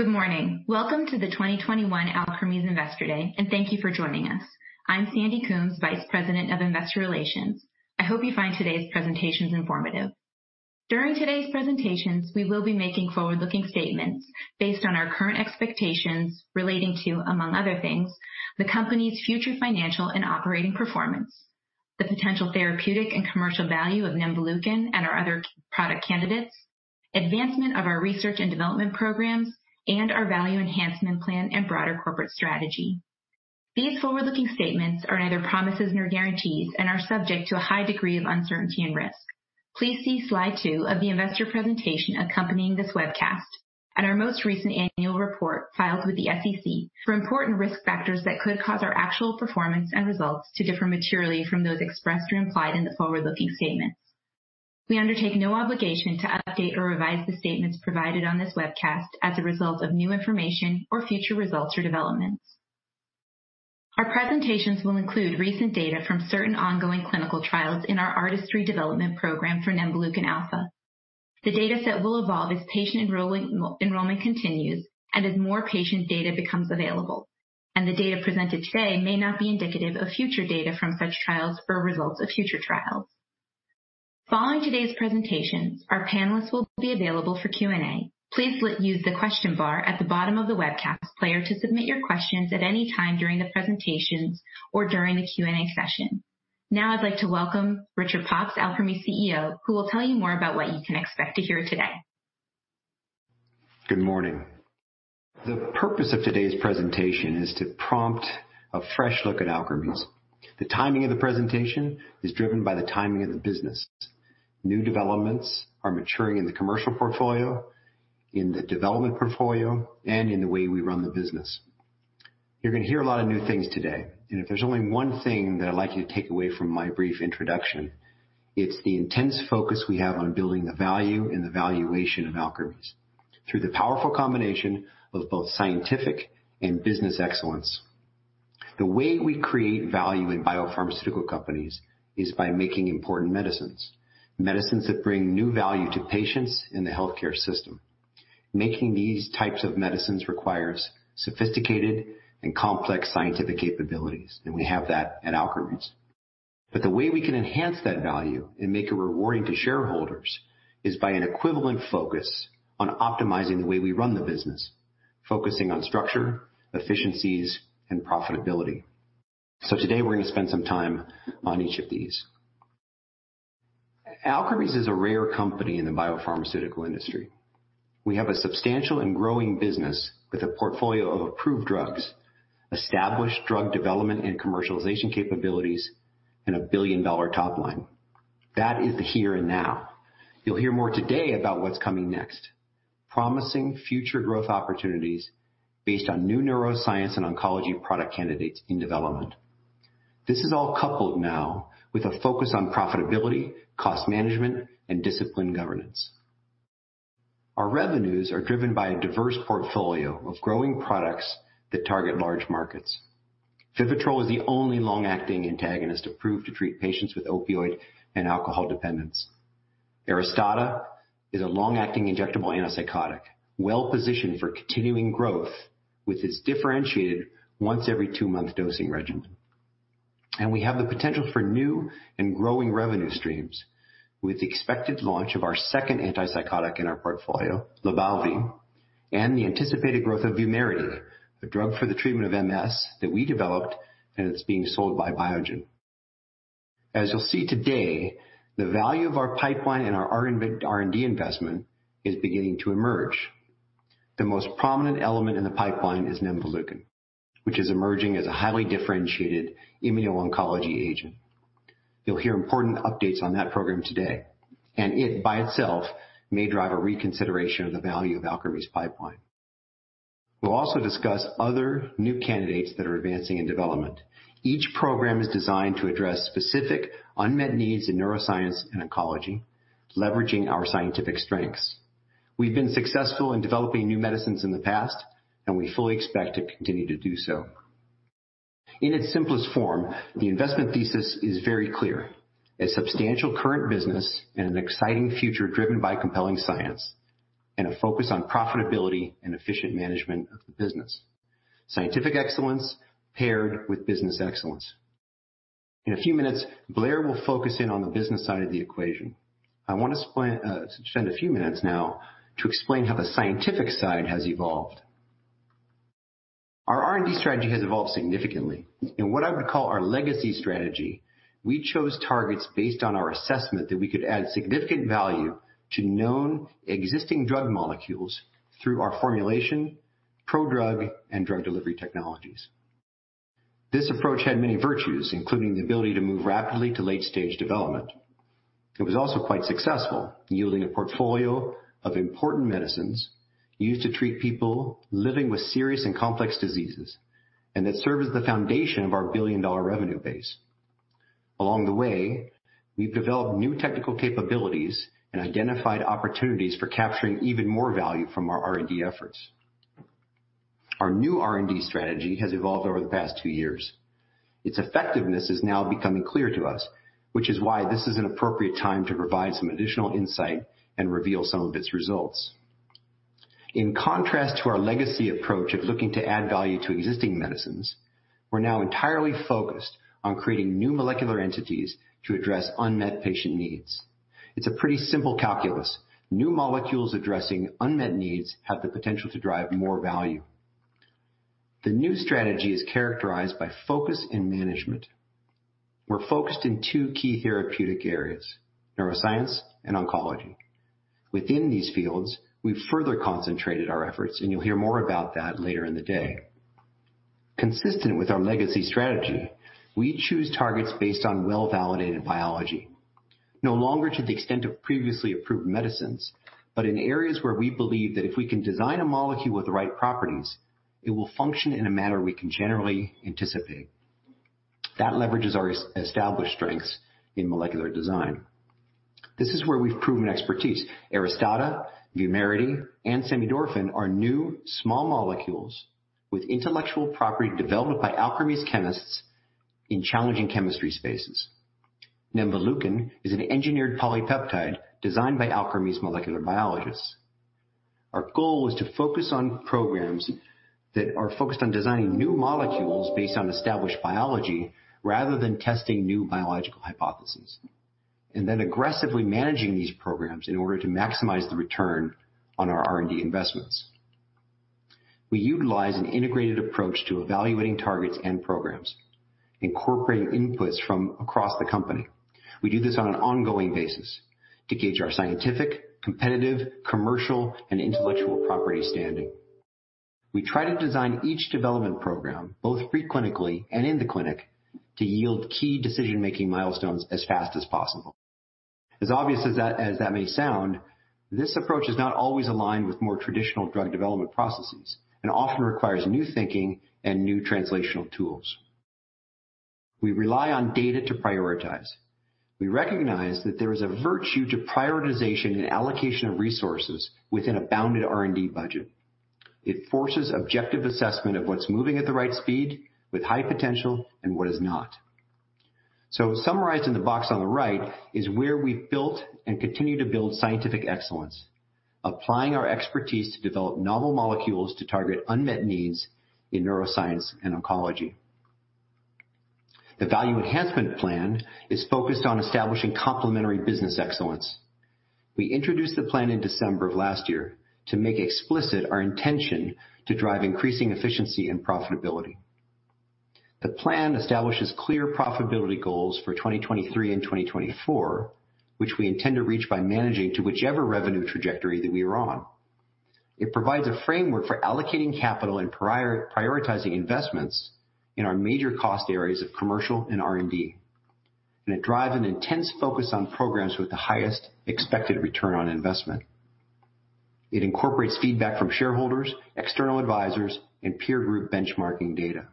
Good morning. Welcome to the 2021 Alkermes Investor Day, and thank you for joining us. I'm Sandy Coombs, Vice President of Investor Relations. I hope you find today's presentations informative. During today's presentations, we will be making forward-looking statements based on our current expectations relating to, among other things, the company's future financial and operating performance, the potential therapeutic and commercial value of nemvaleukin and our other product candidates, advancement of our research and development programs, and our value enhancement plan and broader corporate strategy. These forward-looking statements are neither promises nor guarantees and are subject to a high degree of uncertainty and risk. Please see slide two of the investor presentation accompanying this webcast and our most recent annual report filed with the SEC for important risk factors that could cause our actual performance and results to differ materially from those expressed or implied in the forward-looking statements. We undertake no obligation to update or revise the statements provided on this webcast as a result of new information or future results or developments. Our presentations will include recent data from certain ongoing clinical trials in our ARTISTRY development program for nemvaleukin alfa. The data set will evolve as patient enrollment continues and as more patient data becomes available. The data presented today may not be indicative of future data from such trials or results of future trials. Following today's presentations, our panelists will be available for Q&A. Please use the question bar at the bottom of the webcast player to submit your questions at any time during the presentations or during the Q&A session. Now I'd like to welcome Richard Pops, Alkermes CEO, who will tell you more about what you can expect to hear today. Good morning. The purpose of today's presentation is to prompt a fresh look at Alkermes. The timing of the presentation is driven by the timing of the business. New developments are maturing in the commercial portfolio, in the development portfolio, and in the way we run the business. If there's only one thing that I'd like you to take away from my brief introduction, it's the intense focus we have on building the value and the valuation of Alkermes through the powerful combination of both scientific and business excellence. The way we create value in biopharmaceutical companies is by making important medicines that bring new value to patients in the healthcare system. Making these types of medicines requires sophisticated and complex scientific capabilities. We have that at Alkermes. The way we can enhance that value and make it rewarding to shareholders is by an equivalent focus on optimizing the way we run the business, focusing on structure, efficiencies, and profitability. Today, we're going to spend some time on each of these. Alkermes is a rare company in the biopharmaceutical industry. We have a substantial and growing business with a portfolio of approved drugs, established drug development and commercialization capabilities, and a billion-dollar top line. That is the here and now. You'll hear more today about what's coming next, promising future growth opportunities based on new neuroscience and oncology product candidates in development. This is all coupled now with a focus on profitability, cost management, and disciplined governance. Our revenues are driven by a diverse portfolio of growing products that target large markets. VIVITROL is the only long-acting antagonist approved to treat patients with opioid and alcohol dependence. ARISTADA is a long-acting injectable antipsychotic, well-positioned for continuing growth with its differentiated once every two-month dosing regimen. We have the potential for new and growing revenue streams with the expected launch of our second antipsychotic in our portfolio, LYBALVI, and the anticipated growth of VUMERITY, a drug for the treatment of MS that we developed and it's being sold by Biogen. As you'll see today, the value of our pipeline and our R&D investment is beginning to emerge. The most prominent element in the pipeline is nemvaleukin, which is emerging as a highly differentiated immuno-oncology agent. You'll hear important updates on that program today, and it, by itself, may drive a reconsideration of the value of Alkermes' pipeline. We'll also discuss other new candidates that are advancing in development. Each program is designed to address specific unmet needs in neuroscience and oncology, leveraging our scientific strengths. We've been successful in developing new medicines in the past, and we fully expect to continue to do so. In its simplest form, the investment thesis is very clear. A substantial current business and an exciting future driven by compelling science, and a focus on profitability and efficient management of the business. Scientific excellence paired with business excellence. In a few minutes, Blair will focus in on the business side of the equation. I want to spend a few minutes now to explain how the scientific side has evolved. Our R&D strategy has evolved significantly. In what I would call our legacy strategy, we chose targets based on our assessment that we could add significant value to known existing drug molecules through our formulation, pro-drug, and drug delivery technologies. This approach had many virtues, including the ability to move rapidly to late-stage development. It was also quite successful, yielding a portfolio of important medicines used to treat people living with serious and complex diseases, and that serve as the foundation of our billion-dollar revenue base. Along the way, we've developed new technical capabilities and identified opportunities for capturing even more value from our R&D efforts. Our new R&D strategy has evolved over the past two years. Its effectiveness is now becoming clear to us, which is why this is an appropriate time to provide some additional insight and reveal some of its results. In contrast to our legacy approach of looking to add value to existing medicines, we're now entirely focused on creating new molecular entities to address unmet patient needs. It's a pretty simple calculus. New molecules addressing unmet needs have the potential to drive more value. The new strategy is characterized by focus in management. We're focused in two key therapeutic areas, neuroscience and oncology. Within these fields, we've further concentrated our efforts, and you'll hear more about that later in the day. Consistent with our legacy strategy, we choose targets based on well-validated biology, no longer to the extent of previously approved medicines, but in areas where we believe that if we can design a molecule with the right properties, it will function in a manner we can generally anticipate. That leverages our established strengths in molecular design. This is where we've proven expertise. ARISTADA, VUMERITY, and samidorphan are new, small molecules with intellectual property developed by Alkermes' chemists in challenging chemistry spaces. nemvaleukin is an engineered polypeptide designed by Alkermes molecular biologists. Our goal is to focus on programs that are focused on designing new molecules based on established biology rather than testing new biological hypotheses, and then aggressively managing these programs in order to maximize the return on our R&D investments. We utilize an integrated approach to evaluating targets and programs, incorporating inputs from across the company. We do this on an ongoing basis to gauge our scientific, competitive, commercial, and intellectual property standing. We try to design each development program, both pre-clinically and in the clinic, to yield key decision-making milestones as fast as possible. As obvious as that may sound, this approach is not always aligned with more traditional drug development processes and often requires new thinking and new translational tools. We rely on data to prioritize. We recognize that there is a virtue to prioritization and allocation of resources within a bounded R&D budget. It forces objective assessment of what's moving at the right speed with high potential and what is not. Summarized in the box on the right is where we've built and continue to build scientific excellence, applying our expertise to develop novel molecules to target unmet needs in neuroscience and oncology. The Value Enhancement Plan is focused on establishing complementary business excellence. We introduced the plan in December of last year to make explicit our intention to drive increasing efficiency and profitability. The plan establishes clear profitability goals for 2023 and 2024, which we intend to reach by managing to whichever revenue trajectory that we are on. It provides a framework for allocating capital and prioritizing investments in our major cost areas of commercial and R&D. It drives an intense focus on programs with the highest expected return on investment. It incorporates feedback from shareholders, external advisors, and peer group benchmarking data.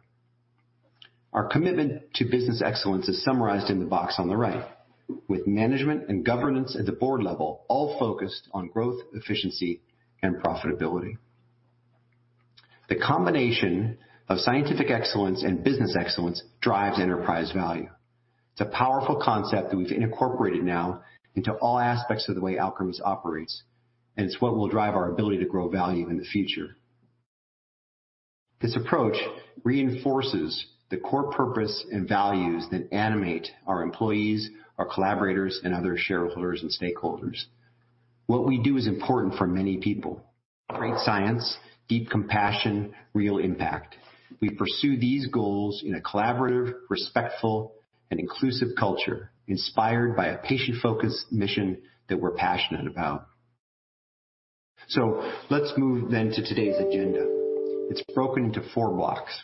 Our commitment to business excellence is summarized in the box on the right, with management and governance at the board level all focused on growth, efficiency, and profitability. The combination of scientific excellence and business excellence drives enterprise value. It's a powerful concept that we've incorporated now into all aspects of the way Alkermes operates, and it's what will drive our ability to grow value in the future. This approach reinforces the core purpose and values that animate our employees, our collaborators, and other shareholders and stakeholders. What we do is important for many people. Great science, deep compassion, real impact. We pursue these goals in a collaborative, respectful, and inclusive culture inspired by a patient-focused mission that we're passionate about. Let's move to today's agenda. It's broken into four blocks.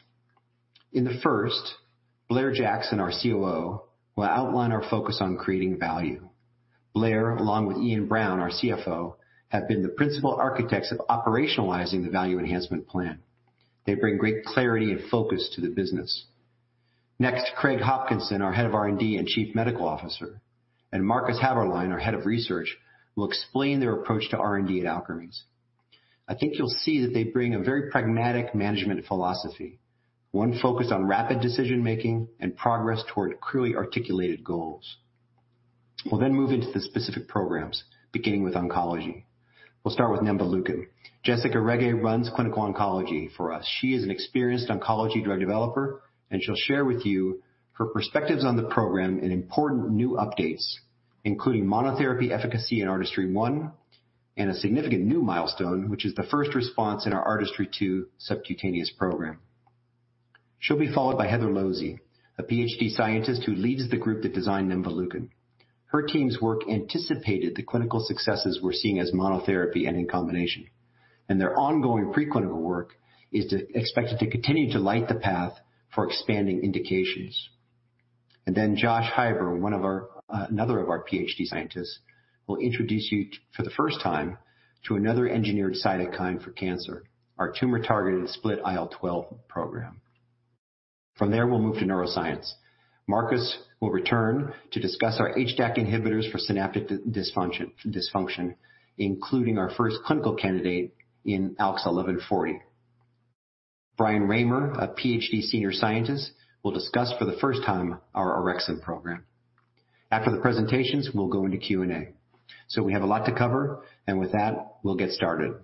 In the first, Blair Jackson, our COO, will outline our focus on creating value. Blair, along with Iain Brown, our CFO, have been the principal architects of operationalizing the value enhancement plan. They bring great clarity and focus to the business. Craig Hopkinson, our Head of R&D and Chief Medical Officer, and Markus Haeberlein, our Head of Research, will explain their approach to R&D at Alkermes. I think you'll see that they bring a very pragmatic management philosophy, one focused on rapid decision-making and progress toward clearly articulated goals. We'll move into the specific programs, beginning with oncology. We'll start with nemvaleukin. Jessicca Rege runs clinical oncology for us. She'll share with you her perspectives on the program and important new updates, including monotherapy efficacy in ARTISTRY-1 and a significant new milestone, which is the first response in our ARTISTRY-2 subcutaneous program. She'll be followed by Heather Losey, a PhD scientist who leads the group that designed nemvaleukin. Their team's work anticipated the clinical successes we're seeing as monotherapy and in combination, and their ongoing preclinical work is expected to continue to light the path for expanding indications. Then Josh Heiber, another of our PhD scientists, will introduce you for the first time to another engineered cytokine for cancer, our tumor-targeted split IL-12 program. From there, we'll move to neuroscience. Markus will return to discuss our HDAC inhibitors for synaptic dysfunction, including our first clinical candidate in ALKS 1140. Brian Raymer, a PhD senior scientist, will discuss for the first time our orexin program. After the presentations, we'll go into Q&A. We have a lot to cover, and with that, we'll get started.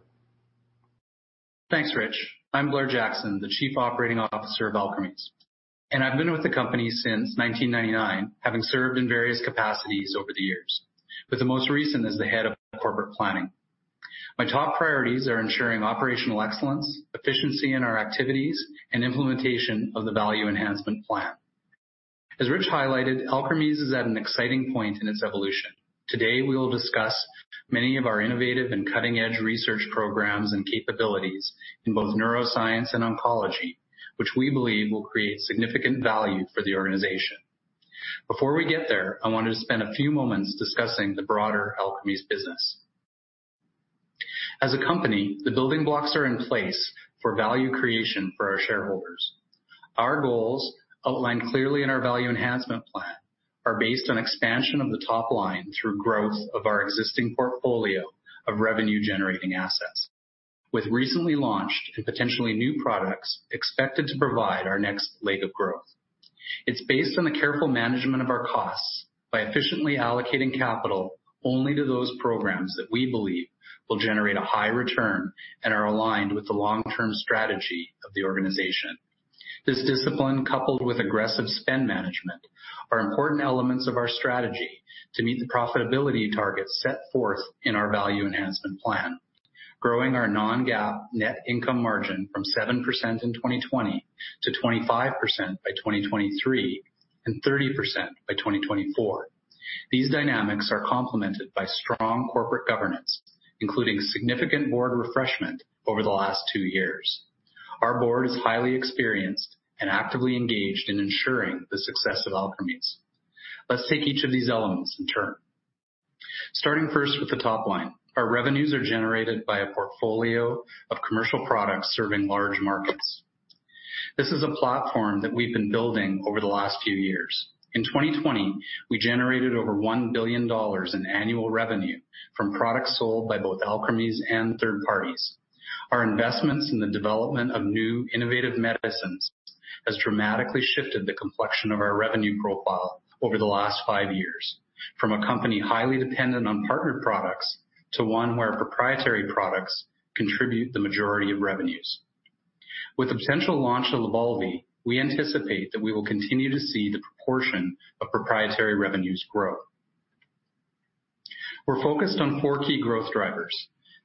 Thanks, Rich. I'm Blair Jackson, the Chief Operating Officer of Alkermes. I've been with the company since 1999, having served in various capacities over the years, with the most recent as the head of corporate planning. My top priorities are ensuring operational excellence, efficiency in our activities, and implementation of the value enhancement plan. As Rich highlighted, Alkermes is at an exciting point in its evolution. Today, we will discuss many of our innovative and cutting-edge research programs and capabilities in both neuroscience and oncology, which we believe will create significant value for the organization. Before we get there, I wanted to spend a few moments discussing the broader Alkermes business. As a company, the building blocks are in place for value creation for our shareholders. Our goals, outlined clearly in our value enhancement plan, are based on expansion of the top line through growth of our existing portfolio of revenue-generating assets. With recently launched and potentially new products expected to provide our next leg of growth. It's based on the careful management of our costs by efficiently allocating capital only to those programs that we believe will generate a high return and are aligned with the long-term strategy of the organization. This discipline, coupled with aggressive spend management, are important elements of our strategy to meet the profitability targets set forth in our value enhancement plan, growing our non-GAAP net income margin from 7% in 2020 to 25% by 2023 and 30% by 2024. These dynamics are complemented by strong corporate governance, including significant board refreshment over the last two years. Our board is highly experienced and actively engaged in ensuring the success of Alkermes. Let's take each of these elements in turn. Starting first with the top line. Our revenues are generated by a portfolio of commercial products serving large markets. This is a platform that we've been building over the last few years. In 2020, we generated over $1 billion in annual revenue from products sold by both Alkermes and third parties. Our investments in the development of new innovative medicines has dramatically shifted the complexion of our revenue profile over the last five years, from a company highly dependent on partnered products to one where proprietary products contribute the majority of revenues. With the potential launch of LYBALVI, we anticipate that we will continue to see the proportion of proprietary revenues grow. We're focused on four key growth drivers.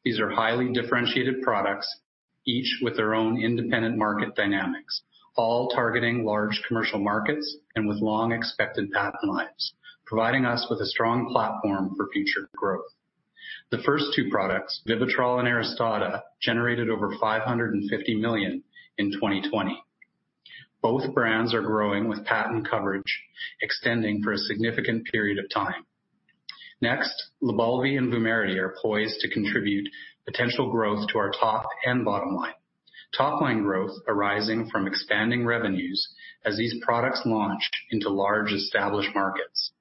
These are highly differentiated products, each with their own independent market dynamics, all targeting large commercial markets and with long expected patent lives, providing us with a strong platform for future growth. The first two products, VIVITROL and ARISTADA, generated over $550 million in 2020. Both brands are growing with patent coverage extending for a significant period of time. LYBALVI and VUMERITY are poised to contribute potential growth to our top and bottom line. Top-line growth arising from expanding revenues as these products launch into large established markets.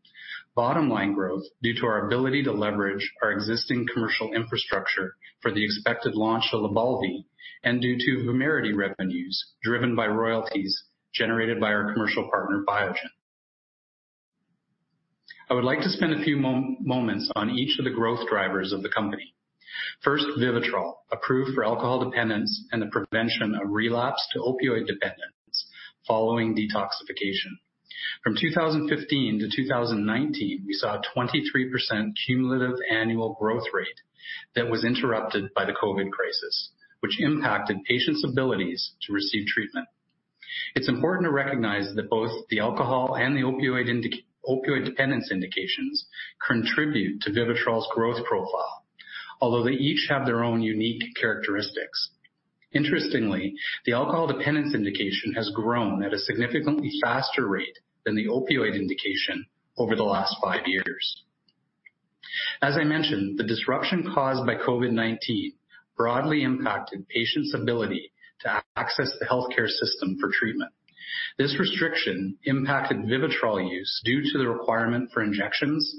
Bottom-line growth due to our ability to leverage our existing commercial infrastructure for the expected launch of LYBALVI and due to VUMERITY revenues driven by royalties generated by our commercial partner, Biogen. I would like to spend a few moments on each of the growth drivers of the company. First, VIVITROL, approved for alcohol dependence and the prevention of relapse to opioid dependence following detoxification. From 2015 to 2019, we saw a 23% cumulative annual growth rate that was interrupted by the COVID crisis, which impacted patients' abilities to receive treatment. It's important to recognize that both the alcohol and the opioid dependence indications contribute to VIVITROL's growth profile, although they each have their own unique characteristics. Interestingly, the alcohol dependence indication has grown at a significantly faster rate than the opioid indication over the last five years. As I mentioned, the disruption caused by COVID-19 broadly impacted patients' ability to access the healthcare system for treatment. This restriction impacted VIVITROL use due to the requirement for injections,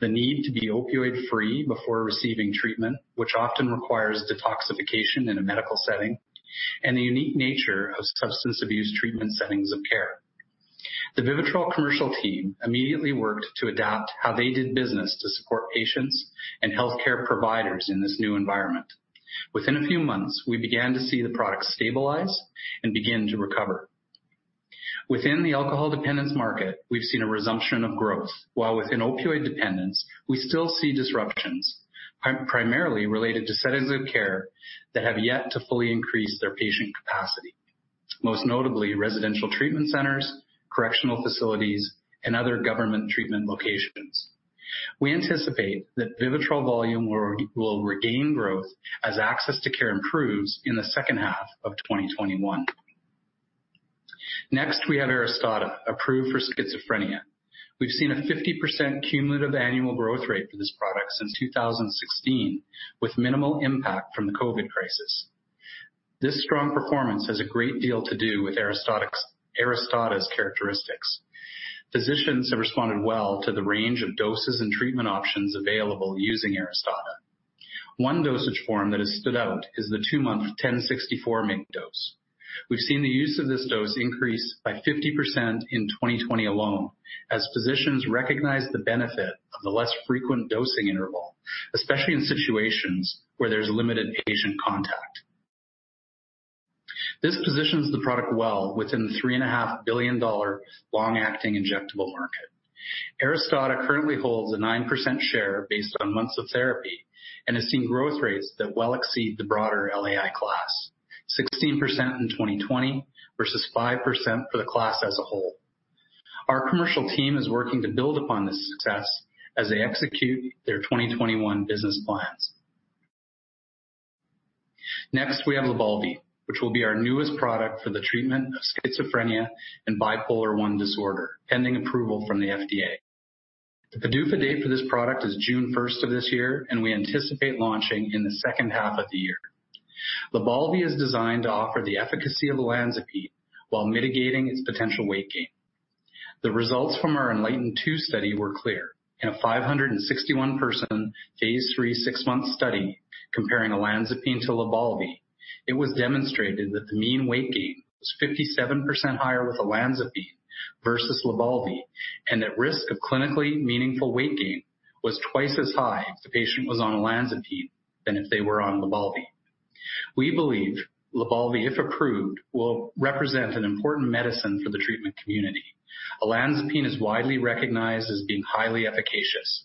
the need to be opioid-free before receiving treatment, which often requires detoxification in a medical setting, and the unique nature of substance abuse treatment settings of care. The VIVITROL commercial team immediately worked to adapt how they did business to support patients and healthcare providers in this new environment. Within a few months, we began to see the product stabilize and begin to recover. Within the alcohol dependence market, we've seen a resumption of growth, while within opioid dependence, we still see disruptions, primarily related to settings of care that have yet to fully increase their patient capacity, most notably residential treatment centers, correctional facilities, and other government treatment locations. We anticipate that VIVITROL volume will regain growth as access to care improves in the second half of 2021. Next, we have ARISTADA, approved for schizophrenia. We've seen a 50% cumulative annual growth rate for this product since 2016, with minimal impact from the COVID crisis. This strong performance has a great deal to do with ARISTADA's characteristics. Physicians have responded well to the range of doses and treatment options available using ARISTADA. One dosage form that has stood out is the 2-month 1,064 mg dose. We've seen the use of this dose increase by 50% in 2020 alone as physicians recognize the benefit of the less frequent dosing interval, especially in situations where there's limited patient contact. This positions the product well within the $3.5 billion long-acting injectable market. ARISTADA currently holds a 9% share based on months of therapy and has seen growth rates that well exceed the broader LAI class, 16% in 2020 versus 5% for the class as a whole. Our commercial team is working to build upon this success as they execute their 2021 business plans. Next, we have LYBALVI, which will be our newest product for the treatment of schizophrenia and bipolar I disorder, pending approval from the FDA. The PDUFA date for this product is June 1st of this year, and we anticipate launching in the second half of the year. LYBALVI is designed to offer the efficacy of olanzapine while mitigating its potential weight gain. The results from our ENLIGHTEN-2 study were clear. In a 561-person, phase III, six-month study comparing olanzapine to LYBALVI, it was demonstrated that the mean weight gain was 57% higher with olanzapine versus LYBALVI, and at-risk of clinically meaningful weight gain was twice as high if the patient was on olanzapine than if they were on LYBALVI. We believe LYBALVI, if approved, will represent an important medicine for the treatment community. olanzapine is widely recognized as being highly efficacious,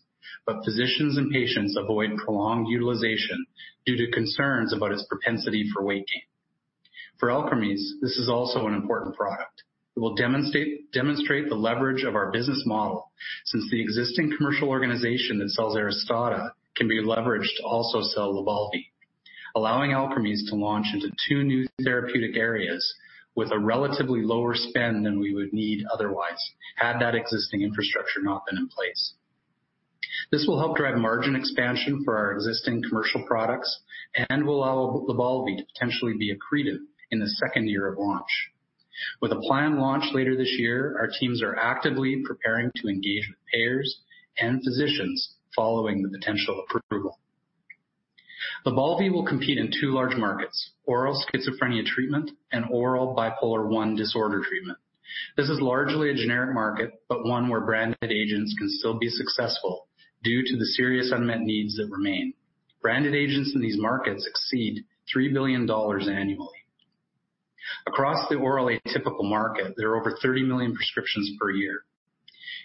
physicians and patients avoid prolonged utilization due to concerns about its propensity for weight gain. For Alkermes, this is also an important product. It will demonstrate the leverage of our business model since the existing commercial organization that sells ARISTADA can be leveraged to also sell LYBALVI, allowing Alkermes to launch into two new therapeutic areas with a relatively lower spend than we would need otherwise had that existing infrastructure not been in place. This will help drive margin expansion for our existing commercial products and will allow LYBALVI to potentially be accretive in the second year of launch. With a planned launch later this year, our teams are actively preparing to engage with payers and physicians following the potential approval. LYBALVI will compete in two large markets, oral schizophrenia treatment and oral bipolar I disorder treatment. This is largely a generic market, but one where branded agents can still be successful due to the serious unmet needs that remain. Branded agents in these markets exceed $3 billion annually. Across the oral atypical market, there are over 30 million prescriptions per year.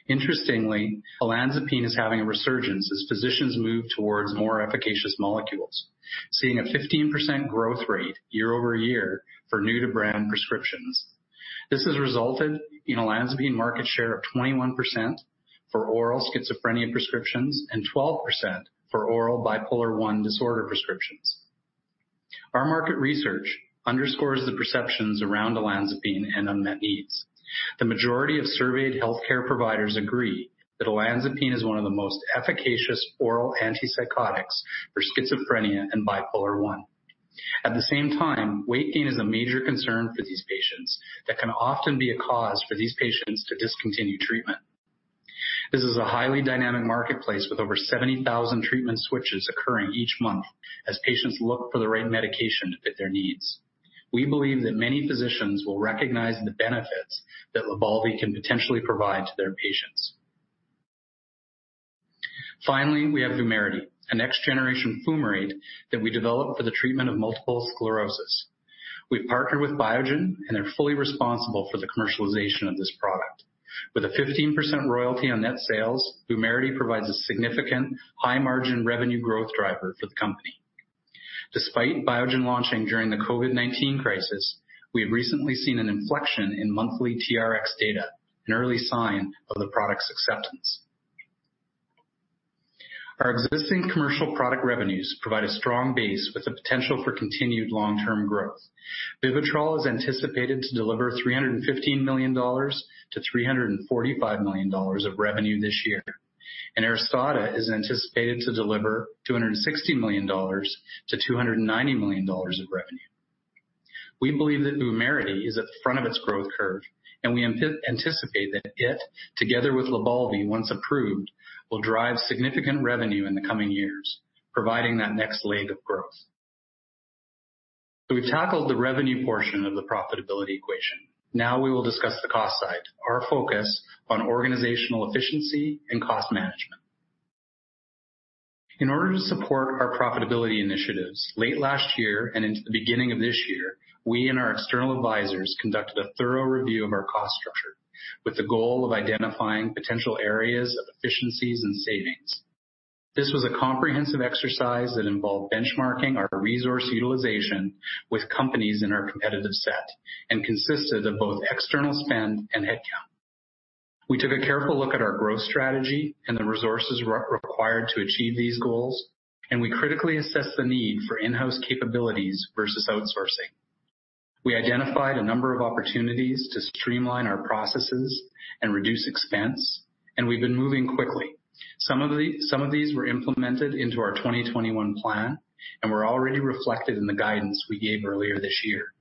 Interestingly, olanzapine is having a resurgence as physicians move towards more efficacious molecules, seeing a 15% growth rate year-over-year for new-to-brand prescriptions. This has resulted in olanzapine market share of 21% for oral schizophrenia prescriptions and 12% for oral bipolar I disorder prescriptions. Our market research underscores the perceptions around olanzapine and unmet needs. The majority of surveyed healthcare providers agree that olanzapine is one of the most efficacious oral antipsychotics for schizophrenia and bipolar I. At the same time, weight gain is a major concern for these patients that can often be a cause for these patients to discontinue treatment. This is a highly dynamic marketplace with over 70,000 treatment switches occurring each month as patients look for the right medication to fit their needs. We believe that many physicians will recognize the benefits that LYBALVI can potentially provide to their patients. Finally, we have VUMERITY, a next-generation fumarate that we developed for the treatment of multiple sclerosis. We've partnered with Biogen, and they're fully responsible for the commercialization of this product. With a 15% royalty on net sales, VUMERITY provides a significant high-margin revenue growth driver for the company. Despite Biogen launching during the COVID-19 crisis, we have recently seen an inflection in monthly TRX data, an early sign of the product's acceptance. Our existing commercial product revenues provide a strong base with the potential for continued long-term growth. VIVITROL is anticipated to deliver $315 million-$345 million of revenue this year, and ARISTADA is anticipated to deliver $260 million-$290 million of revenue. We believe that VUMERITY is at the front of its growth curve. We anticipate that it, together with LYBALVI, once approved, will drive significant revenue in the coming years, providing that next leg of growth. We've tackled the revenue portion of the profitability equation. Now we will discuss the cost side, our focus on organizational efficiency and cost management. In order to support our profitability initiatives, late last year and into the beginning of this year, we and our external advisors conducted a thorough review of our cost structure with the goal of identifying potential areas of efficiencies and savings. This was a comprehensive exercise that involved benchmarking our resource utilization with companies in our competitive set and consisted of both external spend and headcount. We took a careful look at our growth strategy and the resources required to achieve these goals, and we critically assessed the need for in-house capabilities versus outsourcing. We identified a number of opportunities to streamline our processes and reduce expense, and we've been moving quickly. Some of these were implemented into our 2021 plan, and were already reflected in the guidance we gave earlier this year,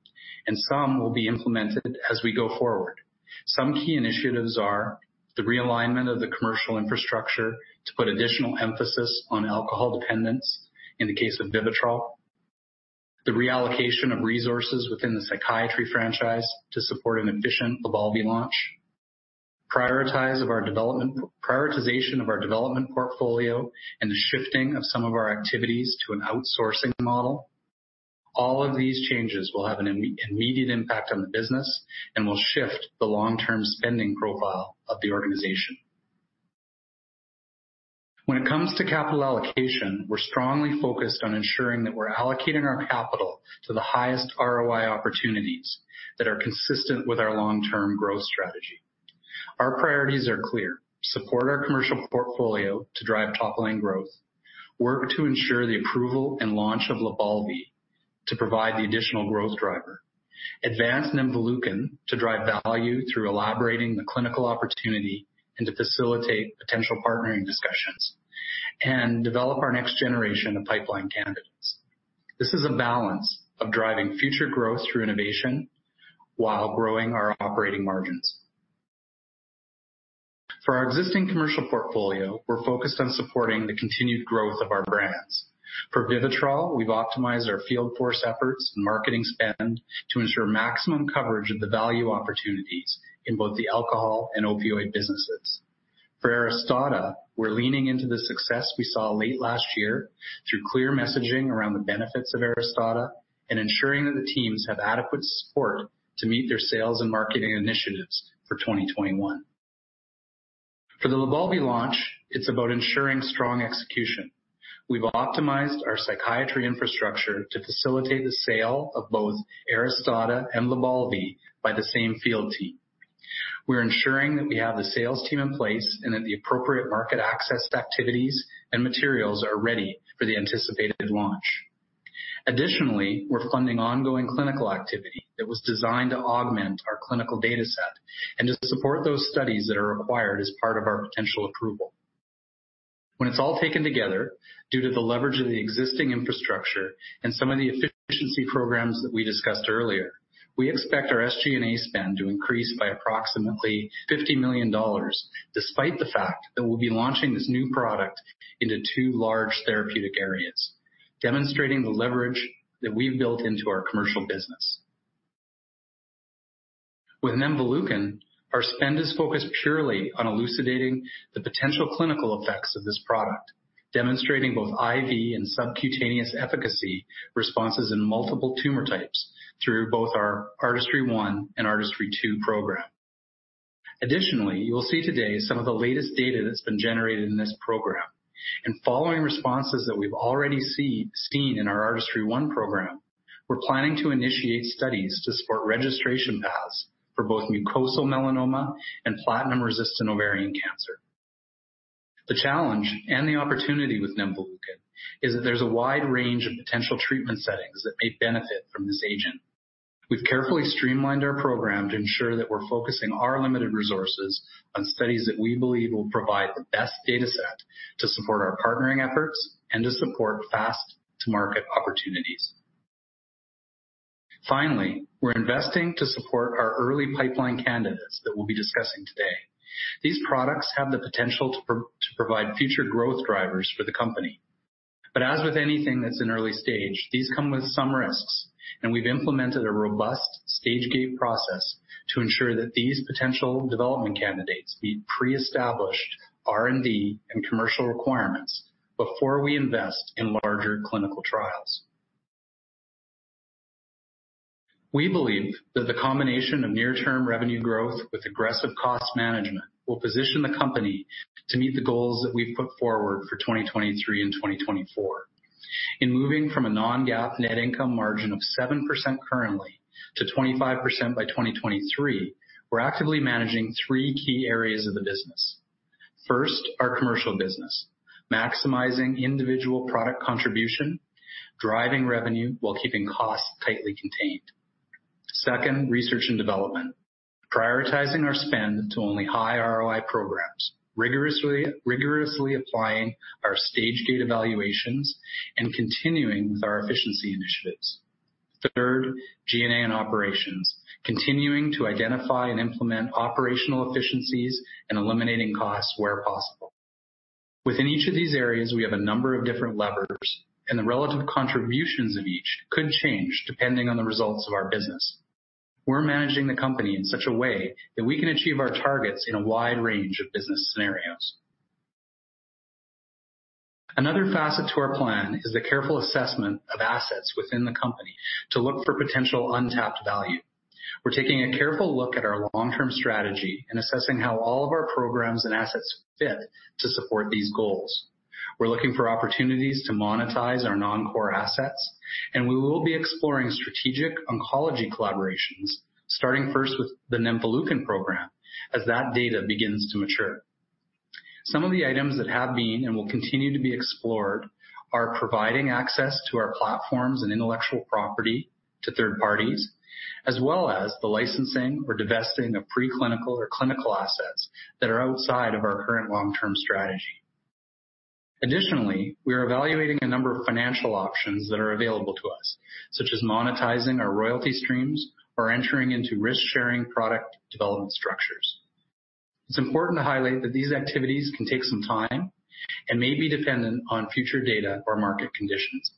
and some will be implemented as we go forward. Some key initiatives are the realignment of the commercial infrastructure to put additional emphasis on alcohol dependence in the case of VIVITROL, the reallocation of resources within the psychiatry franchise to support an efficient LYBALVI launch, prioritization of our development portfolio, and the shifting of some of our activities to an outsourcing model. All of these changes will have an immediate impact on the business and will shift the long-term spending profile of the organization. When it comes to capital allocation, we're strongly focused on ensuring that we're allocating our capital to the highest ROI opportunities that are consistent with our long-term growth strategy. Our priorities are clear. Support our commercial portfolio to drive top-line growth, work to ensure the approval and launch of LYBALVI to provide the additional growth driver, advance nemvaleukin to drive value through elaborating the clinical opportunity and to facilitate potential partnering discussions, and develop our next generation of pipeline candidates. This is a balance of driving future growth through innovation while growing our operating margins. For our existing commercial portfolio, we're focused on supporting the continued growth of our brands. For VIVITROL, we've optimized our field force efforts and marketing spend to ensure maximum coverage of the value opportunities in both the alcohol and opioid businesses. For ARISTADA, we're leaning into the success we saw late last year through clear messaging around the benefits of ARISTADA and ensuring that the teams have adequate support to meet their sales and marketing initiatives for 2021. For the LYBALVI launch, it's about ensuring strong execution. We've optimized our psychiatry infrastructure to facilitate the sale of both ARISTADA and LYBALVI by the same field team. We're ensuring that we have the sales team in place and that the appropriate market access activities and materials are ready for the anticipated launch. Additionally, we're funding ongoing clinical activity that was designed to augment our clinical data set and to support those studies that are required as part of our potential approval. When it's all taken together, due to the leverage of the existing infrastructure and some of the efficiency programs that we discussed earlier, we expect our SG&A spend to increase by approximately $50 million, despite the fact that we'll be launching this new product into two large therapeutic areas, demonstrating the leverage that we've built into our commercial business. With nemvaleukin, our spend is focused purely on elucidating the potential clinical effects of this product, demonstrating both IV and subcutaneous efficacy responses in multiple tumor types through both our ARTISTRY-1 and ARTISTRY-2 program. Additionally, you will see today some of the latest data that's been generated in this program, and following responses that we've already seen in our ARTISTRY-1 program, we're planning to initiate studies to support registration paths for both mucosal melanoma and platinum-resistant ovarian cancer. The challenge and the opportunity with nemvaleukin is that there's a wide range of potential treatment settings that may benefit from this agent. We've carefully streamlined our program to ensure that we're focusing our limited resources on studies that we believe will provide the best data set to support our partnering efforts and to support fast-to-market opportunities. Finally, we're investing to support our early pipeline candidates that we'll be discussing today. These products have the potential to provide future growth drivers for the company. As with anything that's in early stage, these come with some risks, and we've implemented a robust stage gate process to ensure that these potential development candidates meet pre-established R&D and commercial requirements before we invest in larger clinical trials. We believe that the combination of near-term revenue growth with aggressive cost management will position the company to meet the goals that we've put forward for 2023 and 2024. In moving from a non-GAAP net income margin of 7% currently to 25% by 2023, we're actively managing three key areas of the business. First, our commercial business, maximizing individual product contribution, driving revenue while keeping costs tightly contained. Second, research and development, prioritizing our spend to only high ROI programs, rigorously applying our stage gate evaluations, and continuing with our efficiency initiatives. Third, G&A and operations, continuing to identify and implement operational efficiencies and eliminating costs where possible. Within each of these areas, we have a number of different levers, and the relative contributions of each could change depending on the results of our business. We're managing the company in such a way that we can achieve our targets in a wide range of business scenarios. Another facet to our plan is the careful assessment of assets within the company to look for potential untapped value. We're taking a careful look at our long-term strategy and assessing how all of our programs and assets fit to support these goals. We're looking for opportunities to monetize our non-core assets. We will be exploring strategic oncology collaborations, starting first with the nemvaleukin program as that data begins to mature. Some of the items that have been and will continue to be explored are providing access to our platforms and intellectual property to third parties, as well as the licensing or divesting of pre-clinical or clinical assets that are outside of our current long-term strategy. We are evaluating a number of financial options that are available to us, such as monetizing our royalty streams or entering into risk-sharing product development structures. It's important to highlight that these activities can take some time and may be dependent on future data or market conditions.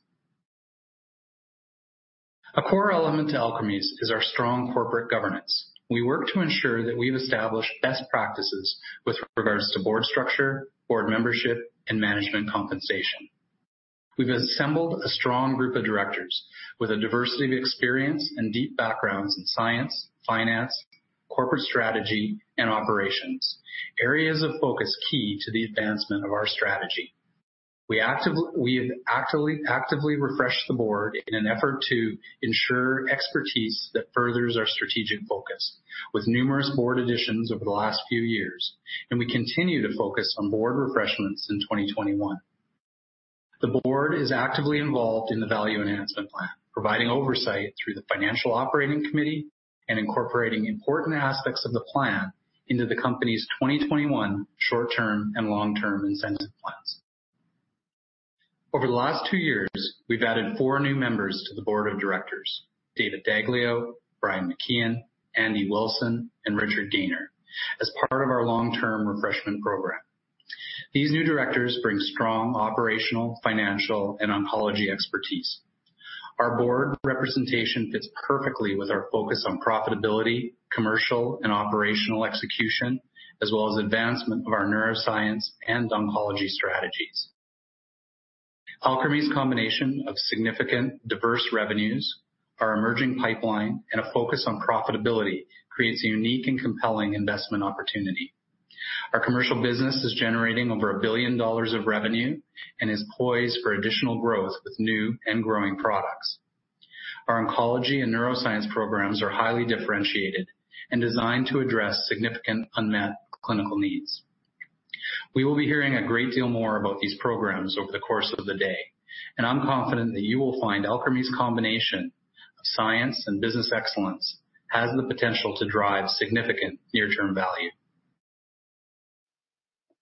A core element to Alkermes is our strong corporate governance. We work to ensure that we've established best practices with regards to board structure, board membership, and management compensation. We've assembled a strong group of directors with a diversity of experience and deep backgrounds in science, finance, corporate strategy, and operations, areas of focus key to the advancement of our strategy. We have actively refreshed the board in an effort to ensure expertise that furthers our strategic focus, with numerous board additions over the last few years, and we continue to focus on board refreshments in 2021. The board is actively involved in the value enhancement plan, providing oversight through the financial operating committee and incorporating important aspects of the plan into the company's 2021 short-term and long-term incentive plans. Over the last two years, we've added four new members to the board of directors, David Daglio, Brian McKeon, Andy Wilson, and Richard Gaynor, as part of our long-term refreshment program. These new directors bring strong operational, financial, and oncology expertise. Our board representation fits perfectly with our focus on profitability, commercial, and operational execution, as well as advancement of our neuroscience and oncology strategies. Alkermes' combination of significant diverse revenues, our emerging pipeline, and a focus on profitability creates a unique and compelling investment opportunity. Our commercial business is generating over $1 billion of revenue and is poised for additional growth with new and growing products. Our oncology and neuroscience programs are highly differentiated and designed to address significant unmet clinical needs. We will be hearing a great deal more about these programs over the course of the day. I'm confident that you will find Alkermes' combination of science and business excellence has the potential to drive significant near-term value.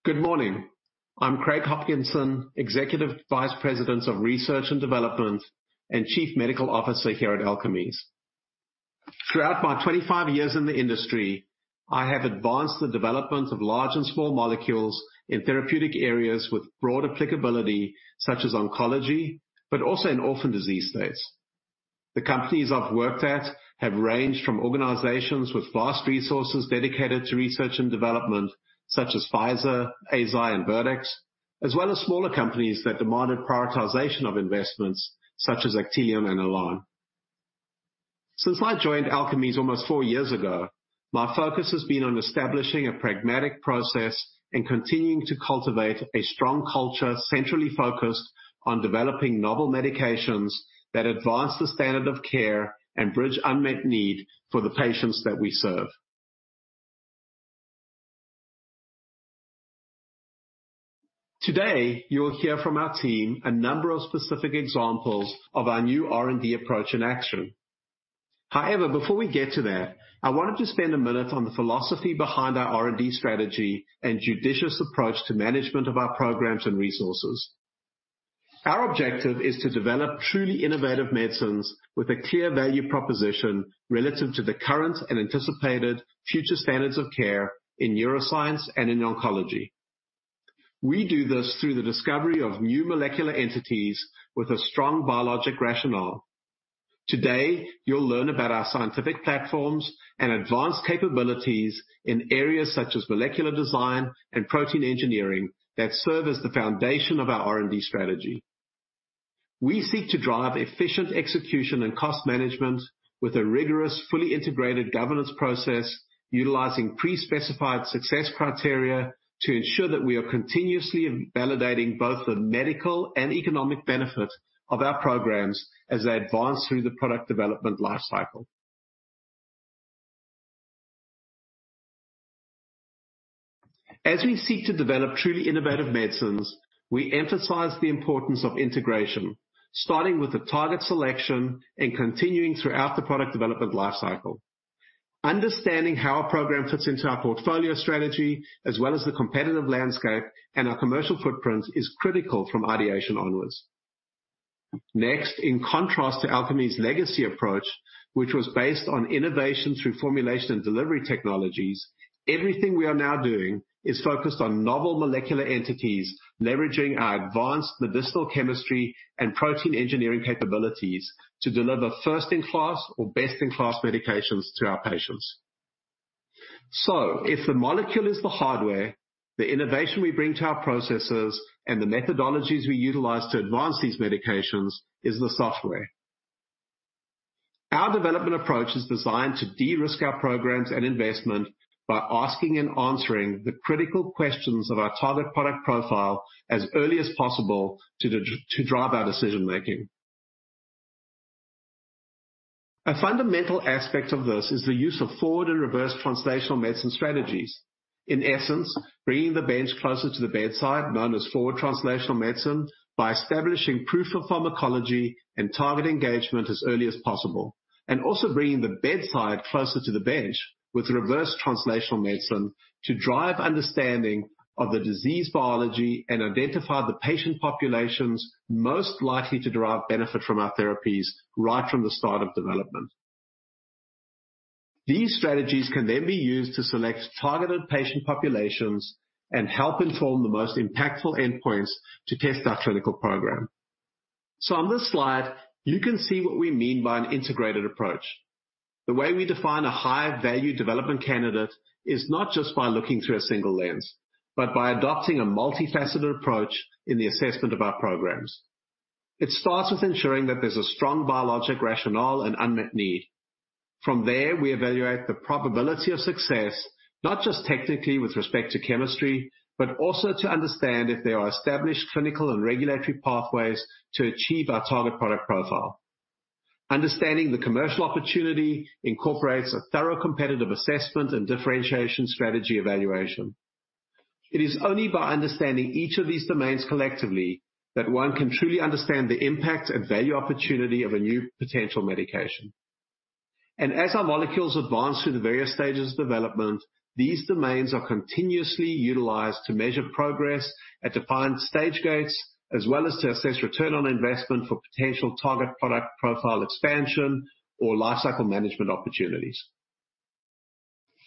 Good morning. I'm Craig Hopkinson, Executive Vice President of Research and Development and Chief Medical Officer here at Alkermes. Throughout my 25 years in the industry, I have advanced the development of large and small molecules in therapeutic areas with broad applicability such as oncology, but also in orphan disease states. The companies I've worked at have ranged from organizations with vast resources dedicated to research and development, such as Pfizer Inc., Eisai, and Vertex Pharmaceuticals, as well as smaller companies that demanded prioritization of investments such as Actelion and Alnylam. Since I joined Alkermes almost four years ago, my focus has been on establishing a pragmatic process and continuing to cultivate a strong culture centrally focused on developing novel medications that advance the standard of care and bridge unmet need for the patients that we serve. Today, you'll hear from our team a number of specific examples of our new R&D approach in action. However, before we get to that, I wanted to spend a minute on the philosophy behind our R&D strategy and judicious approach to management of our programs and resources. Our objective is to develop truly innovative medicines with a clear value proposition relative to the current and anticipated future standards of care in neuroscience and in oncology. We do this through the discovery of new molecular entities with a strong biologic rationale. Today, you'll learn about our scientific platforms and advanced capabilities in areas such as molecular design and protein engineering that serve as the foundation of our R&D strategy. We seek to drive efficient execution and cost management with a rigorous, fully integrated governance process, utilizing pre-specified success criteria to ensure that we are continuously validating both the medical and economic benefit of our programs as they advance through the product development life cycle. As we seek to develop truly innovative medicines, we emphasize the importance of integration, starting with the target selection and continuing throughout the product development life cycle. Understanding how a program fits into our portfolio strategy as well as the competitive landscape and our commercial footprint is critical from ideation onwards. Next, in contrast to Alkermes' legacy approach, which was based on innovation through formulation and delivery technologies, everything we are now doing is focused on novel molecular entities, leveraging our advanced medicinal chemistry and protein engineering capabilities to deliver first-in-class or best-in-class medications to our patients. If the molecule is the hardware, the innovation we bring to our processes and the methodologies we utilize to advance these medications is the software. Our development approach is designed to de-risk our programs and investment by asking and answering the critical questions of our target product profile as early as possible to drive our decision-making. A fundamental aspect of this is the use of forward and reverse translational medicine strategies. In essence, bringing the bench closer to the bedside, known as forward translational medicine, by establishing proof of pharmacology and target engagement as early as possible, and also bringing the bedside closer to the bench with reverse translational medicine to drive understanding of the disease biology and identify the patient populations most likely to derive benefit from our therapies right from the start of development. These strategies can be used to select targeted patient populations and help inform the most impactful endpoints to test our clinical program. On this slide, you can see what we mean by an integrated approach. The way we define a high-value development candidate is not just by looking through a single lens, but by adopting a multifaceted approach in the assessment of our programs. It starts with ensuring that there is a strong biologic rationale and unmet need. From there, we evaluate the probability of success, not just technically with respect to chemistry, but also to understand if there are established clinical and regulatory pathways to achieve our target product profile. Understanding the commercial opportunity incorporates a thorough competitive assessment and differentiation strategy evaluation. It is only by understanding each of these domains collectively that one can truly understand the impact and value opportunity of a new potential medication. As our molecules advance through the various stages of development, these domains are continuously utilized to measure progress at defined stage gates, as well as to assess return on investment for potential target product profile expansion or lifecycle management opportunities.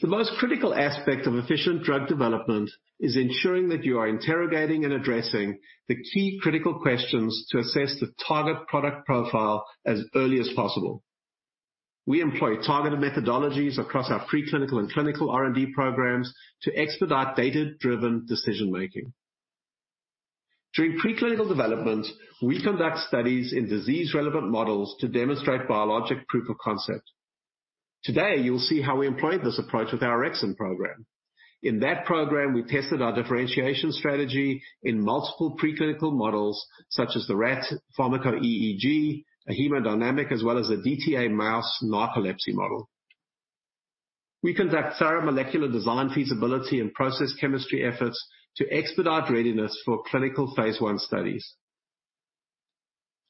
The most critical aspect of efficient drug development is ensuring that you are interrogating and addressing the key critical questions to assess the target product profile as early as possible. We employ targeted methodologies across our preclinical and clinical R&D programs to expedite data-driven decision making. During preclinical development, we conduct studies in disease-relevant models to demonstrate biologic proof of concept. Today, you'll see how we employed this approach with our orexin program. In that program, we tested our differentiation strategy in multiple preclinical models such as the rat pharmaco-EEG, hemodynamics, as well as a DTA mouse narcolepsy model. We conduct thorough molecular design feasibility and process chemistry efforts to expedite readiness for clinical phase I studies.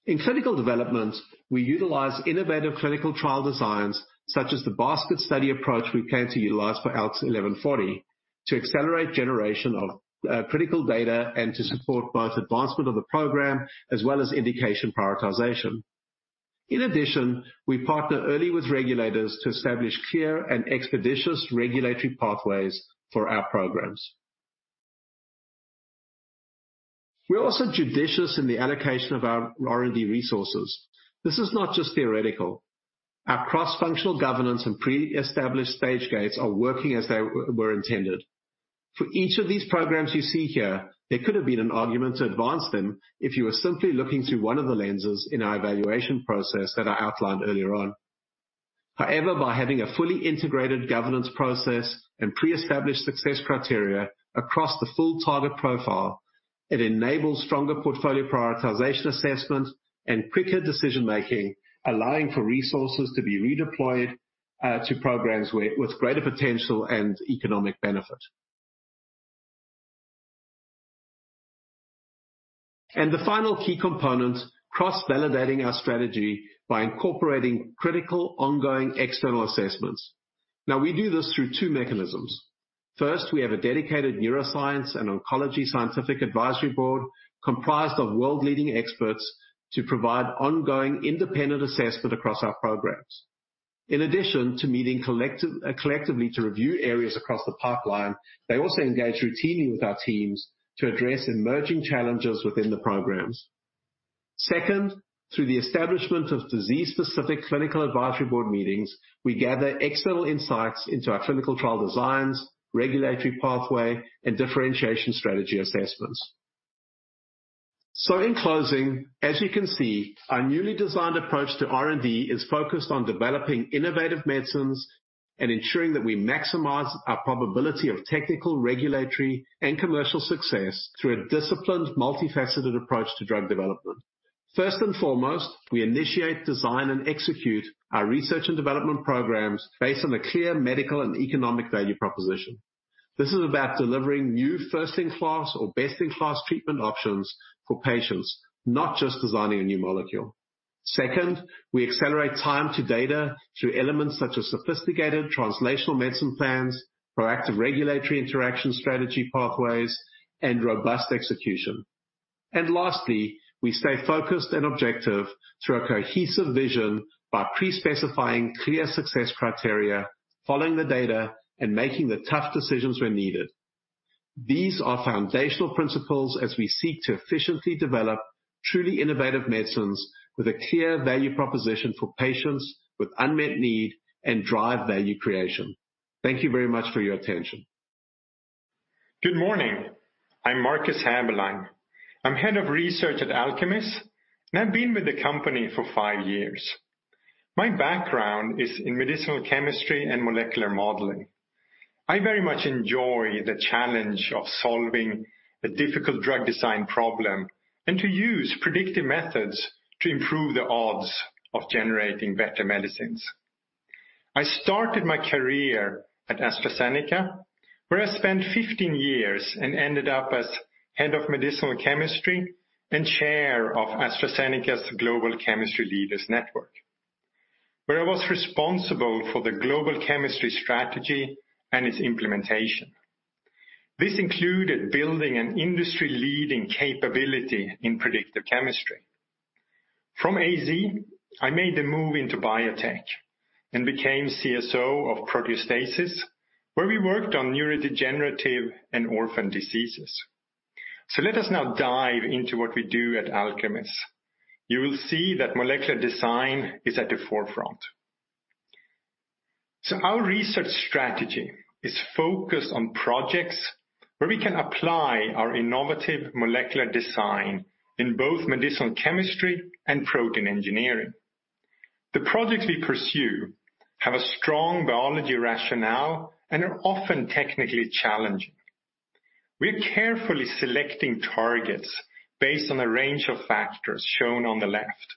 In clinical development, we utilize innovative clinical trial designs such as the basket study approach we plan to utilize for ALKS 1140 to accelerate generation of critical data and to support both advancement of the program as well as indication prioritization. In addition, we partner early with regulators to establish clear and expeditious regulatory pathways for our programs. We are also judicious in the allocation of our R&D resources. This is not just theoretical. Our cross-functional governance and pre-established stage gates are working as they were intended. For each of these programs you see here, there could have been an argument to advance them if you were simply looking through one of the lenses in our evaluation process that I outlined earlier on. However, by having a fully integrated governance process and pre-established success criteria across the full target profile, it enables stronger portfolio prioritization assessment and quicker decision making, allowing for resources to be redeployed to programs with greater potential and economic benefit. The final key component, cross-validating our strategy by incorporating critical, ongoing external assessments. Now, we do this through two mechanisms. First, we have a dedicated neuroscience and oncology scientific advisory board comprised of world-leading experts to provide ongoing independent assessment across our programs. In addition to meeting collectively to review areas across the pipeline, they also engage routinely with our teams to address emerging challenges within the programs. Second, through the establishment of disease-specific clinical advisory board meetings, we gather external insights into our clinical trial designs, regulatory pathway, and differentiation strategy assessments. In closing, as you can see, our newly designed approach to R&D is focused on developing innovative medicines and ensuring that we maximize our probability of technical, regulatory, and commercial success through a disciplined, multifaceted approach to drug development. First and foremost, we initiate, design, and execute our research and development programs based on a clear medical and economic value proposition. This is about delivering new first-in-class or best-in-class treatment options for patients, not just designing a new molecule. Second, we accelerate time to data through elements such as sophisticated translational medicine plans, proactive regulatory interaction strategy pathways, and robust execution. Lastly, we stay focused and objective through a cohesive vision by pre-specifying clear success criteria, following the data, and making the tough decisions when needed. These are foundational principles as we seek to efficiently develop truly innovative medicines with a clear value proposition for patients with unmet need and drive value creation. Thank you very much for your attention. Good morning. I'm Markus Haeberlein. I'm Head of Research at Alkermes, and I've been with the company for five years. My background is in medicinal chemistry and molecular modeling. I very much enjoy the challenge of solving a difficult drug design problem and to use predictive methods to improve the odds of generating better medicines. I started my career at AstraZeneca, where I spent 15 years and ended up as head of medicinal chemistry and chair of AstraZeneca's Global Chemistry Leaders Network, where I was responsible for the global chemistry strategy and its implementation. This included building an industry-leading capability in predictive chemistry. From AZ, I made the move into biotech and became CSO of Proteostasis, where we worked on neurodegenerative and orphan diseases. Let us now dive into what we do at Alkermes. You will see that molecular design is at the forefront. Our research strategy is focused on projects where we can apply our innovative molecular design in both medicinal chemistry and protein engineering. The projects we pursue have a strong biology rationale and are often technically challenging. We're carefully selecting targets based on a range of factors shown on the left,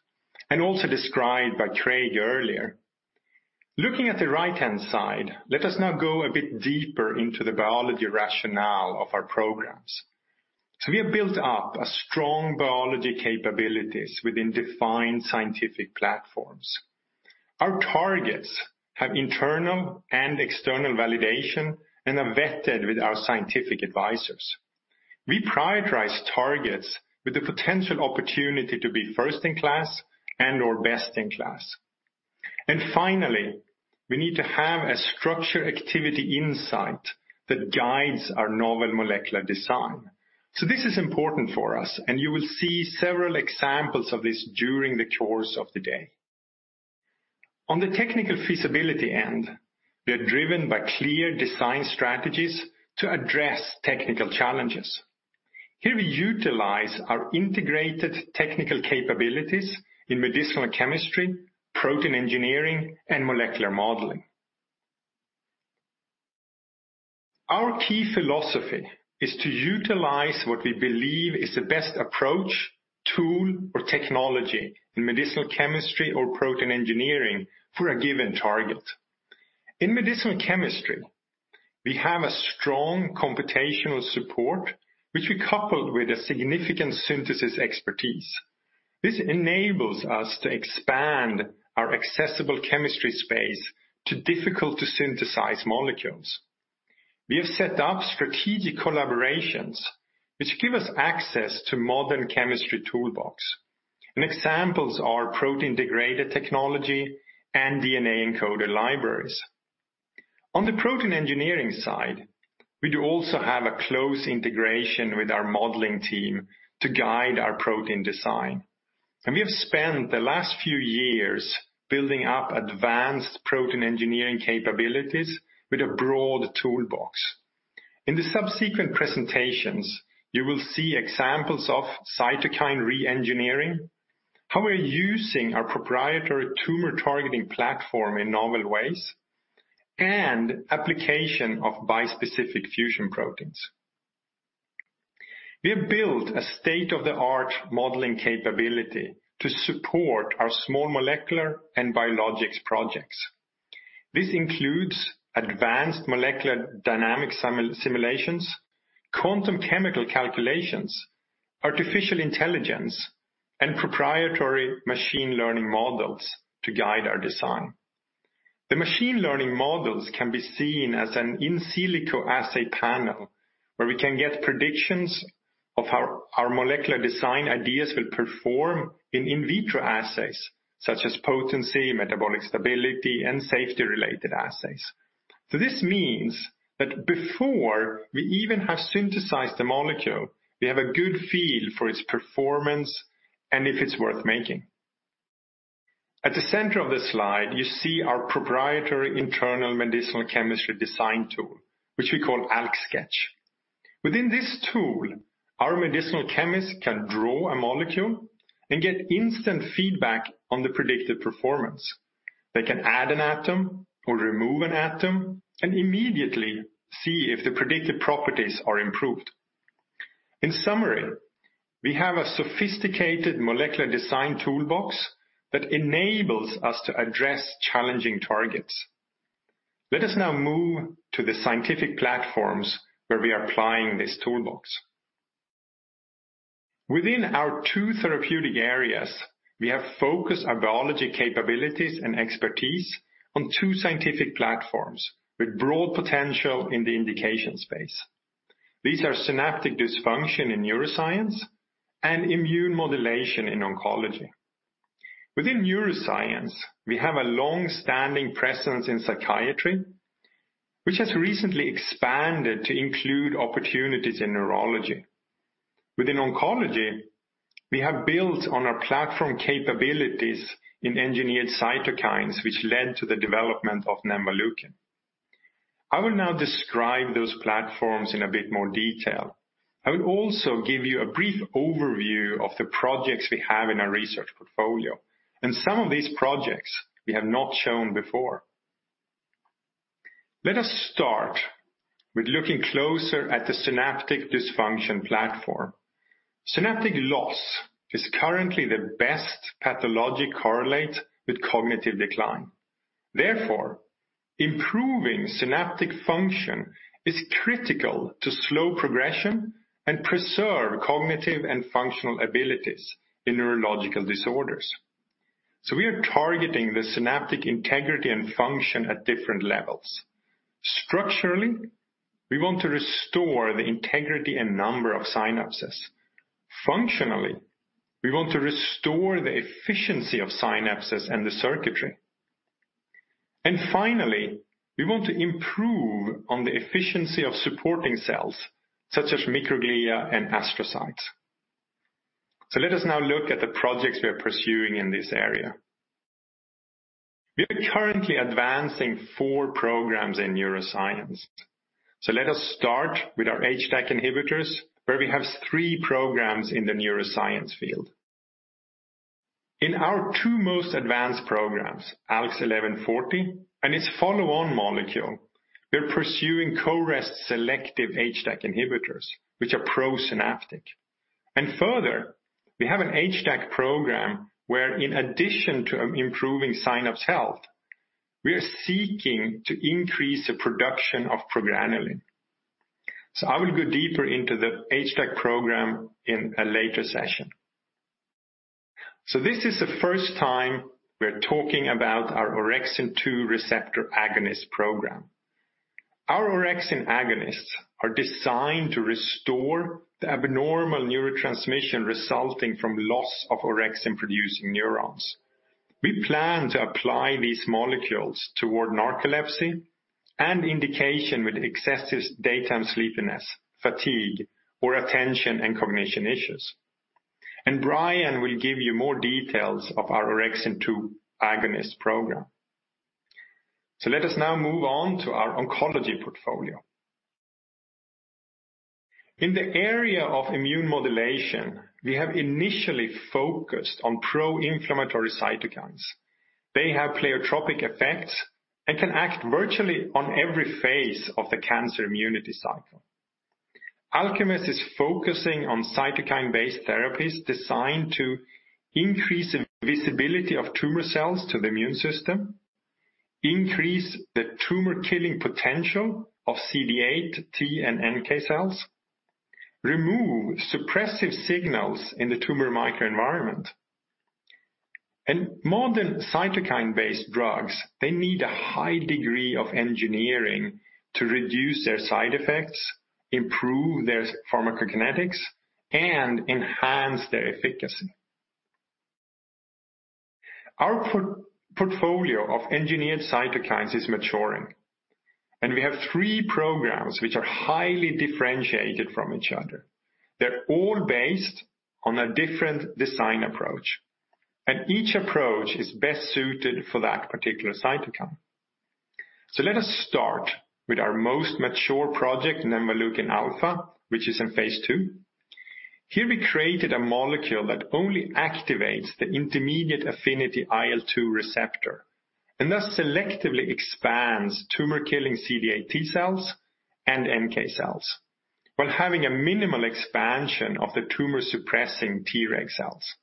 and also described by Craig earlier. Looking at the right-hand side, let us now go a bit deeper into the biology rationale of our programs. We have built up a strong biology capabilities within defined scientific platforms. Our targets have internal and external validation and are vetted with our scientific advisors. We prioritize targets with the potential opportunity to be first in class and/or best in class. Finally, we need to have a structure activity insight that guides our novel molecular design. This is important for us, and you will see several examples of this during the course of the day. On the technical feasibility end, we're driven by clear design strategies to address technical challenges. Here we utilize our integrated technical capabilities in medicinal chemistry, protein engineering, and molecular modeling. Our key philosophy is to utilize what we believe is the best approach, tool, or technology in medicinal chemistry or protein engineering for a given target. In medicinal chemistry, we have a strong computational support, which we coupled with a significant synthesis expertise. This enables us to expand our accessible chemistry space to difficult-to-synthesize molecules. We have set up strategic collaborations, which give us access to modern chemistry toolbox, and examples are protein degrader technology and DNA-encoded libraries. On the protein engineering side, we do also have a close integration with our modeling team to guide our protein design. We have spent the last few years building up advanced protein engineering capabilities with a broad toolbox. In the subsequent presentations, you will see examples of cytokine re-engineering, how we're using our proprietary tumor targeting platform in novel ways, and application of bispecific fusion proteins. We have built a state-of-the-art modeling capability to support our small molecular and biologics projects. This includes advanced molecular dynamic simulations, quantum chemical calculations, artificial intelligence, and proprietary machine learning models to guide our design. The machine learning models can be seen as an in silico assay panel where we can get predictions of how our molecular design ideas will perform in in vitro assays, such as potency, metabolic stability, and safety-related assays. This means that before we even have synthesized a molecule, we have a good feel for its performance and if it's worth making. At the center of this slide, you see our proprietary internal medicinal chemistry design tool, which we call ALKSketch. Within this tool, our medicinal chemist can draw a molecule and get instant feedback on the predicted performance. They can add an atom or remove an atom and immediately see if the predicted properties are improved. In summary, we have a sophisticated molecular design toolbox that enables us to address challenging targets. Let us now move to the scientific platforms where we are applying this toolbox. Within our two therapeutic areas, we have focused our biology capabilities and expertise on two scientific platforms with broad potential in the indication space. These are synaptic dysfunction in neuroscience and immune modulation in oncology. Within neuroscience, we have a long-standing presence in psychiatry, which has recently expanded to include opportunities in neurology. Within oncology, we have built on our platform capabilities in engineered cytokines, which led to the development of nemvaleukin. I will now describe those platforms in a bit more detail. I will also give you a brief overview of the projects we have in our research portfolio. Some of these projects we have not shown before. Let us start with looking closer at the synaptic dysfunction platform. Synaptic loss is currently the best pathologic correlate with cognitive decline. Therefore, improving synaptic function is critical to slow progression and preserve cognitive and functional abilities in neurological disorders. We are targeting the synaptic integrity and function at different levels. Structurally, we want to restore the integrity and number of synapses. Functionally, we want to restore the efficiency of synapses and the circuitry. Finally, we want to improve on the efficiency of supporting cells, such as microglia and astrocytes. Let us now look at the projects we are pursuing in this area. We are currently advancing four programs in neuroscience. Let us start with our HDAC inhibitors, where we have three programs in the neuroscience field. In our two most advanced programs, ALKS 1140 and its follow-on molecule, we're pursuing CoREST selective HDAC inhibitors, which are pro-synaptic. Further, we have an HDAC program where in addition to improving synapse health, we are seeking to increase the production of progranulin. I will go deeper into the HDAC program in a later session. This is the first time we're talking about our orexin-2 receptor agonist program. Our orexin agonists are designed to restore the abnormal neurotransmission resulting from loss of orexin-producing neurons. We plan to apply these molecules toward narcolepsy an indication with excessive daytime sleepiness, fatigue, or attention and cognition issues. Brian will give you more details of our Orexin-2 agonist program. Let us now move on to our oncology portfolio. In the area of immune modulation, we have initially focused on pro-inflammatory cytokines. They have pleiotropic effects and can act virtually on every phase of the cancer immunity cycle. Alkermes is focusing on cytokine-based therapies designed to increase the visibility of tumor cells to the immune system, increase the tumor killing potential of CD8+ T and NK cells, remove suppressive signals in the tumor microenvironment. Modern cytokine-based drugs, they need a high degree of engineering to reduce their side effects, improve their pharmacokinetics, and enhance their efficacy. Our portfolio of engineered cytokines is maturing, and we have three programs which are highly differentiated from each other. They're all based on a different design approach, and each approach is best suited for that particular cytokine. Let us start with our most mature project, nemvaleukin alfa, which is in phase II. Here we created a molecule that only activates the intermediate affinity IL-2 receptor, and thus selectively expands tumor killing CD8+ T cells and NK cells while having a minimal expansion of the tumor-suppressing Treg cells.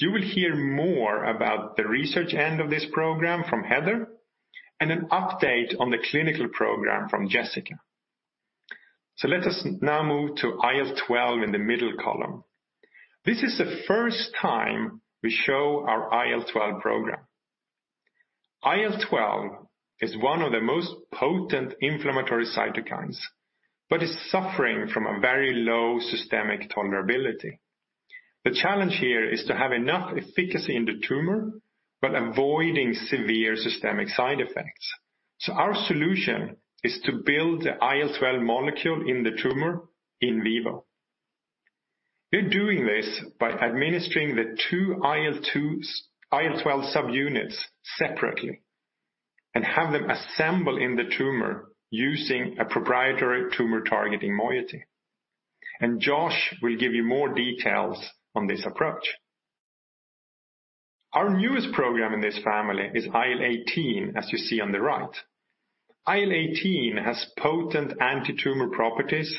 You will hear more about the research end of this program from Heather, and an update on the clinical program from Jessicca. Let us now move to IL-12 in the middle column. This is the first time we show our IL-12 program. IL-12 is one of the most potent inflammatory cytokines, but is suffering from a very low systemic tolerability. The challenge here is to have enough efficacy in the tumor, but avoiding severe systemic side effects. Our solution is to build the IL-12 molecule in the tumor in vivo. We're doing this by administering the two IL-12 subunits separately and have them assemble in the tumor using a proprietary tumor-targeting moiety. Josh will give you more details on this approach. Our newest program in this family is IL-18, as you see on the right. IL-18 has potent anti-tumor properties,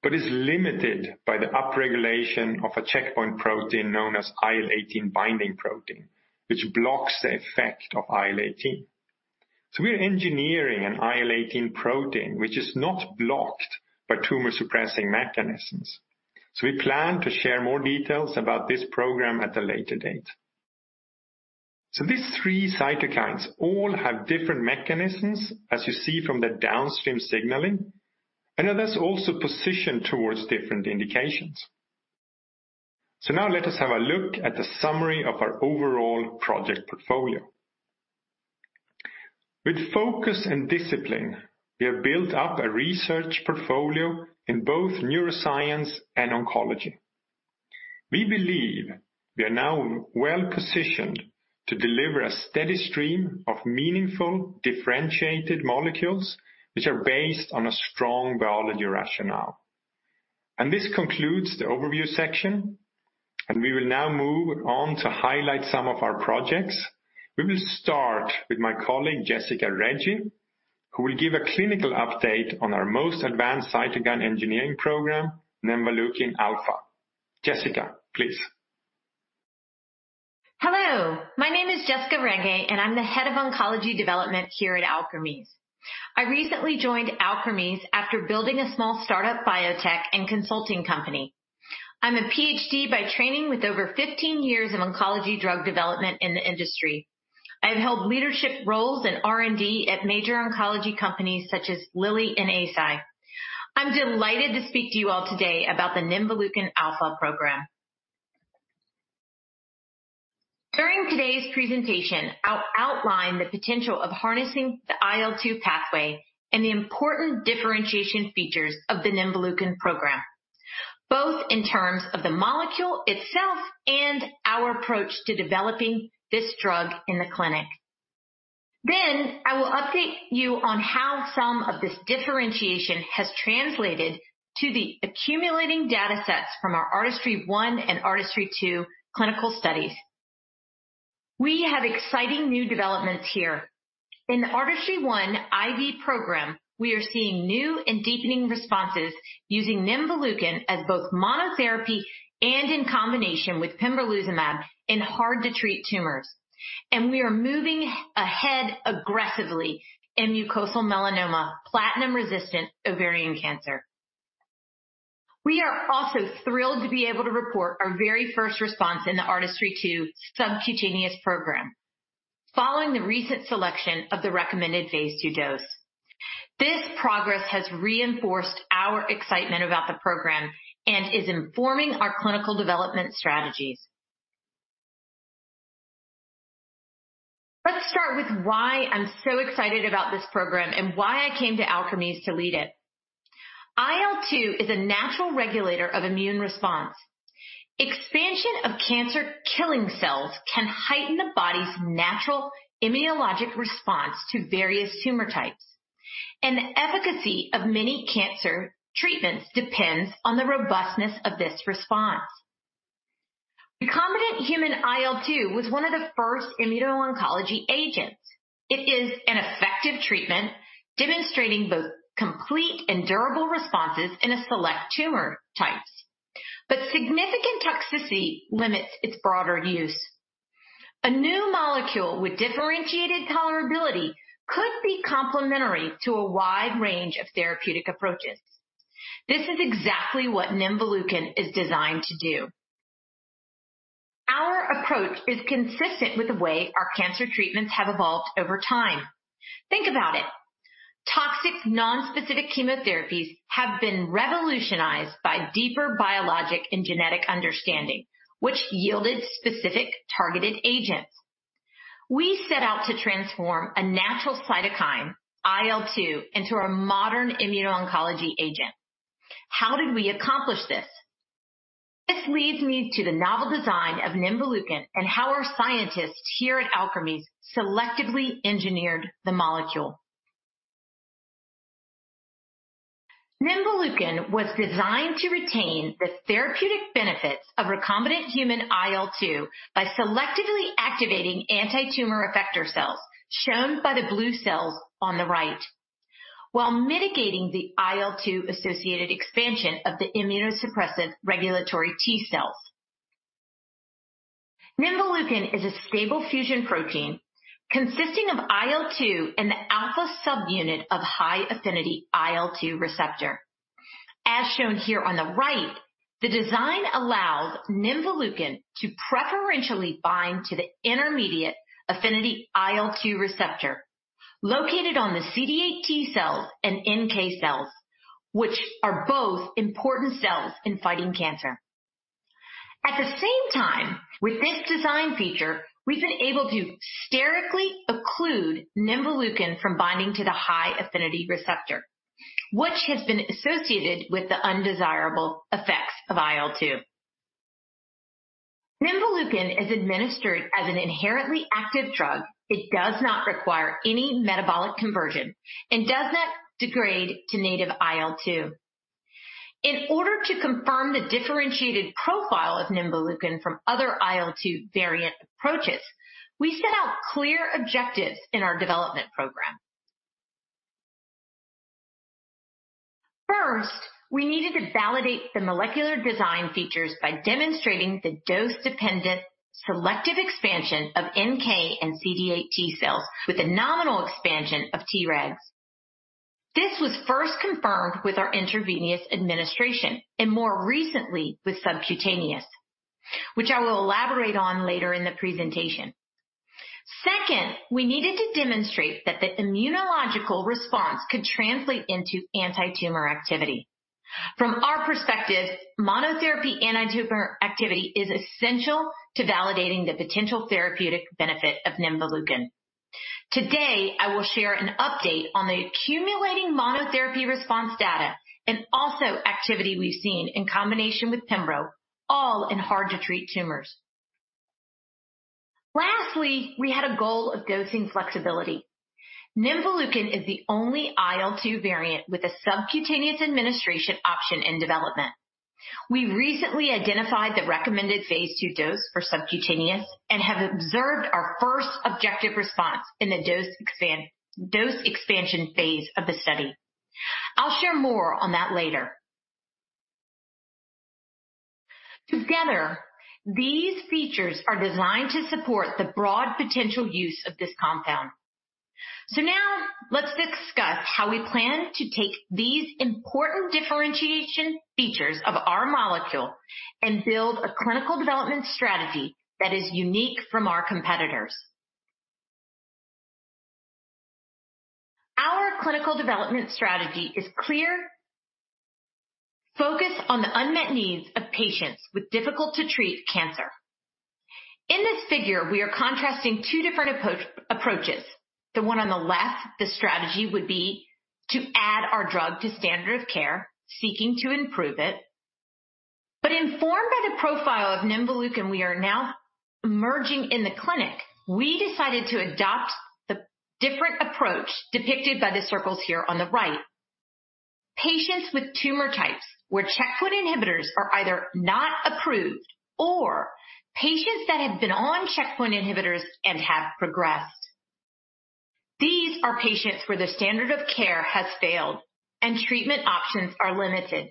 but is limited by the upregulation of a checkpoint protein known as IL-18 binding protein, which blocks the effect of IL-18. We are engineering an IL-18 protein, which is not blocked by tumor-suppressing mechanisms. We plan to share more details about this program at a later date. These three cytokines all have different mechanisms, as you see from the downstream signaling, and are thus also positioned towards different indications. Now let us have a look at the summary of our overall project portfolio. With focus and discipline, we have built up a research portfolio in both neuroscience and oncology. We believe we are now well-positioned to deliver a steady stream of meaningful, differentiated molecules which are based on a strong biology rationale. This concludes the overview section, and we will now move on to highlight some of our projects. We will start with my colleague, Jessicca Rege, who will give a clinical update on our most advanced cytokine engineering program, nemvaleukin alfa. Jessicca, please. Hello. My name is Jessicca Rege, and I'm the head of oncology development here at Alkermes. I recently joined Alkermes after building a small startup biotech and consulting company. I'm a PhD by training with over 15 years of oncology drug development in the industry. I have held leadership roles in R&D at major oncology companies such as Lilly and Eisai. I'm delighted to speak to you all today about the nemvaleukin alfa program. During today's presentation, I'll outline the potential of harnessing the IL-2 pathway and the important differentiation features of the nemvaleukin program, both in terms of the molecule itself and our approach to developing this drug in the clinic. I will update you on how some of this differentiation has translated to the accumulating data sets from our ARTISTRY-1 and ARTISTRY-2 clinical studies. We have exciting new developments here. In the ARTISTRY-1 IV program, we are seeing new and deepening responses using nemvaleukin as both monotherapy and in combination with pembrolizumab in hard-to-treat tumors. We are moving ahead aggressively in mucosal melanoma platinum-resistant ovarian cancer. We are also thrilled to be able to report our very first response in the ARTISTRY-2 subcutaneous program following the recent selection of the recommended phase II dose. This progress has reinforced our excitement about the program and is informing our clinical development strategies. Let's start with why I'm so excited about this program and why I came to Alkermes to lead it. IL-2 is a natural regulator of immune response. Expansion of cancer killing cells can heighten the body's natural immunologic response to various tumor types, and the efficacy of many cancer treatments depends on the robustness of this response. Recombinant human IL-2 was one of the first immuno-oncology agents. It is an effective treatment demonstrating both complete and durable responses in select tumor types, but significant toxicity limits its broader use. A new molecule with differentiated tolerability could be complementary to a wide range of therapeutic approaches. This is exactly what nemvaleukin is designed to do. Our approach is consistent with the way our cancer treatments have evolved over time. Think about it. Toxic nonspecific chemotherapies have been revolutionized by deeper biologic and genetic understanding, which yielded specific targeted agents. We set out to transform a natural cytokine, IL-2, into a modern immuno-oncology agent. How did we accomplish this? This leads me to the novel design of nemvaleukin and how our scientists here at Alkermes selectively engineered the molecule. Nemvaleukin was designed to retain the therapeutic benefits of recombinant human IL-2 by selectively activating antitumor effector cells, shown by the blue cells on the right, while mitigating the IL-2 associated expansion of the immunosuppressive regulatory T cells. Nemvaleukin is a stable fusion protein consisting of IL-2 and the alpha subunit of high-affinity IL-2 receptor. As shown here on the right, the design allows nemvaleukin to preferentially bind to the intermediate affinity IL-2 receptor located on the CD8+ T cells and NK cells, which are both important cells in fighting cancer. At the same time, with this design feature, we've been able to sterically occlude nemvaleukin from binding to the high-affinity receptor, which has been associated with the undesirable effects of IL-2. Nemvaleukin is administered as an inherently active drug. It does not require any metabolic conversion and does not degrade to native IL-2. In order to confirm the differentiated profile of nemvaleukin from other IL-2 variant approaches, we set out clear objectives in our development program. First, we needed to validate the molecular design features by demonstrating the dose-dependent selective expansion of NK cells and CD8+ T cells with a nominal expansion of Treg cells. This was first confirmed with our intravenous administration and more recently with subcutaneous, which I will elaborate on later in the presentation. Second, we needed to demonstrate that the immunological response could translate into antitumor activity. From our perspective, monotherapy antitumor activity is essential to validating the potential therapeutic benefit of nemvaleukin. Today, I will share an update on the accumulating monotherapy response data and also activity we've seen in combination with pembro, all in hard to treat tumors. Lastly, we had a goal of dosing flexibility. Nemvaleukin is the only IL-2 variant with a subcutaneous administration option in development. We recently identified the recommended phase II dose for subcutaneous and have observed our first objective response in the dose expansion phase of the study. I'll share more on that later. Together, these features are designed to support the broad potential use of this compound. Now let's discuss how we plan to take these important differentiation features of our molecule and build a clinical development strategy that is unique from our competitors. Our clinical development strategy is clear, focused on the unmet needs of patients with difficult to treat cancer. In this figure, we are contrasting two different approaches. The one on the left, the strategy would be to add our drug to standard of care, seeking to improve it. Informed by the profile of nemvaleukin we are now emerging in the clinic, we decided to adopt the different approach depicted by the circles here on the right. Patients with tumor types where checkpoint inhibitors are either not approved or patients that have been on checkpoint inhibitors and have progressed. These are patients where the standard of care has failed and treatment options are limited.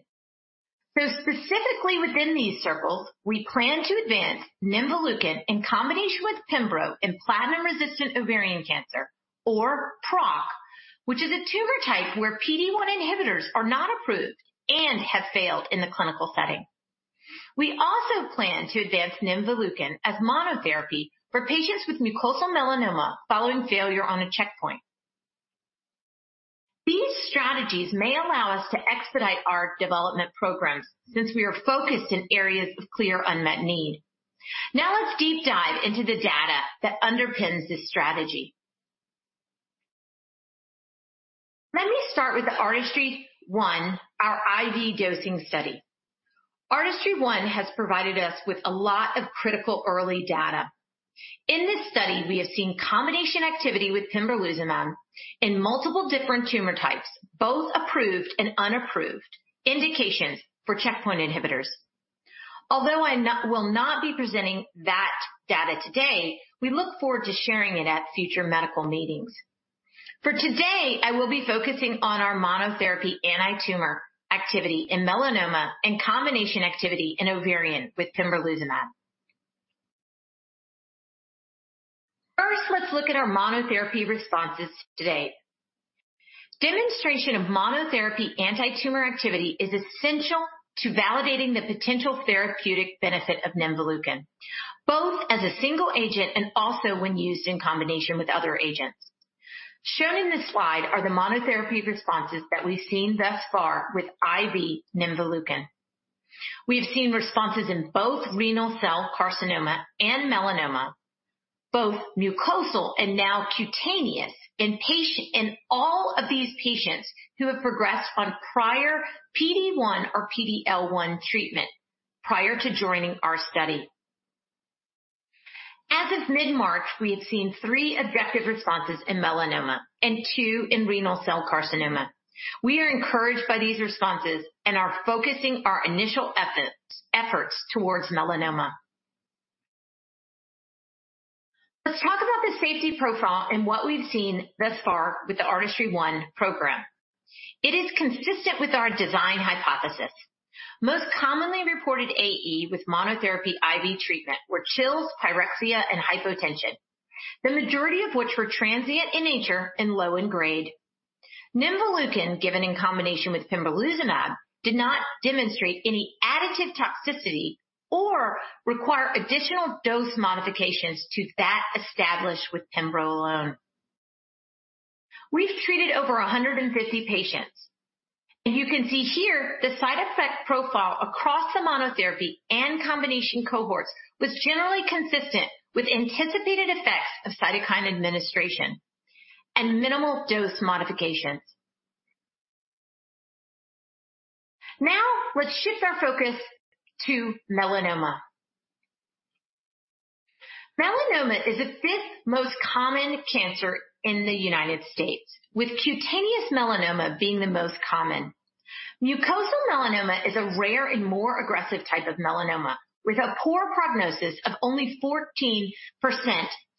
Specifically within these circles, we plan to advance nemvaleukin in combination with pembro in platinum-resistant ovarian cancer, or PROC, which is a tumor type where PD-1 inhibitors are not approved and have failed in the clinical setting. We also plan to advance nemvaleukin as monotherapy for patients with mucosal melanoma following failure on a checkpoint. These strategies may allow us to expedite our development programs since we are focused in areas of clear unmet need. Let's deep dive into the data that underpins this strategy. Let me start with the ARTISTRY-1, our IV dosing study. ARTISTRY-1 has provided us with a lot of critical early data. In this study, we have seen combination activity with pembrolizumab in multiple different tumor types, both approved and unapproved indications for checkpoint inhibitors. I will not be presenting that data today, we look forward to sharing it at future medical meetings. For today, I will be focusing on our monotherapy anti-tumor activity in melanoma and combination activity in ovarian with pembrolizumab. Let's look at our monotherapy responses to date. Demonstration of monotherapy anti-tumor activity is essential to validating the potential therapeutic benefit of nemvaleukin, both as a single agent and also when used in combination with other agents. Shown in this slide are the monotherapy responses that we've seen thus far with IV nemvaleukin. We have seen responses in both renal cell carcinoma and melanoma, both mucosal and now cutaneous in all of these patients who have progressed on prior PD-1 or PD-L1 treatment prior to joining our study. As of mid-March, we have seen three objective responses in melanoma and two in renal cell carcinoma. We are encouraged by these responses and are focusing our initial efforts towards melanoma. Let's talk about the safety profile and what we've seen thus far with the ARTISTRY-1 program. It is consistent with our design hypothesis. Most commonly reported AE with monotherapy IV treatment were chills, pyrexia, and hypotension, the majority of which were transient in nature and low in grade. nemvaleukin given in combination with pembrolizumab did not demonstrate any additive toxicity or require additional dose modifications to that established with pembro alone. We've treated over 150 patients, you can see here the side effect profile across the monotherapy and combination cohorts was generally consistent with anticipated effects of cytokine administration and minimal dose modifications. Let's shift our focus to melanoma. Melanoma is the fifth most common cancer in the U.S., with cutaneous melanoma being the most common. Mucosal melanoma is a rare and more aggressive type of melanoma with a poor prognosis of only 14%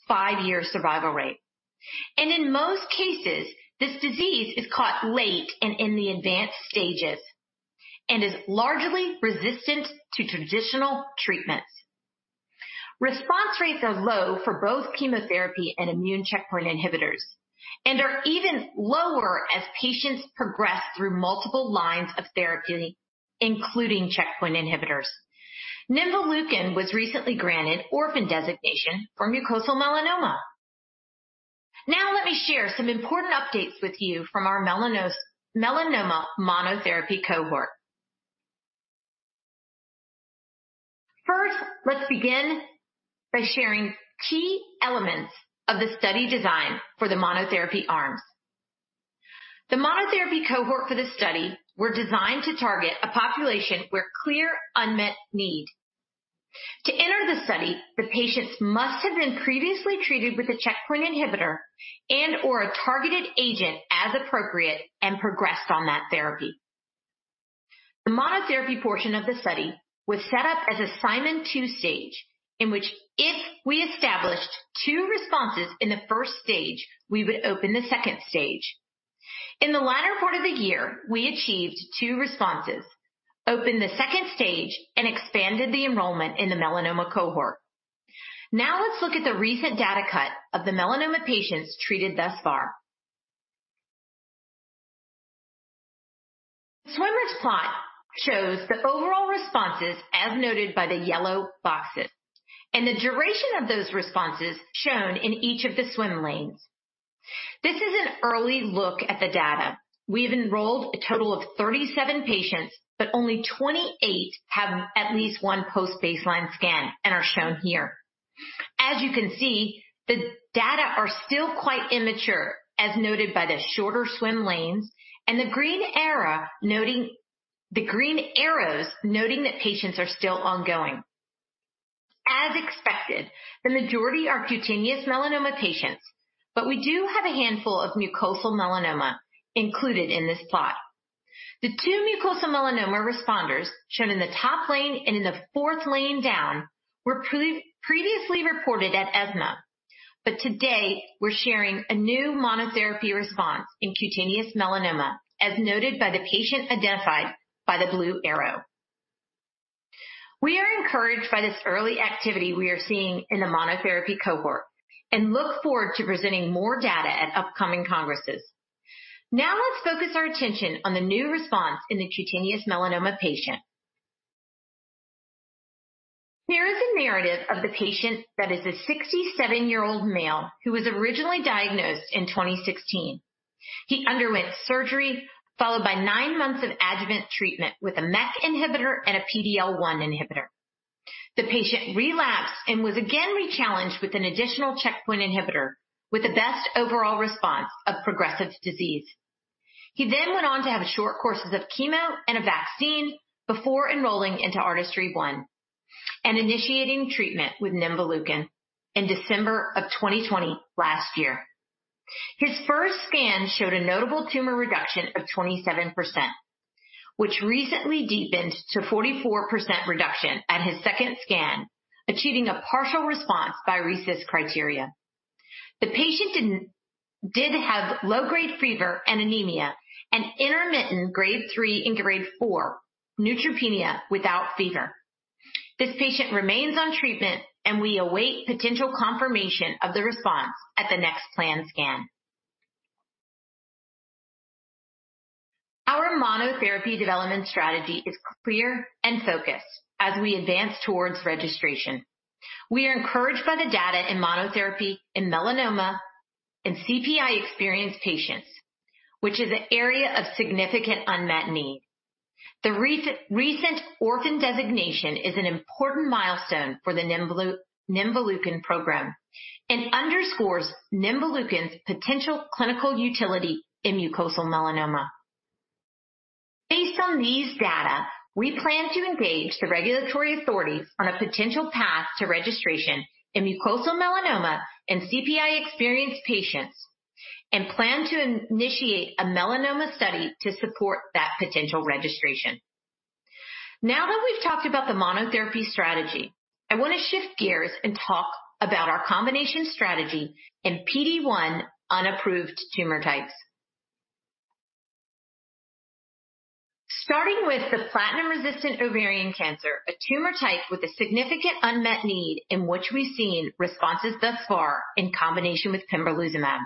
five-year survival rate. In most cases, this disease is caught late and in the advanced stages and is largely resistant to traditional treatments. Response rates are low for both chemotherapy and immune checkpoint inhibitors and are even lower as patients progress through multiple lines of therapy, including checkpoint inhibitors. nemvaleukin was recently granted orphan designation for mucosal melanoma. Now let me share some important updates with you from our melanoma monotherapy cohort. Let's begin by sharing key elements of the study design for the monotherapy arms. The monotherapy cohort for the study were designed to target a population with clear unmet need. To enter the study, the patients must have been previously treated with a checkpoint inhibitor and/or a targeted agent as appropriate and progressed on that therapy. The monotherapy portion of the study was set up as a Simon two-stage, in which if we established two responses in the first stage, we would open the second stage. In the latter part of the year, we achieved two responses, opened the second stage, and expanded the enrollment in the melanoma cohort. Now let's look at the recent data cut of the melanoma patients treated thus far. The swimmer's plot shows the overall responses as noted by the yellow boxes, and the duration of those responses shown in each of the swim lanes. This is an early look at the data. We have enrolled a total of 37 patients, but only 28 have at least one post-baseline scan and are shown here. As you can see, the data are still quite immature, as noted by the shorter swim lanes and the green arrows noting that patients are still ongoing. As expected, the majority are cutaneous melanoma patients, we do have a handful of mucosal melanoma included in this plot. The two mucosal melanoma responders shown in the top lane and in the fourth lane down were previously reported at ESMO. Today, we're sharing a new monotherapy response in cutaneous melanoma, as noted by the patient identified by the blue arrow. We are encouraged by this early activity we are seeing in the monotherapy cohort and look forward to presenting more data at upcoming congresses. Now let's focus our attention on the new response in the cutaneous melanoma patient. Here is a narrative of the patient that is a 67-year-old male who was originally diagnosed in 2016. He underwent surgery followed by nine months of adjuvant treatment with a MEK inhibitor and a PD-L1 inhibitor. The patient relapsed and was again rechallenged with an additional checkpoint inhibitor with the best overall response of progressive disease. He went on to have short courses of chemo and a vaccine before enrolling into ARTISTRY-1 and initiating treatment with nemvaleukin in December of 2020 last year. His first scan showed a notable tumor reduction of 27%, which recently deepened to 44% reduction at his second scan, achieving a partial response by RECIST criteria. The patient did have low-grade fever and anemia and intermittent grade 3 and grade 4 neutropenia without fever. We await potential confirmation of the response at the next planned scan. Our monotherapy development strategy is clear and focused as we advance towards registration. We are encouraged by the data in monotherapy in melanoma, in CPI-experienced patients, which is an area of significant unmet need. The recent orphan designation is an important milestone for the nemvaleukin program and underscores nemvaleukin's potential clinical utility in mucosal melanoma. Based on these data, we plan to engage the regulatory authorities on a potential path to registration in mucosal melanoma and CPI-experienced patients and plan to initiate a melanoma study to support that potential registration. Now that we've talked about the monotherapy strategy, I want to shift gears and talk about our combination strategy in PD-1 unapproved tumor types. Starting with the platinum-resistant ovarian cancer, a tumor type with a significant unmet need in which we've seen responses thus far in combination with pembrolizumab.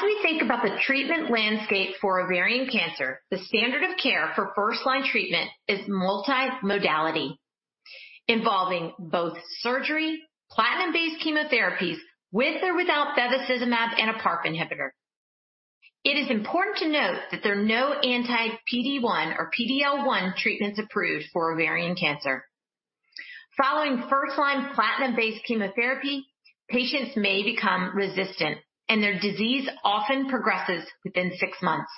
We think about the treatment landscape for ovarian cancer, the standard of care for first-line treatment is multimodality, involving both surgery, platinum-based chemotherapies, with or without bevacizumab and a PARP inhibitor. It is important to note that there are no anti-PD-1 or PD-L1 treatments approved for ovarian cancer. Following first-line platinum-based chemotherapy, patients may become resistant, and their disease often progresses within six months.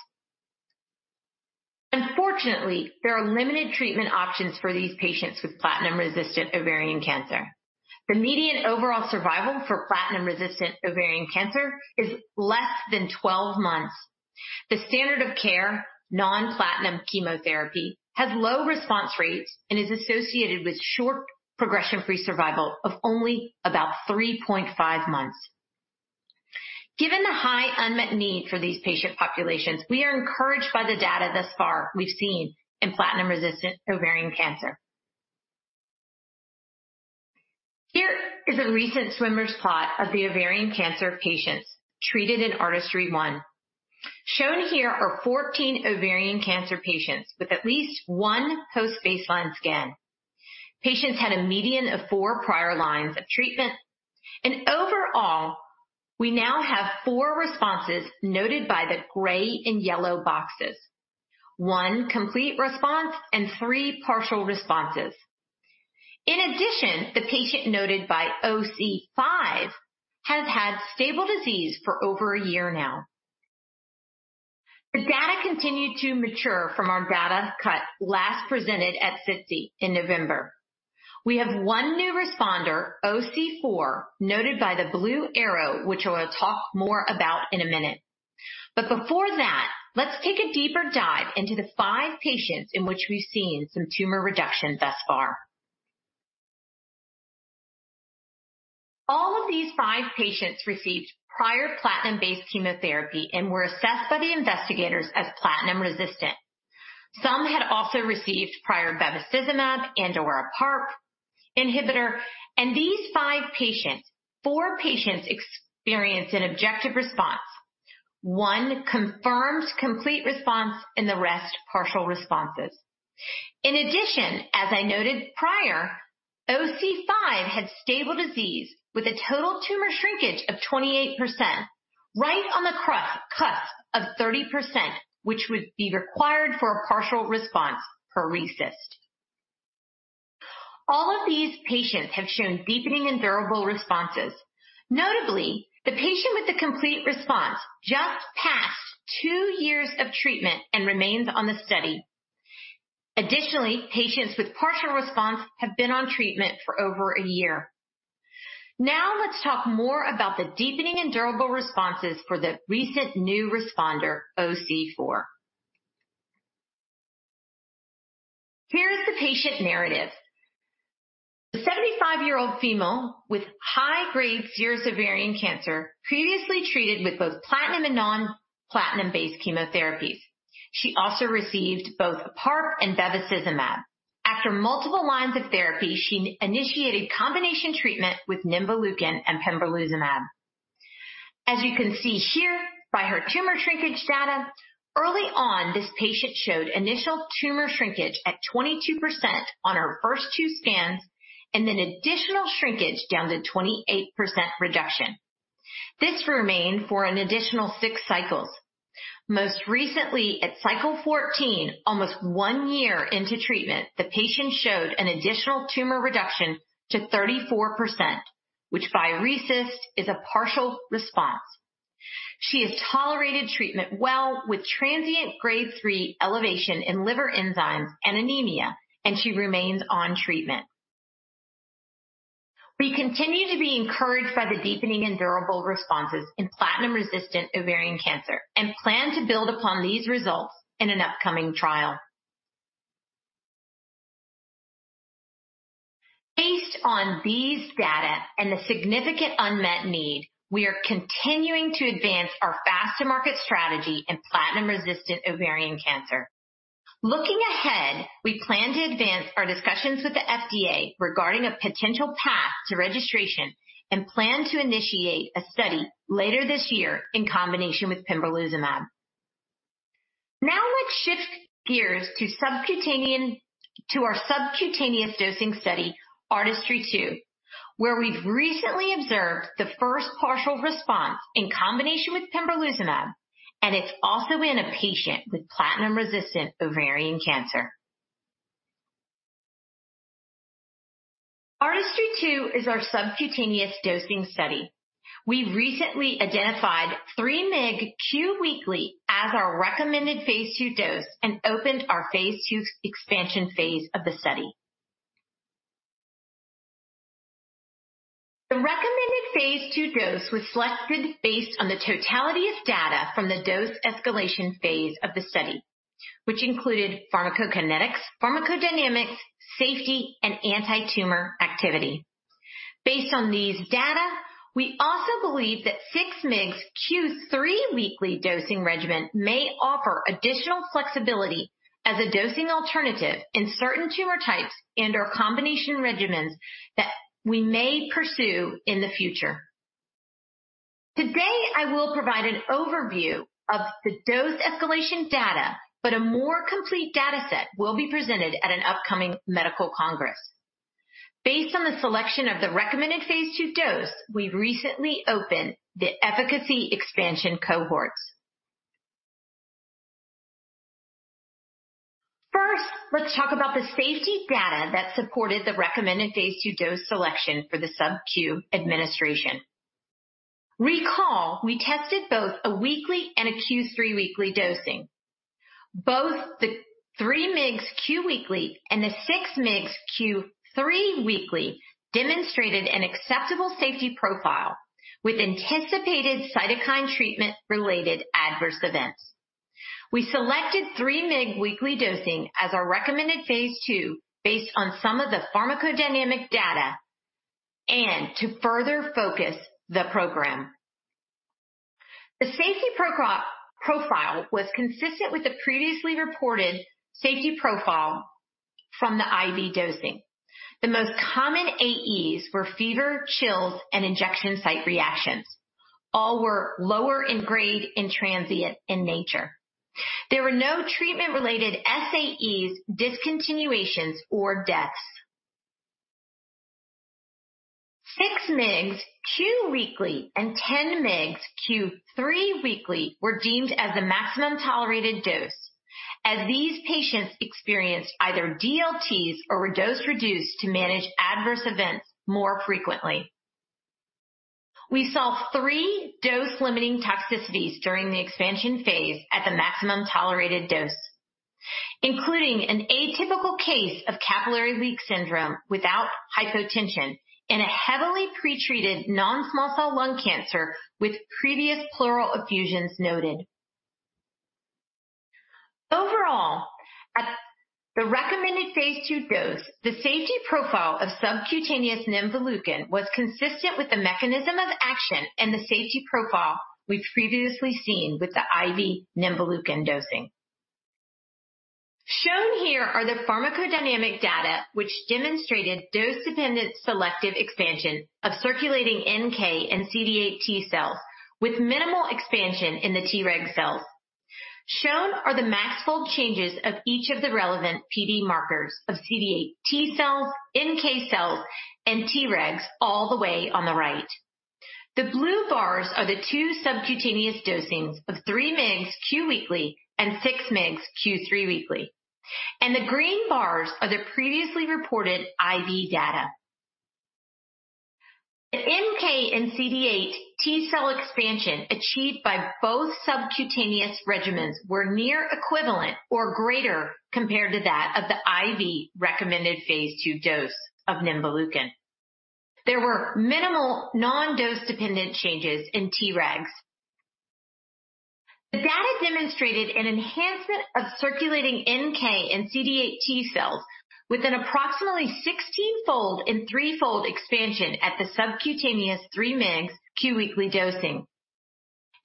Unfortunately, there are limited treatment options for these patients with platinum-resistant ovarian cancer. The median overall survival for platinum-resistant ovarian cancer is less than 12 months. The standard of care, non-platinum chemotherapy, has low response rates and is associated with short progression-free survival of only about 3.5 months. Given the high unmet need for these patient populations, we are encouraged by the data thus far we've seen in platinum-resistant ovarian cancer. Here is a recent swimmer's plot of the ovarian cancer patients treated in ARTISTRY-1. Shown here are 14 ovarian cancer patients with at least one post-baseline scan. Patients had a median of four prior lines of treatment. Overall, we now have four responses noted by the gray and yellow boxes, one complete response and three partial responses. In addition, the patient noted by OC5 has had stable disease for over a year now. The data continued to mature from our data cut last presented at SITC in November. We have one new responder, OC4, noted by the blue arrow, which I will talk more about in a minute. Before that, let's take a deeper dive into the five patients in which we've seen some tumor reduction thus far. All of these five patients received prior platinum-based chemotherapy and were assessed by the investigators as platinum resistant. Some had also received prior bevacizumab and/or a PARP inhibitor. In these five patients, four patients experienced an objective response, one confirmed complete response, and the rest partial responses. In addition, as I noted prior, OC5 had stable disease with a total tumor shrinkage of 28%, right on the cusp of 30%, which would be required for a partial response per RECIST. All of these patients have shown deepening and durable responses. Notably, the patient with the complete response just passed two years of treatment and remains on the study. Additionally, patients with partial response have been on treatment for over a year. Let's talk more about the deepening and durable responses for the recent new responder, OC4. Here is the patient narrative. A 75-year-old female with high-grade serous ovarian cancer, previously treated with both platinum and non-platinum-based chemotherapies. She also received both PARP and bevacizumab. After multiple lines of therapy, she initiated combination treatment with nemvaleukin and pembrolizumab. As you can see here by her tumor shrinkage data, early on, this patient showed initial tumor shrinkage at 22% on her first two scans, and then additional shrinkage down to 28% reduction. This remained for an additional six cycles. Most recently, at cycle 14, almost one year into treatment, the patient showed an additional tumor reduction to 34%, which by RECIST is a partial response. She has tolerated treatment well with transient grade 3 elevation in liver enzymes and anemia, and she remains on treatment. We continue to be encouraged by the deepening and durable responses in platinum-resistant ovarian cancer and plan to build upon these results in an upcoming trial. Based on these data and the significant unmet need, we are continuing to advance our faster market strategy in platinum-resistant ovarian cancer. Looking ahead, we plan to advance our discussions with the FDA regarding a potential path to registration and plan to initiate a study later this year in combination with pembrolizumab. Let's shift gears to our subcutaneous dosing study, ARTISTRY-2, where we've recently observed the first partial response in combination with pembrolizumab, and it's also in a patient with platinum-resistant ovarian cancer. ARTISTRY-2 is our subcutaneous dosing study. We've recently identified 3 mg q weekly as our recommended phase II dose and opened our phase II expansion phase of the study. The recommended phase II dose was selected based on the totality of data from the dose escalation phase of the study, which included pharmacokinetics, pharmacodynamics, safety, and anti-tumor activity. Based on these data, we also believe that 6 mgs q 3-weekly dosing regimen may offer additional flexibility as a dosing alternative in certain tumor types and/or combination regimens that we may pursue in the future. Today, I will provide an overview of the dose escalation data, a more complete data set will be presented at an upcoming medical congress. Based on the selection of the recommended phase II dose, we've recently opened the efficacy expansion cohorts. First, let's talk about the safety data that supported the recommended phase II dose selection for the sub-q administration. Recall, we tested both a weekly and a q 3-weekly dosing. Both the 3 mgs q weekly and the 6 mgs q three-weekly demonstrated an acceptable safety profile with anticipated cytokine treatment-related adverse events. We selected 3 mg weekly dosing as our recommended phase II based on some of the pharmacodynamic data and to further focus the program. The safety profile was consistent with the previously reported safety profile from the IV dosing. The most common AEs were fever, chills, and injection site reactions. All were lower in grade and transient in nature. There were no treatment-related SAEs, discontinuations, or deaths. 6 mgs q weekly and 10 mgs q three weekly were deemed as the maximum tolerated dose as these patients experienced either DLTs or were dose-reduced to manage adverse events more frequently. We saw three dose-limiting toxicities during the expansion phase at the maximum tolerated dose, including an atypical case of capillary leak syndrome without hypotension in a heavily pretreated non-small cell lung cancer with previous pleural effusions noted. Overall, at the recommended phase II dose, the safety profile of subcutaneous nemvaleukin was consistent with the mechanism of action and the safety profile we've previously seen with the IV nemvaleukin dosing. Shown here are the pharmacodynamic data, which demonstrated dose-dependent selective expansion of circulating NK and CD8+ T cells with minimal expansion in the Treg cells. Shown are the max fold changes of each of the relevant PD markers of CD8+ T cells, NK cells, and Treg cells all the way on the right. The blue bars are the two subcutaneous dosings of 3 mgs q weekly and 6 mgs q 3 weekly, and the green bars are the previously reported IV data. The NK and CD8 T cell expansion achieved by both subcutaneous regimens were near equivalent or greater compared to that of the IV recommended phase II dose of nemvaleukin. There were minimal non-dose dependent changes in Tregs. The data demonstrated an enhancement of circulating NK and CD8 T cells with an approximately 16-fold and 3-fold expansion at the subcutaneous 3 mgs q weekly dosing.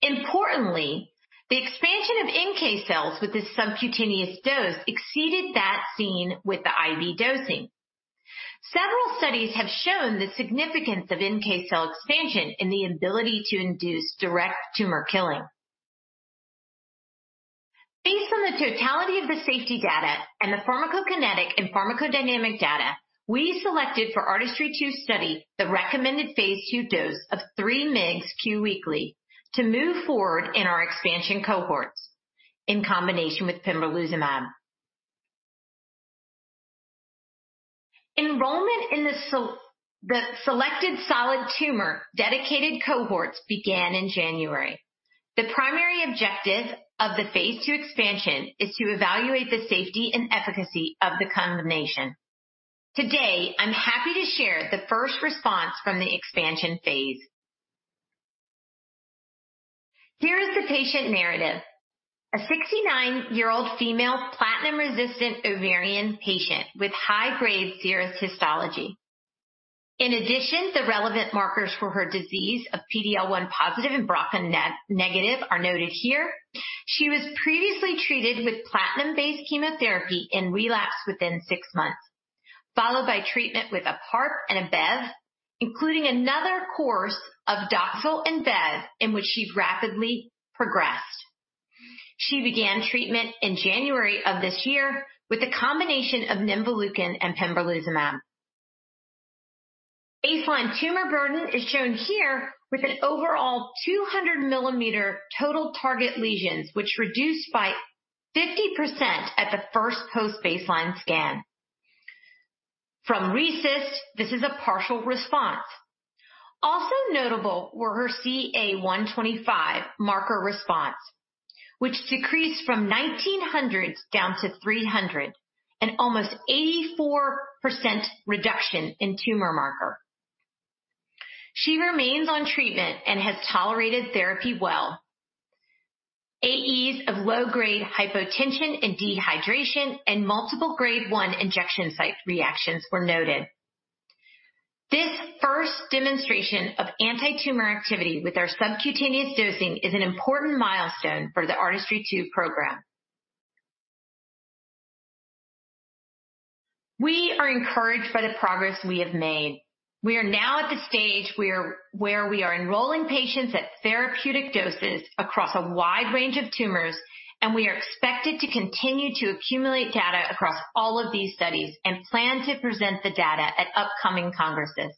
Importantly, the expansion of NK cells with this subcutaneous dose exceeded that seen with the IV dosing. Several studies have shown the significance of NK cell expansion in the ability to induce direct tumor killing. Based on the totality of the safety data and the pharmacokinetic and pharmacodynamic data, we selected for ARTISTRY-2 study the recommended phase II dose of 3 mgs q weekly to move forward in our expansion cohorts in combination with pembrolizumab. Enrollment in the selected solid tumor dedicated cohorts began in January. The primary objective of the phase II expansion is to evaluate the safety and efficacy of the combination. Today, I'm happy to share the first response from the expansion phase. Here is the patient narrative. A 69-year-old female platinum-resistant ovarian patient with high-grade serous histology. In addition, the relevant markers for her disease of PD-L1 positive and BRCA negative are noted here. She was previously treated with platinum-based chemotherapy and relapsed within six months, followed by treatment with a PARP and a Bev, including another course of DOXIL and Bev, in which she rapidly progressed. She began treatment in January of this year with a combination of nemvaleukin and pembrolizumab. Baseline tumor burden is shown here with an overall 200-millimeter total target lesions, which reduced by 50% at the first post-baseline scan. From RECIST, this is a partial response. Also notable were her CA-125 marker response, which decreased from 1,900 down to 300, an almost 84% reduction in tumor marker. She remains on treatment and has tolerated therapy well. AEs of low-grade hypotension and dehydration and multiple grade 1 injection site reactions were noted. This first demonstration of antitumor activity with our subcutaneous dosing is an important milestone for the ARTISTRY-2 program. We are encouraged by the progress we have made. We are now at the stage where we are enrolling patients at therapeutic doses across a wide range of tumors, we are expected to continue to accumulate data across all of these studies and plan to present the data at upcoming congresses.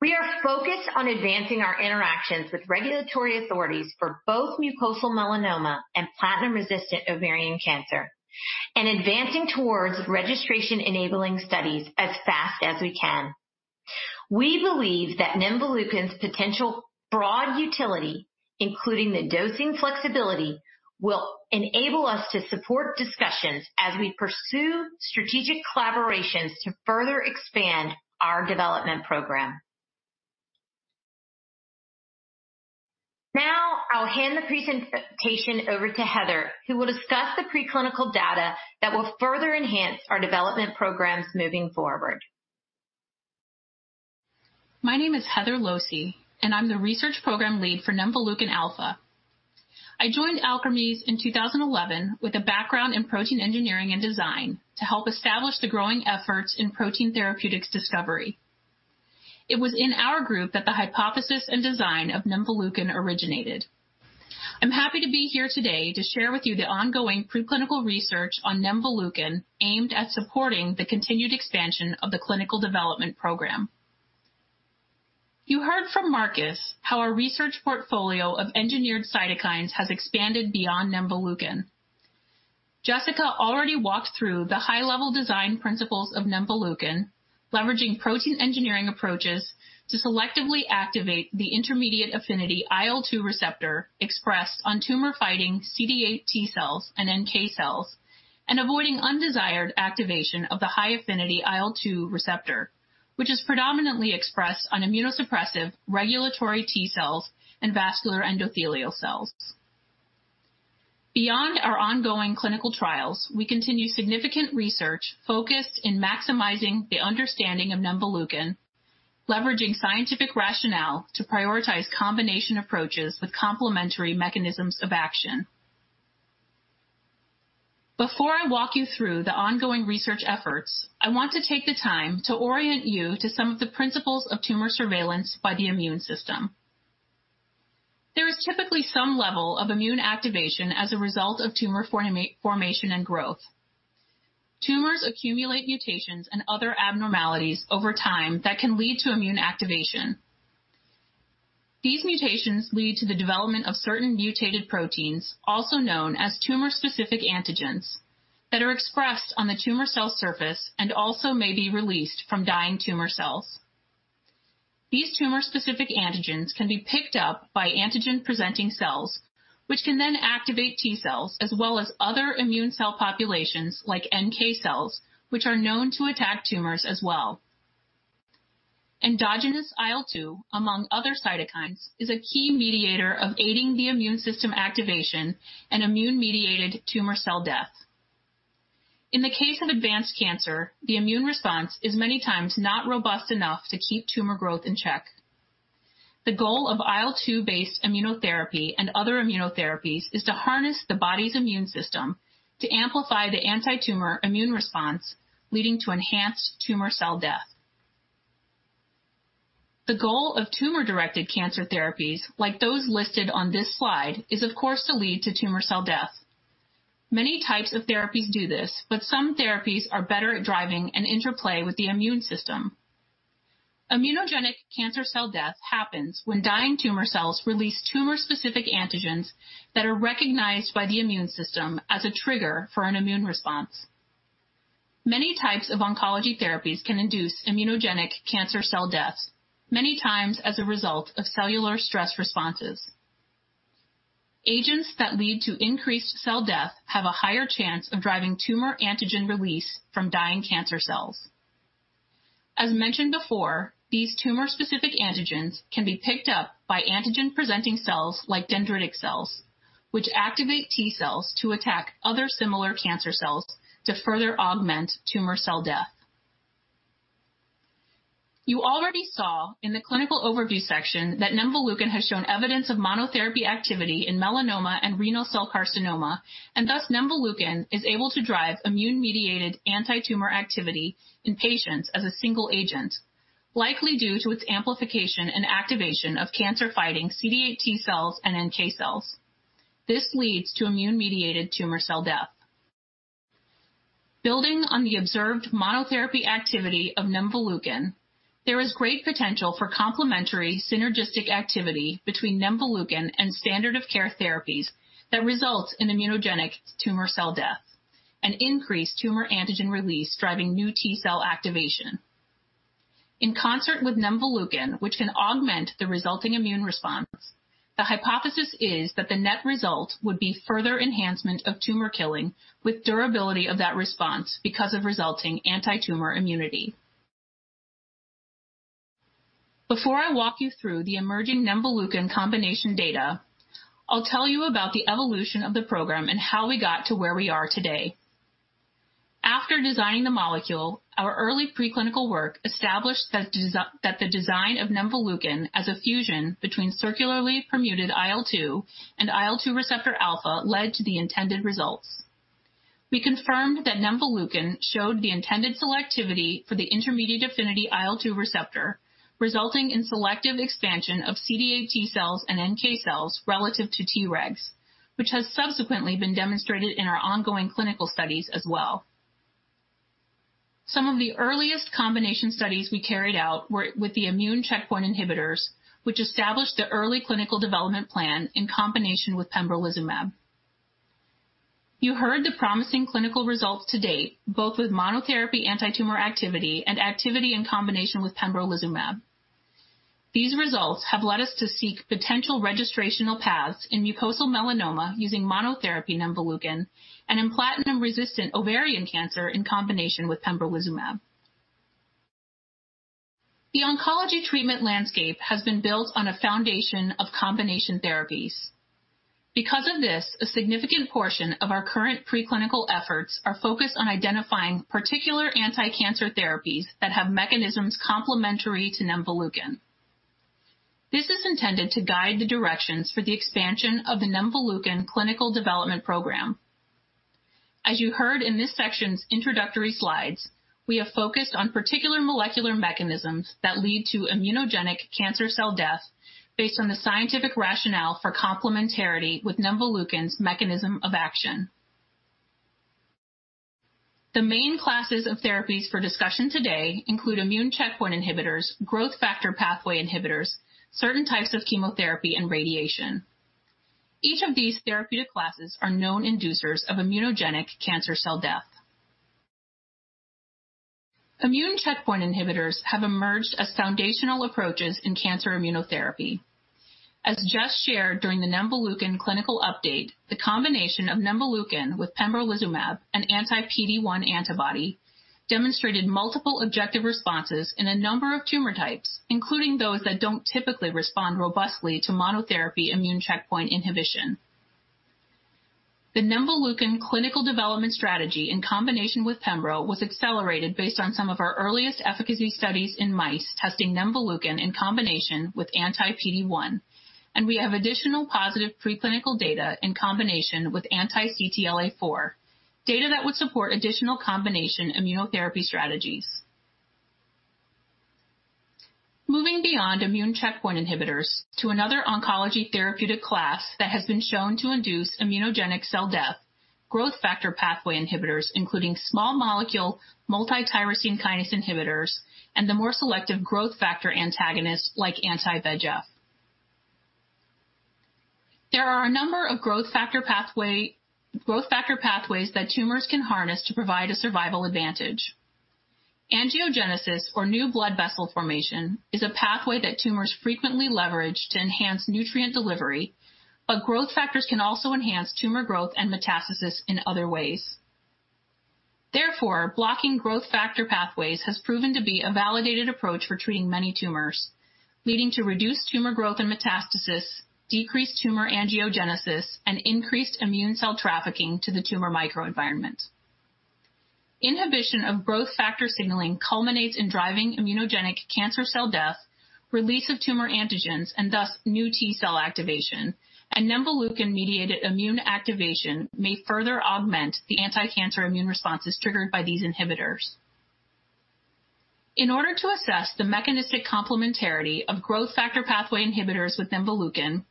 We are focused on advancing our interactions with regulatory authorities for both mucosal melanoma and platinum-resistant ovarian cancer and advancing towards registration enabling studies as fast as we can. We believe that nemvaleukin's potential broad utility, including the dosing flexibility, will enable us to support discussions as we pursue strategic collaborations to further expand our development program. I'll hand the presentation over to Heather, who will discuss the preclinical data that will further enhance our development programs moving forward. My name is Heather Losey, and I'm the research program lead for nemvaleukin alfa. I joined Alkermes in 2011 with a background in protein engineering and design to help establish the growing efforts in protein therapeutics discovery. It was in our group that the hypothesis and design of nemvaleukin originated. I'm happy to be here today to share with you the ongoing preclinical research on nemvaleukin aimed at supporting the continued expansion of the clinical development program. You heard from Markus how our research portfolio of engineered cytokines has expanded beyond nemvaleukin. Jessicca already walked through the high-level design principles of nemvaleukin, leveraging protein engineering approaches to selectively activate the intermediate affinity IL-2 receptor expressed on tumor-fighting CD8+ T cells and NK cells, and avoiding undesired activation of the high-affinity IL-2 receptor, which is predominantly expressed on immunosuppressive regulatory T cells and vascular endothelial cells. Beyond our ongoing clinical trials, we continue significant research focused in maximizing the understanding of nemvaleukin, leveraging scientific rationale to prioritize combination approaches with complementary mechanisms of action. Before I walk you through the ongoing research efforts, I want to take the time to orient you to some of the principles of tumor surveillance by the immune system. There is typically some level of immune activation as a result of tumor formation and growth. Tumors accumulate mutations and other abnormalities over time that can lead to immune activation. These mutations lead to the development of certain mutated proteins, also known as tumor-specific antigens, that are expressed on the tumor cell surface and also may be released from dying tumor cells. These tumor-specific antigens can be picked up by antigen-presenting cells, which can then activate T cells, as well as other immune cell populations like NK cells, which are known to attack tumors as well. Endogenous IL-2, among other cytokines, is a key mediator of aiding the immune system activation and immune-mediated tumor cell death. In the case of advanced cancer, the immune response is many times not robust enough to keep tumor growth in check. The goal of IL-2-based immunotherapy and other immunotherapies is to harness the body's immune system to amplify the anti-tumor immune response, leading to enhanced tumor cell death. The goal of tumor-directed cancer therapies, like those listed on this slide, is, of course, to lead to tumor cell death. Many types of therapies do this, but some therapies are better at driving an interplay with the immune system. Immunogenic cancer cell death happens when dying tumor cells release tumor-specific antigens that are recognized by the immune system as a trigger for an immune response. Many types of oncology therapies can induce immunogenic cancer cell deaths, many times as a result of cellular stress responses. Agents that lead to increased cell death have a higher chance of driving tumor antigen release from dying cancer cells. As mentioned before, these tumor-specific antigens can be picked up by antigen-presenting cells like dendritic cells, which activate T cells to attack other similar cancer cells to further augment tumor cell death. You already saw in the clinical overview section that nemvaleukin has shown evidence of monotherapy activity in melanoma and renal cell carcinoma, and thus nemvaleukin is able to drive immune-mediated anti-tumor activity in patients as a single agent, likely due to its amplification and activation of cancer-fighting CD8 T cells and NK cells. This leads to immune-mediated tumor cell death. Building on the observed monotherapy activity of nemvaleukin, there is great potential for complementary synergistic activity between nemvaleukin and standard of care therapies that result in immunogenic tumor cell death and increased tumor antigen release, driving new T cell activation. In concert with nemvaleukin, which can augment the resulting immune response, the hypothesis is that the net result would be further enhancement of tumor killing with durability of that response because of resulting anti-tumor immunity. Before I walk you through the emerging nemvaleukin combination data, I'll tell you about the evolution of the program and how we got to where we are today. After designing the molecule, our early preclinical work established that the design of nemvaleukin as a fusion between circularly permuted IL-2 and IL-2 receptor alpha led to the intended results. We confirmed that nemvaleukin showed the intended selectivity for the intermediate affinity IL-2 receptor, resulting in selective expansion of CD8 T cells and NK cells relative to Tregs, which has subsequently been demonstrated in our ongoing clinical studies as well. Some of the earliest combination studies we carried out were with the immune checkpoint inhibitors, which established the early clinical development plan in combination with pembrolizumab. You heard the promising clinical results to date, both with monotherapy anti-tumor activity and activity in combination with pembrolizumab. These results have led us to seek potential registrational paths in mucosal melanoma using monotherapy nemvaleukin and in platinum-resistant ovarian cancer in combination with pembrolizumab. The oncology treatment landscape has been built on a foundation of combination therapies. Because of this, a significant portion of our current preclinical efforts are focused on identifying particular anticancer therapies that have mechanisms complementary to nemvaleukin. This is intended to guide the directions for the expansion of the nemvaleukin clinical development program. As you heard in this section's introductory slides, we have focused on particular molecular mechanisms that lead to immunogenic cancer cell death based on the scientific rationale for complementarity with nemvaleukin's mechanism of action. The main classes of therapies for discussion today include immune checkpoint inhibitors, growth factor pathway inhibitors, certain types of chemotherapy, and radiation. Each of these therapeutic classes are known inducers of immunogenic cancer cell death. Immune checkpoint inhibitors have emerged as foundational approaches in cancer immunotherapy. As just shared during the nemvaleukin clinical update, the combination of nemvaleukin with pembrolizumab, an anti-PD-1 antibody, demonstrated multiple objective responses in a number of tumor types, including those that don't typically respond robustly to monotherapy immune checkpoint inhibition. The nemvaleukin clinical development strategy in combination with pembro was accelerated based on some of our earliest efficacy studies in mice testing nemvaleukin in combination with anti-PD-1, and we have additional positive preclinical data in combination with anti-CTLA-4, data that would support additional combination immunotherapy strategies. Moving beyond immune checkpoint inhibitors to another oncology therapeutic class that has been shown to induce immunogenic cell death, growth factor pathway inhibitors, including small molecule multi-tyrosine kinase inhibitors, and the more selective growth factor antagonists like anti-VEGF. There are a number of growth factor pathways that tumors can harness to provide a survival advantage. Angiogenesis, or new blood vessel formation, is a pathway that tumors frequently leverage to enhance nutrient delivery, but growth factors can also enhance tumor growth and metastasis in other ways. Therefore, blocking growth factor pathways has proven to be a validated approach for treating many tumors, leading to reduced tumor growth and metastasis, decreased tumor angiogenesis, and increased immune cell trafficking to the tumor microenvironment. Inhibition of growth factor signaling culminates in driving immunogenic cancer cell death, release of tumor antigens, and thus new T cell activation, and nemvaleukin-mediated immune activation may further augment the anticancer immune responses triggered by these inhibitors. In order to assess the mechanistic complementarity of growth factor pathway inhibitors with nemvaleukin,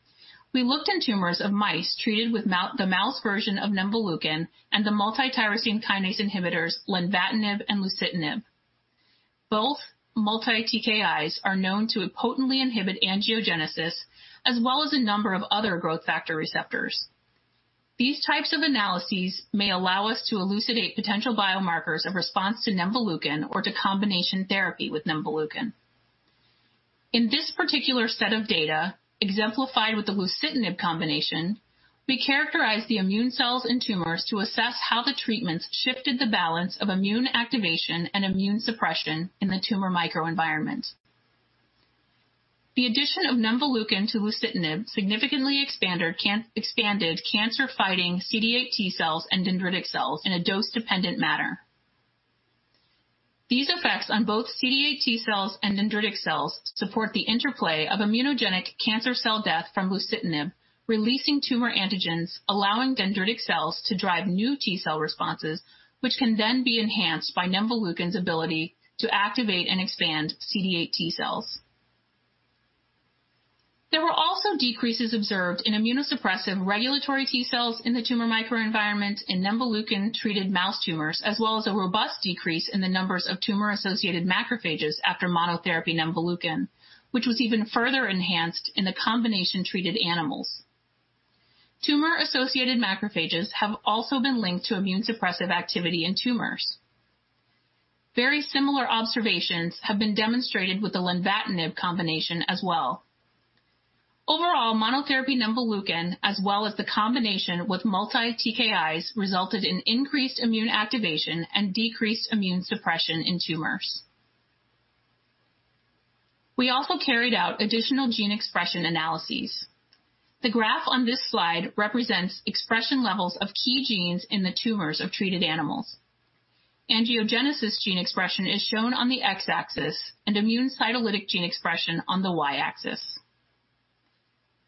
we looked in tumors of mice treated with the mouse version of nemvaleukin and the multi-tyrosine kinase inhibitors lenvatinib and lucitanib. Both multi-TKIs are known to potently inhibit angiogenesis as well as a number of other growth factor receptors. These types of analyses may allow us to elucidate potential biomarkers of response to nemvaleukin or to combination therapy with nemvaleukin. In this particular set of data, exemplified with the lucitanib combination, we characterized the immune cells in tumors to assess how the treatments shifted the balance of immune activation and immune suppression in the tumor microenvironment. The addition of nemvaleukin to lucitanib significantly expanded cancer-fighting CD8+ T cells and dendritic cells in a dose-dependent manner. These effects on both CD8 T cells and dendritic cells support the interplay of immunogenic cancer cell death from lucitanib, releasing tumor antigens, allowing dendritic cells to drive new T cell responses, which can then be enhanced by nemvaleukin's ability to activate and expand CD8 T cells. There were also decreases observed in immunosuppressive regulatory T cells in the tumor microenvironment in nemvaleukin-treated mouse tumors, as well as a robust decrease in the numbers of tumor-associated macrophages after monotherapy nemvaleukin, which was even further enhanced in the combination-treated animals. Tumor-associated macrophages have also been linked to immunosuppressive activity in tumors. Very similar observations have been demonstrated with the lenvatinib combination as well. Overall, monotherapy nemvaleukin as well as the combination with multi-TKIs resulted in increased immune activation and decreased immune suppression in tumors. We also carried out additional gene expression analyses. The graph on this slide represents expression levels of key genes in the tumors of treated animals. Angiogenesis gene expression is shown on the X-axis and immune cytolytic gene expression on the Y-axis.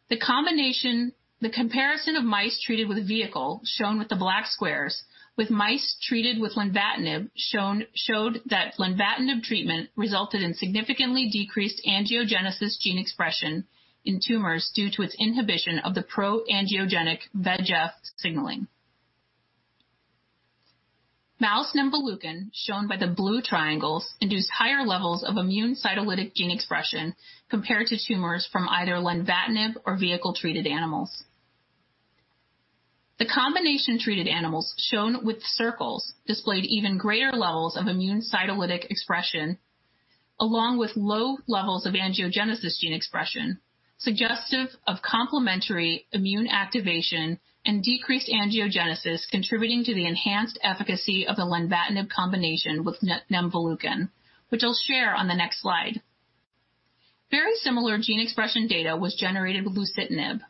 The comparison of mice treated with a vehicle, shown with the black squares, with mice treated with lenvatinib, showed that lenvatinib treatment resulted in significantly decreased angiogenesis gene expression in tumors due to its inhibition of the pro-angiogenic VEGF signaling. Mouse nemvaleukin, shown by the blue triangles, induced higher levels of immune cytolytic gene expression compared to tumors from either lenvatinib or vehicle-treated animals. The combination-treated animals, shown with circles, displayed even greater levels of immune cytolytic expression along with low levels of angiogenesis gene expression, suggestive of complementary immune activation and decreased angiogenesis contributing to the enhanced efficacy of the lenvatinib combination with nemvaleukin, which I'll share on the next slide. Very similar gene expression data was generated with lucitanib.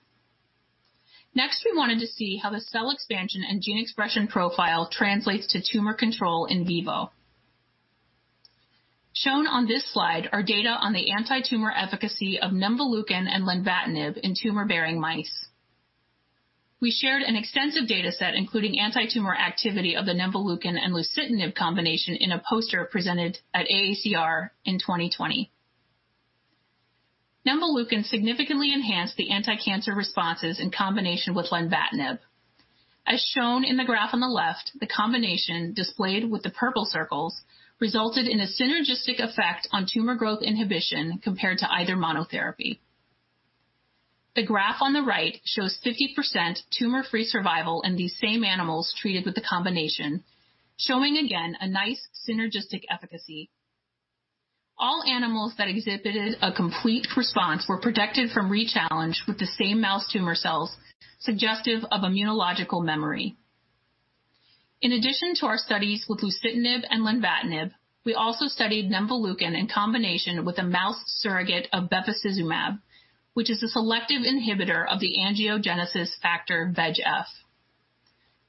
We wanted to see how the cell expansion and gene expression profile translates to tumor control in vivo. Shown on this slide are data on the anti-tumor efficacy of nemvaleukin and lenvatinib in tumor-bearing mice. We shared an extensive data set, including anti-tumor activity of the nemvaleukin and lucitanib combination in a poster presented at AACR in 2020. Nemvaleukin significantly enhanced the anti-cancer responses in combination with lenvatinib. Shown in the graph on the left, the combination displayed with the purple circles resulted in a synergistic effect on tumor growth inhibition compared to either monotherapy. The graph on the right shows 50% tumor-free survival in these same animals treated with the combination, showing again a nice synergistic efficacy. All animals that exhibited a complete response were protected from re-challenge with the same mouse tumor cells, suggestive of immunological memory. In addition to our studies with lucitanib and lenvatinib, we also studied nemvaleukin in combination with a mouse surrogate of bevacizumab, which is a selective inhibitor of the angiogenesis factor VEGF.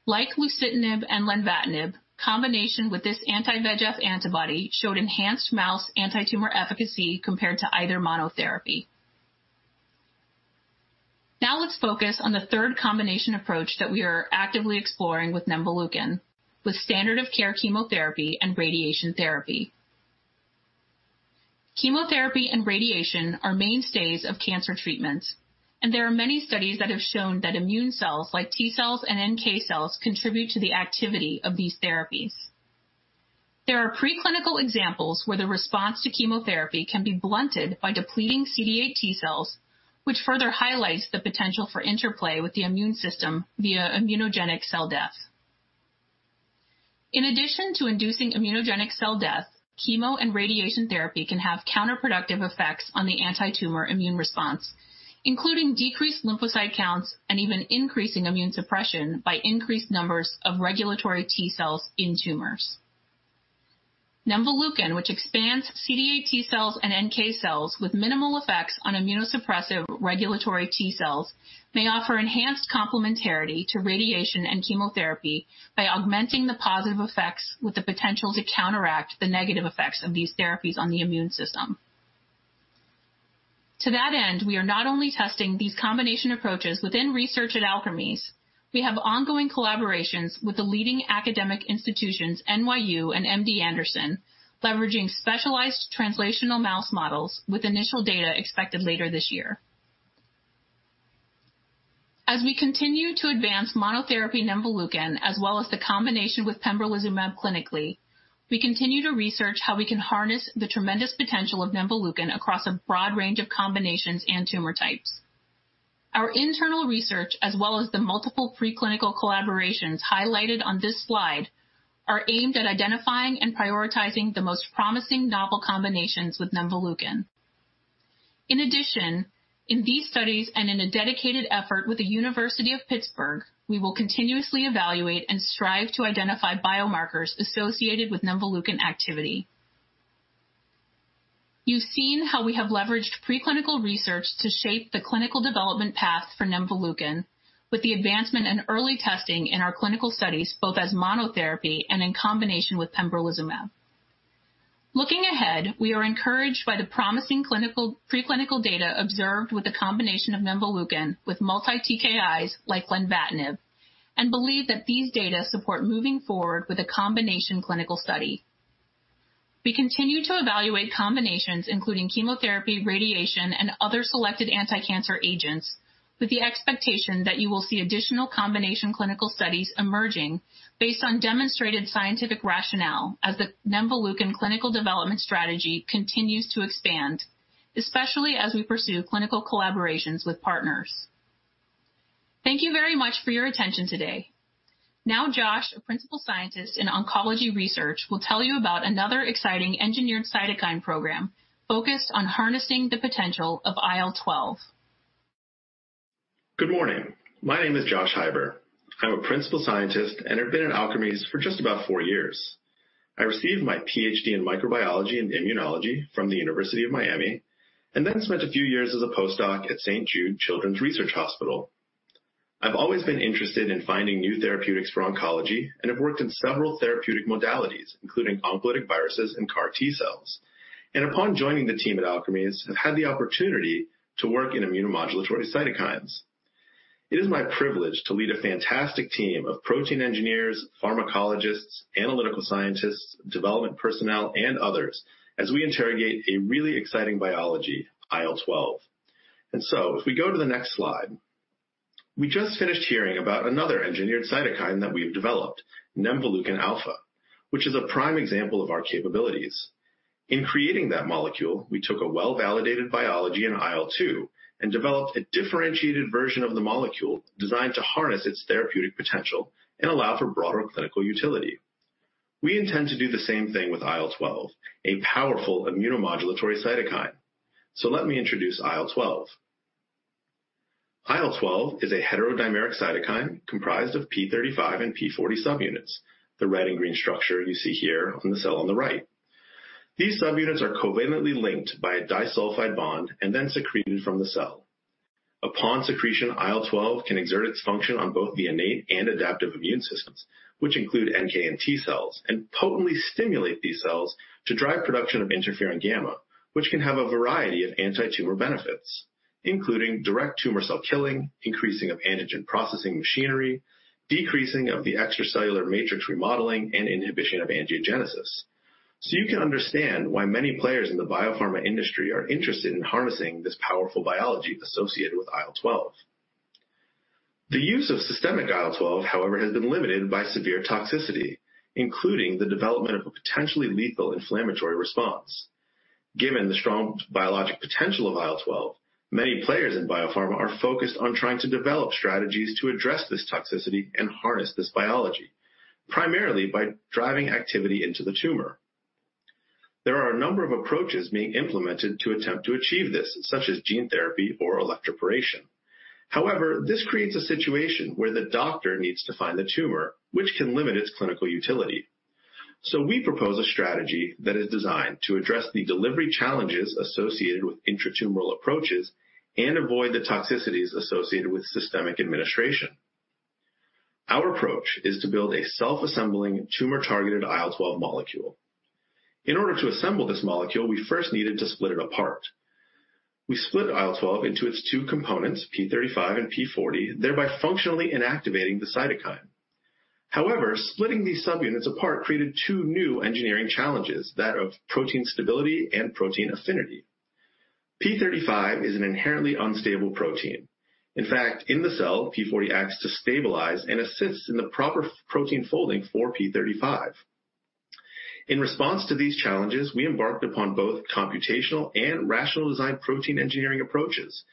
Like lucitanib and lenvatinib, combination with this anti-VEGF antibody showed enhanced mouse anti-tumor efficacy compared to either monotherapy. Now let's focus on the third combination approach that we are actively exploring with nemvaleukin, with standard of care chemotherapy and radiation therapy. Chemotherapy and radiation are mainstays of cancer treatment, and there are many studies that have shown that immune cells like T cells and NK cells contribute to the activity of these therapies. There are preclinical examples where the response to chemotherapy can be blunted by depleting CD8+ T cells, which further highlights the potential for interplay with the immune system via immunogenic cell death. In addition to inducing immunogenic cell death, chemo and radiation therapy can have counterproductive effects on the anti-tumor immune response, including decreased lymphocyte counts and even increasing immune suppression by increased numbers of regulatory T cells in tumors. Nemvaleukin, which expands CD8+ T cells and NK cells with minimal effects on immunosuppressive regulatory T cells, may offer enhanced complementarity to radiation and chemotherapy by augmenting the positive effects with the potential to counteract the negative effects of these therapies on the immune system. To that end, we are not only testing these combination approaches within research at Alkermes, we have ongoing collaborations with the leading academic institutions, NYU and MD Anderson, leveraging specialized translational mouse models with initial data expected later this year. As we continue to advance monotherapy nemvaleukin, as well as the combination with pembrolizumab clinically, we continue to research how we can harness the tremendous potential of nemvaleukin across a broad range of combinations and tumor types. Our internal research, as well as the multiple preclinical collaborations highlighted on this slide, are aimed at identifying and prioritizing the most promising novel combinations with nemvaleukin. In addition, in these studies and in a dedicated effort with the University of Pittsburgh, we will continuously evaluate and strive to identify biomarkers associated with nemvaleukin activity. You've seen how we have leveraged preclinical research to shape the clinical development path for nemvaleukin with the advancement in early testing in our clinical studies, both as monotherapy and in combination with pembrolizumab. Looking ahead, we are encouraged by the promising preclinical data observed with a combination of nemvaleukin with multi-TKIs like lenvatinib and believe that these data support moving forward with a combination clinical study. We continue to evaluate combinations including chemotherapy, radiation, and other selected anticancer agents with the expectation that you will see additional combination clinical studies emerging based on demonstrated scientific rationale as the nemvaleukin clinical development strategy continues to expand, especially as we pursue clinical collaborations with partners. Thank you very much for your attention today. Now Josh, a Principal Scientist in Oncology Research, will tell you about another exciting engineered cytokine program focused on harnessing the potential of IL-12. Good morning. My name is Josh Heiber. I am a principal scientist and have been at Alkermes for just about four years. I received my PhD in microbiology and immunology from the University of Miami, spent a few years as a postdoc at St. Jude Children's Research Hospital. I have always been interested in finding new therapeutics for oncology and have worked in several therapeutic modalities, including oncolytic viruses and CAR T-cells. Upon joining the team at Alkermes, I have had the opportunity to work in immunomodulatory cytokines. It is my privilege to lead a fantastic team of protein engineers, pharmacologists, analytical scientists, development personnel, and others as we interrogate a really exciting biology, IL-12. If we go to the next slide. We just finished hearing about another engineered cytokine that we have developed, nemvaleukin alfa, which is a prime example of our capabilities. In creating that molecule, we took a well-validated biology in IL-2 and developed a differentiated version of the molecule designed to harness its therapeutic potential and allow for broader clinical utility. Let me introduce IL-12, a powerful immunomodulatory cytokine. IL-12 is a heterodimeric cytokine comprised of P35 and P40 subunits, the red and green structure you see here on the cell on the right. These subunits are covalently linked by a disulfide bond and then secreted from the cell. Upon secretion, IL-12 can exert its function on both the innate and adaptive immune systems, which include NK and T cells, and potently stimulate these cells to drive production of interferon gamma, which can have a variety of anti-tumor benefits, including direct tumor cell killing, increasing of antigen processing machinery, decreasing of the extracellular matrix remodeling, and inhibition of angiogenesis. You can understand why many players in the biopharma industry are interested in harnessing this powerful biology associated with IL-12. The use of systemic IL-12, however, has been limited by severe toxicity, including the development of a potentially lethal inflammatory response. Given the strong biologic potential of IL-12, many players in biopharma are focused on trying to develop strategies to address this toxicity and harness this biology, primarily by driving activity into the tumor. There are a number of approaches being implemented to attempt to achieve this, such as gene therapy or electroporation. This creates a situation where the doctor needs to find the tumor, which can limit its clinical utility. We propose a strategy that is designed to address the delivery challenges associated with intratumoral approaches and avoid the toxicities associated with systemic administration. Our approach is to build a self-assembling tumor-targeted IL-12 molecule. In order to assemble this molecule, we first needed to split it apart. We split IL-12 into its two components, P35 and P40, thereby functionally inactivating the cytokine. However, splitting these subunits apart created two new engineering challenges, that of protein stability and protein affinity. P35 is an inherently unstable protein. In fact, in the cell, P40 acts to stabilize and assists in the proper protein folding for P35. In response to these challenges, we embarked upon both computational and rational design protein engineering approaches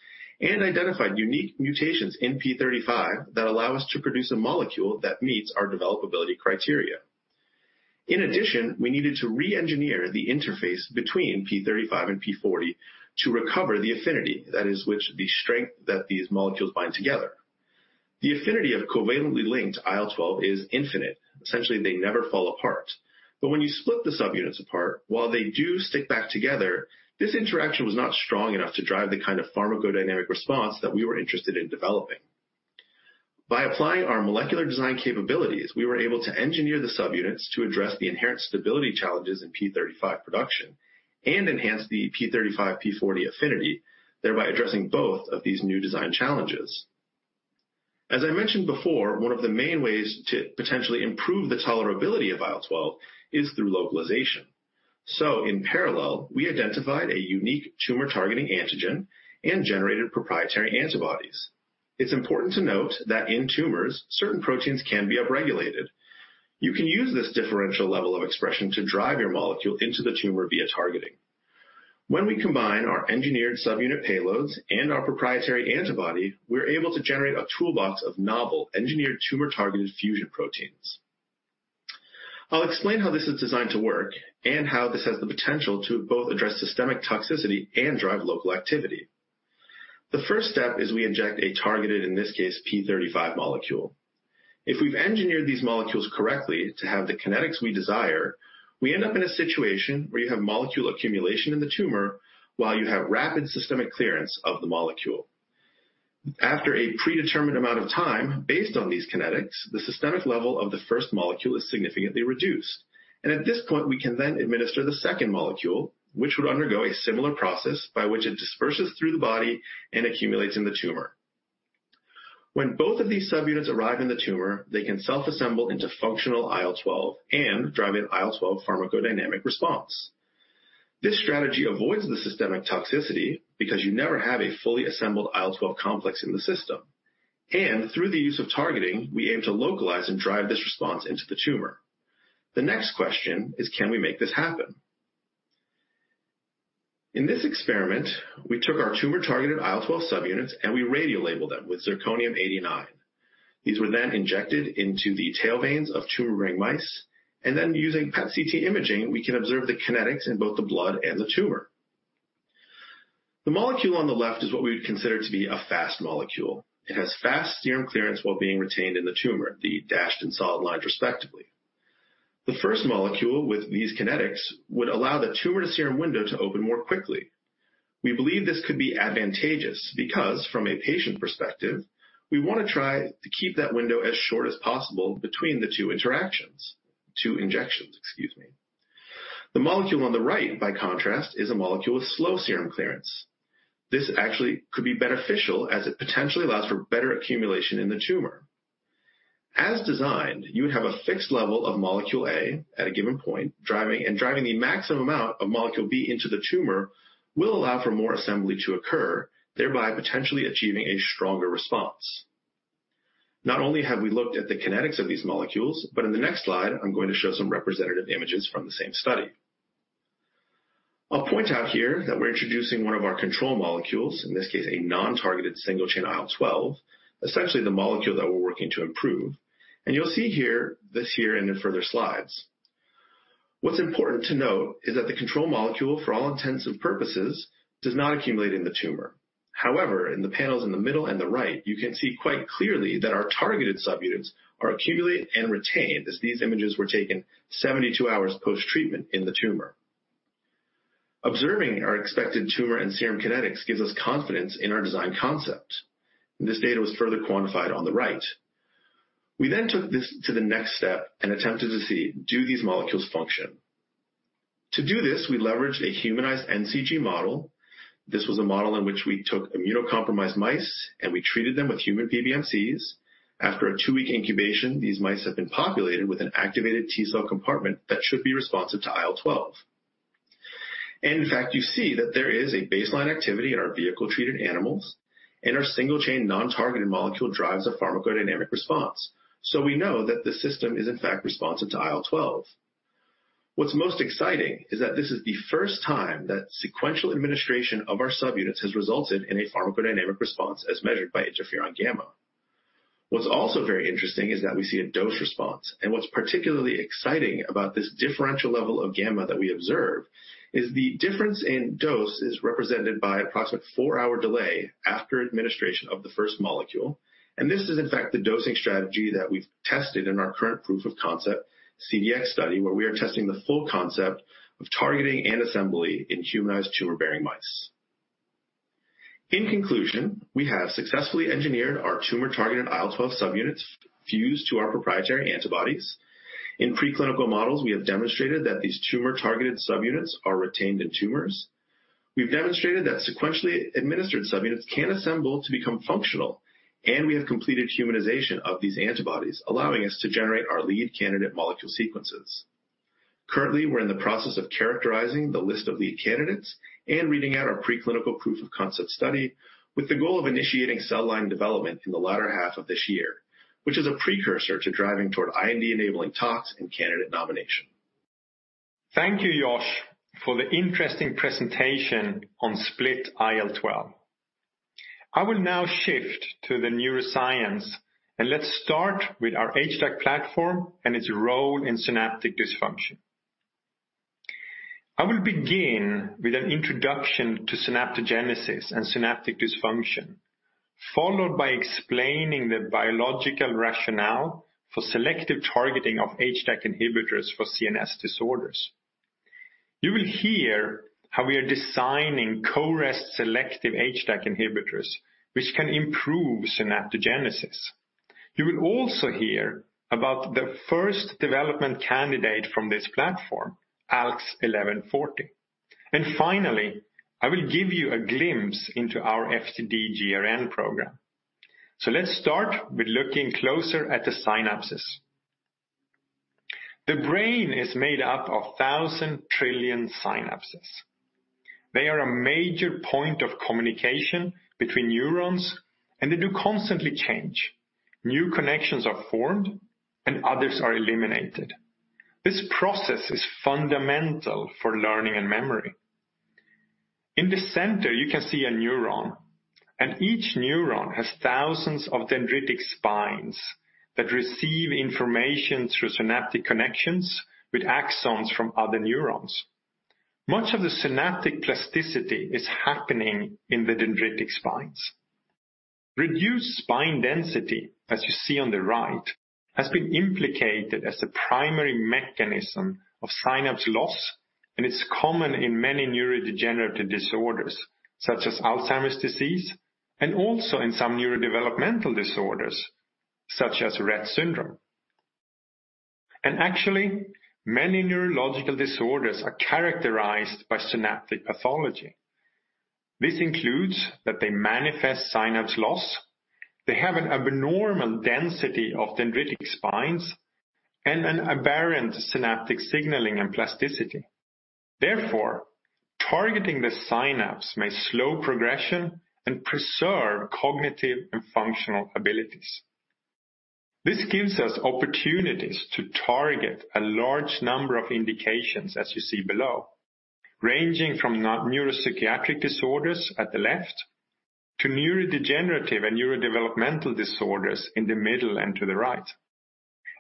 and identified unique mutations in P35 that allow us to produce a molecule that meets our developability criteria. In addition, we needed to re-engineer the interface between P35 and P40 to recover the affinity, that is the strength that these molecules bind together. The affinity of covalently linked IL-12 is infinite. Essentially, they never fall apart. When you split the subunits apart, while they do stick back together, this interaction was not strong enough to drive the kind of pharmacodynamic response that we were interested in developing. By applying our molecular design capabilities, we were able to engineer the subunits to address the inherent stability challenges in P35 production and enhance the P35/P40 affinity, thereby addressing both of these new design challenges. As I mentioned before, one of the main ways to potentially improve the tolerability of IL-12 is through localization. In parallel, we identified a unique tumor-targeting antigen and generated proprietary antibodies. It's important to note that in tumors, certain proteins can be upregulated. You can use this differential level of expression to drive your molecule into the tumor via targeting. When we combine our engineered subunit payloads and our proprietary antibody, we're able to generate a toolbox of novel engineered tumor-targeted fusion proteins. I'll explain how this is designed to work and how this has the potential to both address systemic toxicity and drive local activity. The first step is we inject a targeted, in this case, P35 molecule. If we've engineered these molecules correctly to have the kinetics we desire, we end up in a situation where you have molecule accumulation in the tumor while you have rapid systemic clearance of the molecule. After a predetermined amount of time based on these kinetics, the systemic level of the first molecule is significantly reduced. At this point, we can then administer the second molecule, which would undergo a similar process by which it disperses through the body and accumulates in the tumor. When both of these subunits arrive in the tumor, they can self-assemble into functional IL-12 and drive an IL-12 pharmacodynamic response. This strategy avoids the systemic toxicity because you never have a fully assembled IL-12 complex in the system. Through the use of targeting, we aim to localize and drive this response into the tumor. The next question is can we make this happen? In this experiment, we took our tumor-targeted IL-12 subunits and we radiolabeled them with zirconium-89. These were then injected into the tail veins of tumor-bearing mice, and then using PET/CT imaging, we can observe the kinetics in both the blood and the tumor. The molecule on the left is what we would consider to be a fast molecule. It has fast serum clearance while being retained in the tumor, the dashed and solid lines respectively. The first molecule with these kinetics would allow the tumor to serum window to open more quickly. We believe this could be advantageous because, from a patient perspective, we want to try to keep that window as short as possible between the two interactions. Two injections, excuse me. The molecule on the right, by contrast, is a molecule with slow serum clearance. This actually could be beneficial as it potentially allows for better accumulation in the tumor. As designed, you would have a fixed level of molecule A at a given point, and driving the maximum amount of molecule B into the tumor will allow for more assembly to occur, thereby potentially achieving a stronger response. Not only have we looked at the kinetics of these molecules, but in the next slide I'm going to show some representative images from the same study. I'll point out here that we're introducing one of our control molecules, in this case a non-targeted single-chain IL-12, essentially the molecule that we're working to improve. You'll see this here and in further slides. What's important to note is that the control molecule, for all intents and purposes, does not accumulate in the tumor. However, in the panels in the middle and the right, you can see quite clearly that our targeted subunits are accumulated and retained, as these images were taken 72 hours post-treatment in the tumor. Observing our expected tumor and serum kinetics gives us confidence in our design concept. This data was further quantified on the right. We took this to the next step and attempted to see, do these molecules function? To do this, we leveraged a humanized NCG model. This was a model in which we took immunocompromised mice, we treated them with human PBMCs. After a two-week incubation, these mice have been populated with an activated T cell compartment that should be responsive to IL-12. In fact, you see that there is a baseline activity in our vehicle-treated animals, and our single-chain non-targeted molecule drives a pharmacodynamic response. We know that the system is in fact responsive to IL-12. What's most exciting is that this is the first time that sequential administration of our subunits has resulted in a pharmacodynamic response as measured by interferon gamma. What's also very interesting is that we see a dose response, and what's particularly exciting about this differential level of gamma that we observe is the difference in dose is represented by approximate 4-hour delay after administration of the first molecule, and this is in fact the dosing strategy that we've tested in our current proof of concept CDX study, where we are testing the full concept of targeting and assembly in humanized tumor-bearing mice. In conclusion, we have successfully engineered our tumor-targeted IL-12 subunits fused to our proprietary antibodies. In preclinical models, we have demonstrated that these tumor-targeted subunits are retained in tumors. We've demonstrated that sequentially administered subunits can assemble to become functional, and we have completed humanization of these antibodies, allowing us to generate our lead candidate molecule sequences. Currently, we're in the process of characterizing the list of lead candidates and reading out our preclinical proof of concept study with the goal of initiating cell line development in the latter half of this year, which is a precursor to driving toward IND-enabling tox and candidate nomination. Thank you, Josh, for the interesting presentation on split IL-12. I will now shift to the neuroscience. Let's start with our HDAC platform and its role in synaptic dysfunction. I will begin with an introduction to synaptogenesis and synaptic dysfunction, followed by explaining the biological rationale for selective targeting of HDAC inhibitors for CNS disorders. You will hear how we are designing CoREST selective HDAC inhibitors, which can improve synaptogenesis. You will also hear about the first development candidate from this platform, ALKS 1140. Finally, I will give you a glimpse into our FTD-GRN program. Let's start with looking closer at the synapses. The brain is made up of 1,000 trillion synapses. They are a major point of communication between neurons. They do constantly change. New connections are formed and others are eliminated. This process is fundamental for learning and memory. In the center, you can see a neuron, and each neuron has thousands of dendritic spines that receive information through synaptic connections with axons from other neurons. Much of the synaptic plasticity is happening in the dendritic spines. Reduced spine density, as you see on the right, has been implicated as the primary mechanism of synapse loss, and it's common in many neurodegenerative disorders, such as Alzheimer's disease, and also in some neurodevelopmental disorders, such as Rett syndrome. Actually, many neurological disorders are characterized by synaptic pathology. This includes that they manifest synapse loss, they have an abnormal density of dendritic spines, and an aberrant synaptic signaling and plasticity. Therefore, targeting the synapse may slow progression and preserve cognitive and functional abilities. This gives us opportunities to target a large number of indications as you see below, ranging from neuropsychiatric disorders at the left to neurodegenerative and neurodevelopmental disorders in the middle and to the right.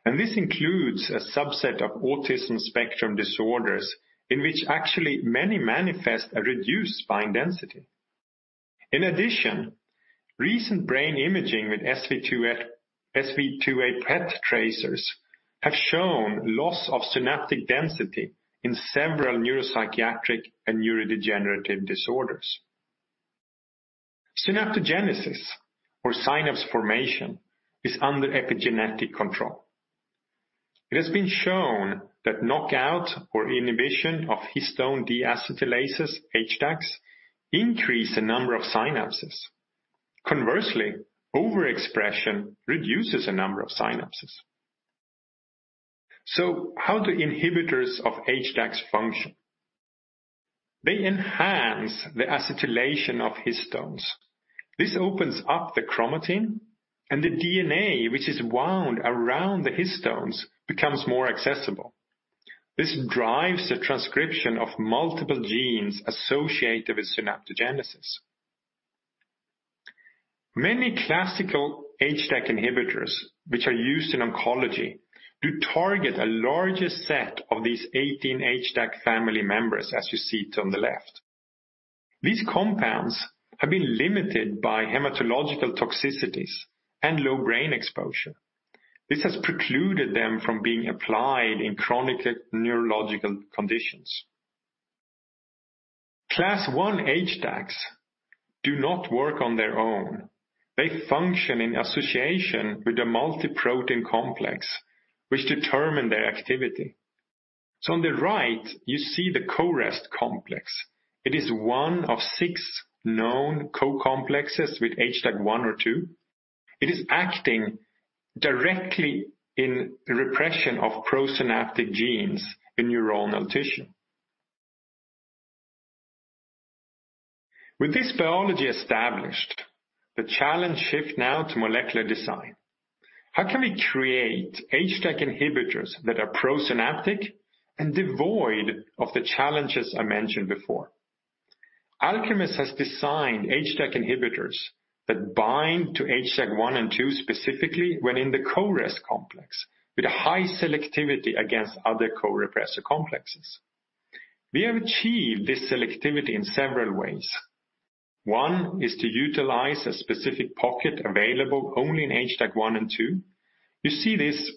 This includes a subset of autism spectrum disorders in which actually many manifest a reduced spine density. In addition, recent brain imaging with SV2A PET tracers have shown loss of synaptic density in several neuropsychiatric and neurodegenerative disorders. Synaptogenesis or synapse formation is under epigenetic control. It has been shown that knockout or inhibition of histone deacetylases, HDACs, increase the number of synapses. Conversely, overexpression reduces the number of synapses. How do inhibitors of HDACs function? They enhance the acetylation of histones. This opens up the chromatin and the DNA, which is wound around the histones, becomes more accessible. This drives the transcription of multiple genes associated with synaptogenesis. Many classical HDAC inhibitors, which are used in oncology, do target a larger set of these 18 HDAC family members, as you see it on the left. These compounds have been limited by hematological toxicities and low brain exposure. This has precluded them from being applied in chronic neurological conditions. Class 1 HDACs do not work on their own. They function in association with a multi-protein complex, which determine their activity. On the right, you see the CoREST complex. It is one of six known co-complexes with HDAC 1 or 2. It is acting directly in repression of pro-synaptic genes in neuronal tissue. With this biology established, the challenge shift now to molecular design. How can we create HDAC inhibitors that are pro-synaptic and devoid of the challenges I mentioned before? Alkermes has designed HDAC inhibitors that bind to HDAC 1 and 2 specifically when in the CoREST complex, with a high selectivity against other co-repressor complexes. We have achieved this selectivity in several ways. One is to utilize a specific pocket available only in HDAC 1 and 2. You see this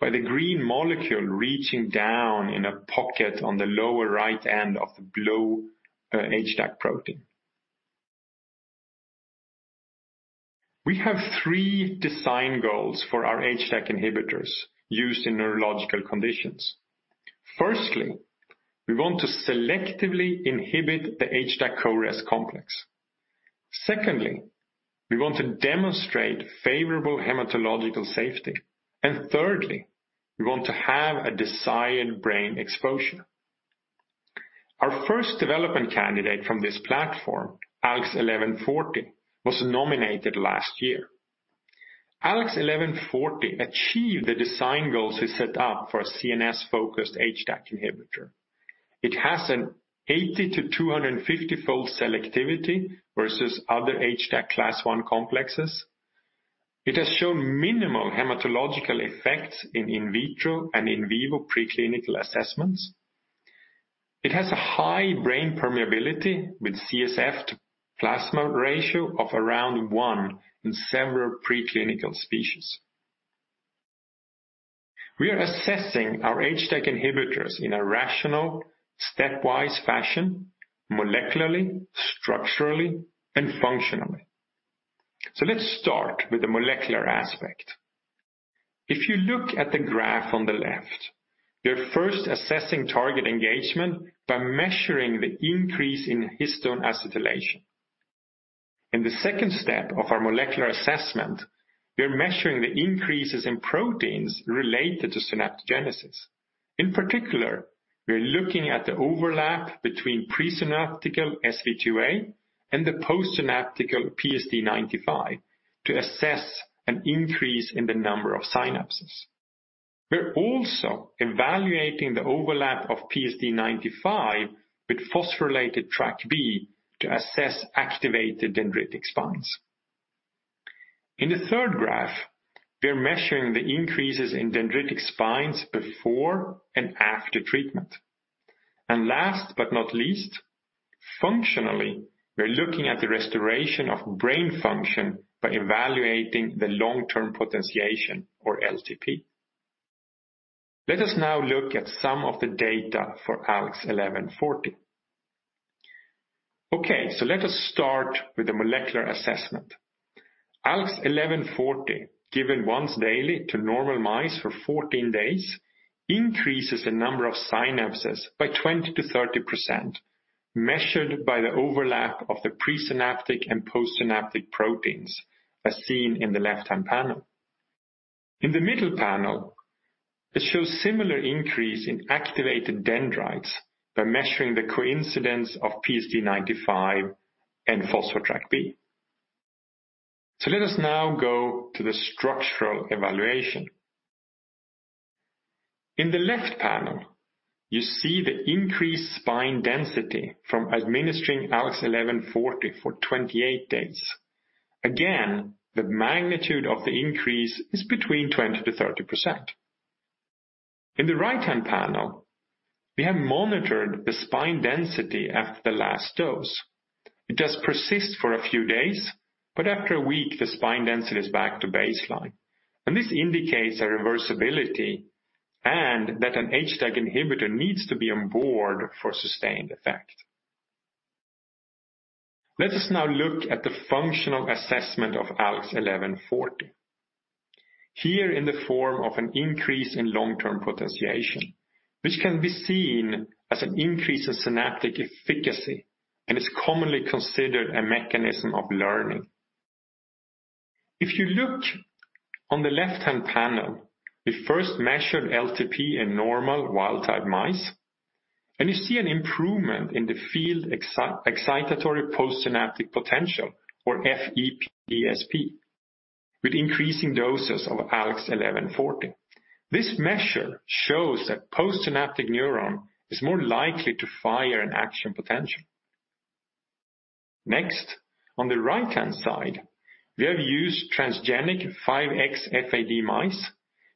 by the green molecule reaching down in a pocket on the lower right end of the blue HDAC protein. We have three design goals for our HDAC inhibitors used in neurological conditions. Firstly, we want to selectively inhibit the HDAC CoREST complex. Secondly, we want to demonstrate favorable hematological safety. Thirdly, we want to have a desired brain exposure. Our first development candidate from this platform, ALKS 1140, was nominated last year. ALKS 1140 achieved the design goals we set up for a CNS-focused HDAC inhibitor. It has an 80 to 250 fold selectivity versus other HDAC class 1 complexes. It has shown minimal hematological effects in in vitro and in vivo preclinical assessments. It has a high brain permeability with CSF to plasma ratio of around one in several preclinical species. Let's start with the molecular aspect. If you look at the graph on the left, you're first assessing target engagement by measuring the increase in histone acetylation. In the second step of our molecular assessment, we are measuring the increases in proteins related to synaptogenesis. In particular, we are looking at the overlap between presynaptic SV2A and the postsynaptic PSD95 to assess an increase in the number of synapses. We're also evaluating the overlap of PSD95 with phosphorylated TrkB to assess activated dendritic spines. In the third graph, we're measuring the increases in dendritic spines before and after treatment. Last but not least, functionally, we're looking at the restoration of brain function by evaluating the long-term potentiation or LTP. Let us now look at some of the data for ALKS 1140. Okay, let us start with the molecular assessment. ALKS 1140 given once daily to normal mice for 14 days, increases the number of synapses by 20%-30%, measured by the overlap of the presynaptic and postsynaptic proteins as seen in the left-hand panel. In the middle panel, it shows similar increase in activated dendrites by measuring the coincidence of PSD95 and phospho-TrkB. Let us now go to the structural evaluation. In the left panel, you see the increased spine density from administering ALKS 1140 for 28 days. Again, the magnitude of the increase is between 20%-30%. In the right-hand panel, we have monitored the spine density after the last dose. It does persist for a few days. After a week, the spine density is back to baseline. This indicates a reversibility and that an HDAC inhibitor needs to be on board for sustained effect. Let us now look at the functional assessment of ALKS 1140. Here in the form of an increase in long-term potentiation, which can be seen as an increase in synaptic efficacy and is commonly considered a mechanism of learning. If you look on the left-hand panel, we first measured LTP in normal wild-type mice, and you see an improvement in the field excitatory postsynaptic potential, or fEPSP, with increasing doses of ALKS 1140. This measure shows that postsynaptic neuron is more likely to fire an action potential. Next, on the right-hand side, we have used transgenic 5XFAD mice.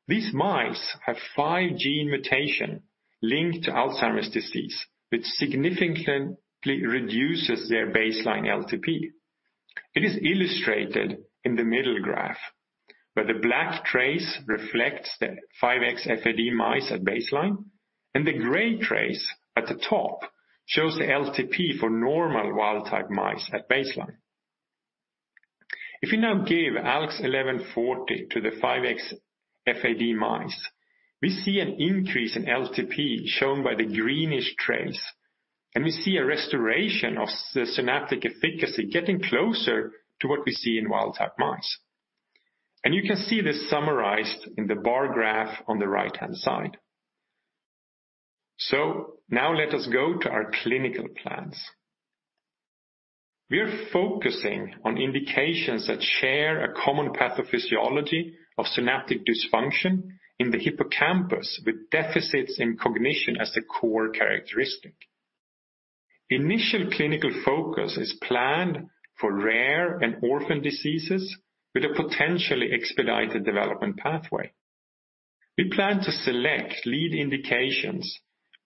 These mice have five gene mutation linked to Alzheimer's disease, which significantly reduces their baseline LTP. It is illustrated in the middle graph, where the black trace reflects the 5XFAD mice at baseline, and the gray trace at the top shows the LTP for normal wild-type mice at baseline. If we now give ALKS 1140 to the 5XFAD mice, we see an increase in LTP shown by the greenish trace, and we see a restoration of the synaptic efficacy getting closer to what we see in wild-type mice. You can see this summarized in the bar graph on the right-hand side. Now let us go to our clinical plans. We are focusing on indications that share a common pathophysiology of synaptic dysfunction in the hippocampus, with deficits in cognition as the core characteristic. Initial clinical focus is planned for rare and orphan diseases with a potentially expedited development pathway. We plan to select lead indications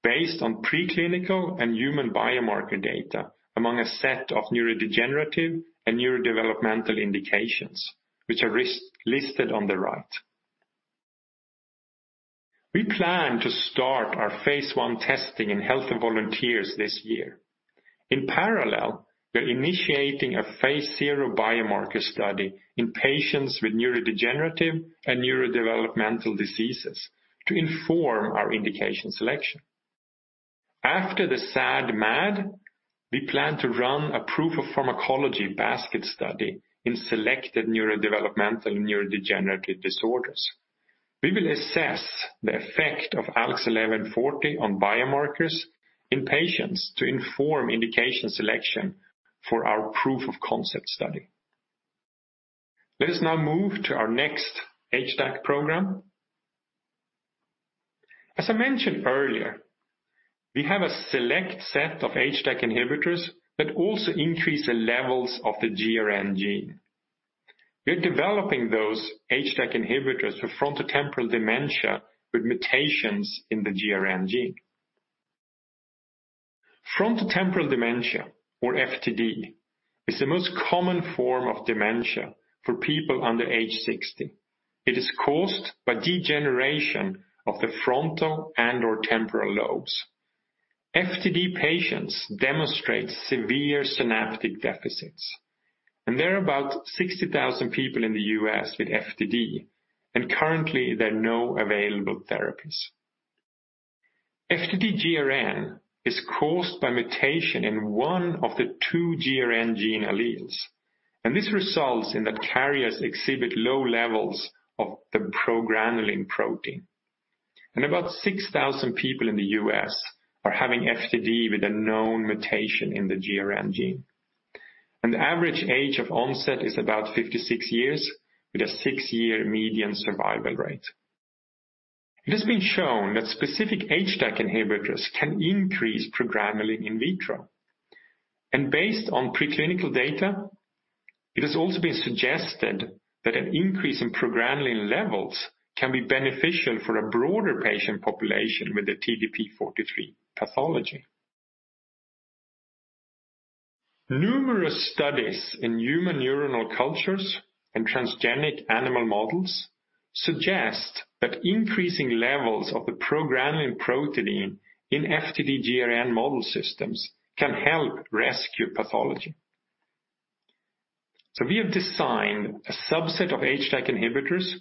based on preclinical and human biomarker data among a set of neurodegenerative and neurodevelopmental indications, which are listed on the right. We plan to start our phase I testing in healthy volunteers this year. In parallel, we're initiating a phase 0 biomarker study in patients with neurodegenerative and neurodevelopmental diseases to inform our indication selection. After the SAD/MAD, we plan to run a proof of pharmacology basket study in selected neurodevelopmental and neurodegenerative disorders. We will assess the effect of ALKS 1140 on biomarkers in patients to inform indication selection for our proof of concept study. Let us now move to our next HDAC program. As I mentioned earlier, we have a select set of HDAC inhibitors that also increase the levels of the GRN gene. We're developing those HDAC inhibitors for frontotemporal dementia with mutations in the GRN gene. Frontotemporal dementia, or FTD, is the most common form of dementia for people under age 60. It is caused by degeneration of the frontal and/or temporal lobes. FTD patients demonstrate severe synaptic deficits, and there are about 60,000 people in the U.S. with FTD, and currently there are no available therapies. FTD-GRN is caused by mutation in one of the two GRN gene alleles, and this results in that carriers exhibit low levels of the progranulin protein. About 6,000 people in the U.S. are having FTD with a known mutation in the GRN gene. The average age of onset is about 56 years with a six-year median survival rate. It has been shown that specific HDAC inhibitors can increase progranulin in vitro. Based on preclinical data, it has also been suggested that an increase in progranulin levels can be beneficial for a broader patient population with the TDP-43 pathology. Numerous studies in human neuronal cultures and transgenic animal models suggest that increasing levels of the progranulin protein in FTD-GRN model systems can help rescue pathology. We have designed a subset of HDAC inhibitors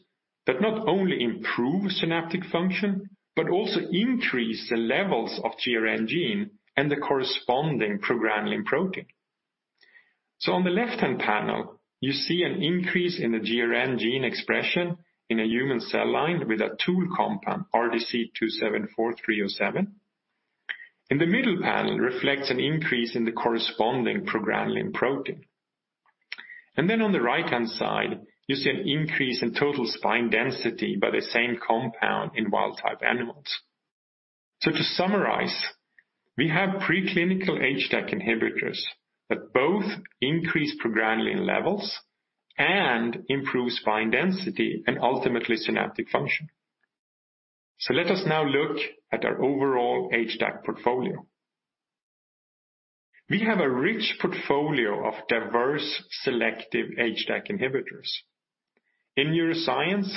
that not only improve synaptic function, but also increase the levels of GRN gene and the corresponding progranulin protein. On the left-hand panel, you see an increase in the GRN gene expression in a human cell line with a tool compound, RDC-2743-07. In the middle panel reflects an increase in the corresponding progranulin protein. On the right-hand side, you see an increase in total spine density by the same compound in wild-type animals. To summarize, we have preclinical HDAC inhibitors that both increase progranulin levels and improve spine density, and ultimately synaptic function. Let us now look at our overall HDAC portfolio. We have a rich portfolio of diverse selective HDAC inhibitors. In neuroscience,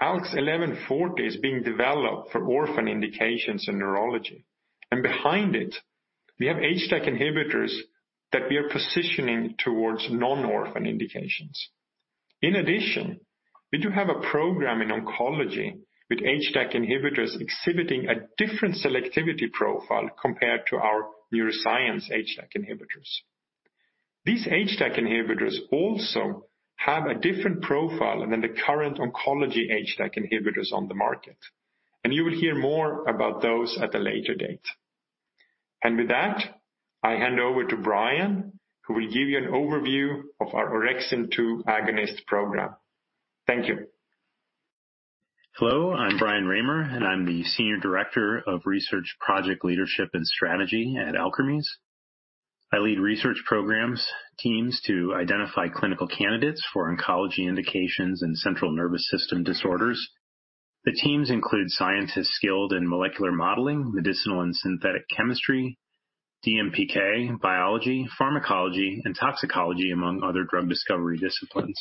ALKS 1140 is being developed for orphan indications in neurology. Behind it, we have HDAC inhibitors that we are positioning towards non-orphan indications. In addition, we do have a program in oncology with HDAC inhibitors exhibiting a different selectivity profile compared to our neuroscience HDAC inhibitors. These HDAC inhibitors also have a different profile than the current oncology HDAC inhibitors on the market. You will hear more about those at a later date. With that, I hand over to Brian, who will give you an overview of our orexin-2 agonist program. Thank you. Hello, I'm Brian Raymer, and I'm the Senior Director, Research Project Leadership and Strategy at Alkermes. I lead research programs, teams to identify clinical candidates for oncology indications and central nervous system disorders. The teams include scientists skilled in molecular modeling, medicinal and synthetic chemistry, DMPK, biology, pharmacology, and toxicology, among other drug discovery disciplines.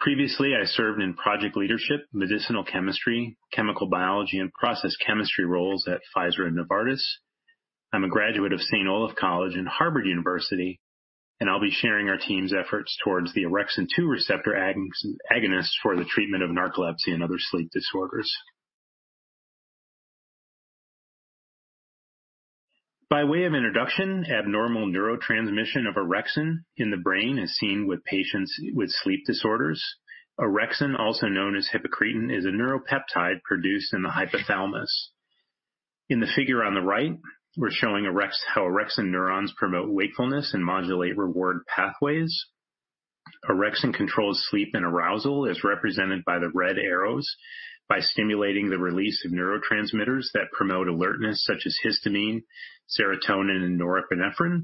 Previously, I served in project leadership, medicinal chemistry, chemical biology, and process chemistry roles at Pfizer and Novartis. I'm a graduate of St. Olaf College and Harvard University, and I'll be sharing our team's efforts towards the orexin-2 receptor agonists for the treatment of narcolepsy and other sleep disorders. By way of introduction, abnormal neurotransmission of orexin in the brain is seen with patients with sleep disorders. Orexin, also known as hypocretin, is a neuropeptide produced in the hypothalamus. In the figure on the right, we're showing how orexin neurons promote wakefulness and modulate reward pathways. Orexin controls sleep and arousal, as represented by the red arrows, by stimulating the release of neurotransmitters that promote alertness, such as histamine, serotonin, and norepinephrine.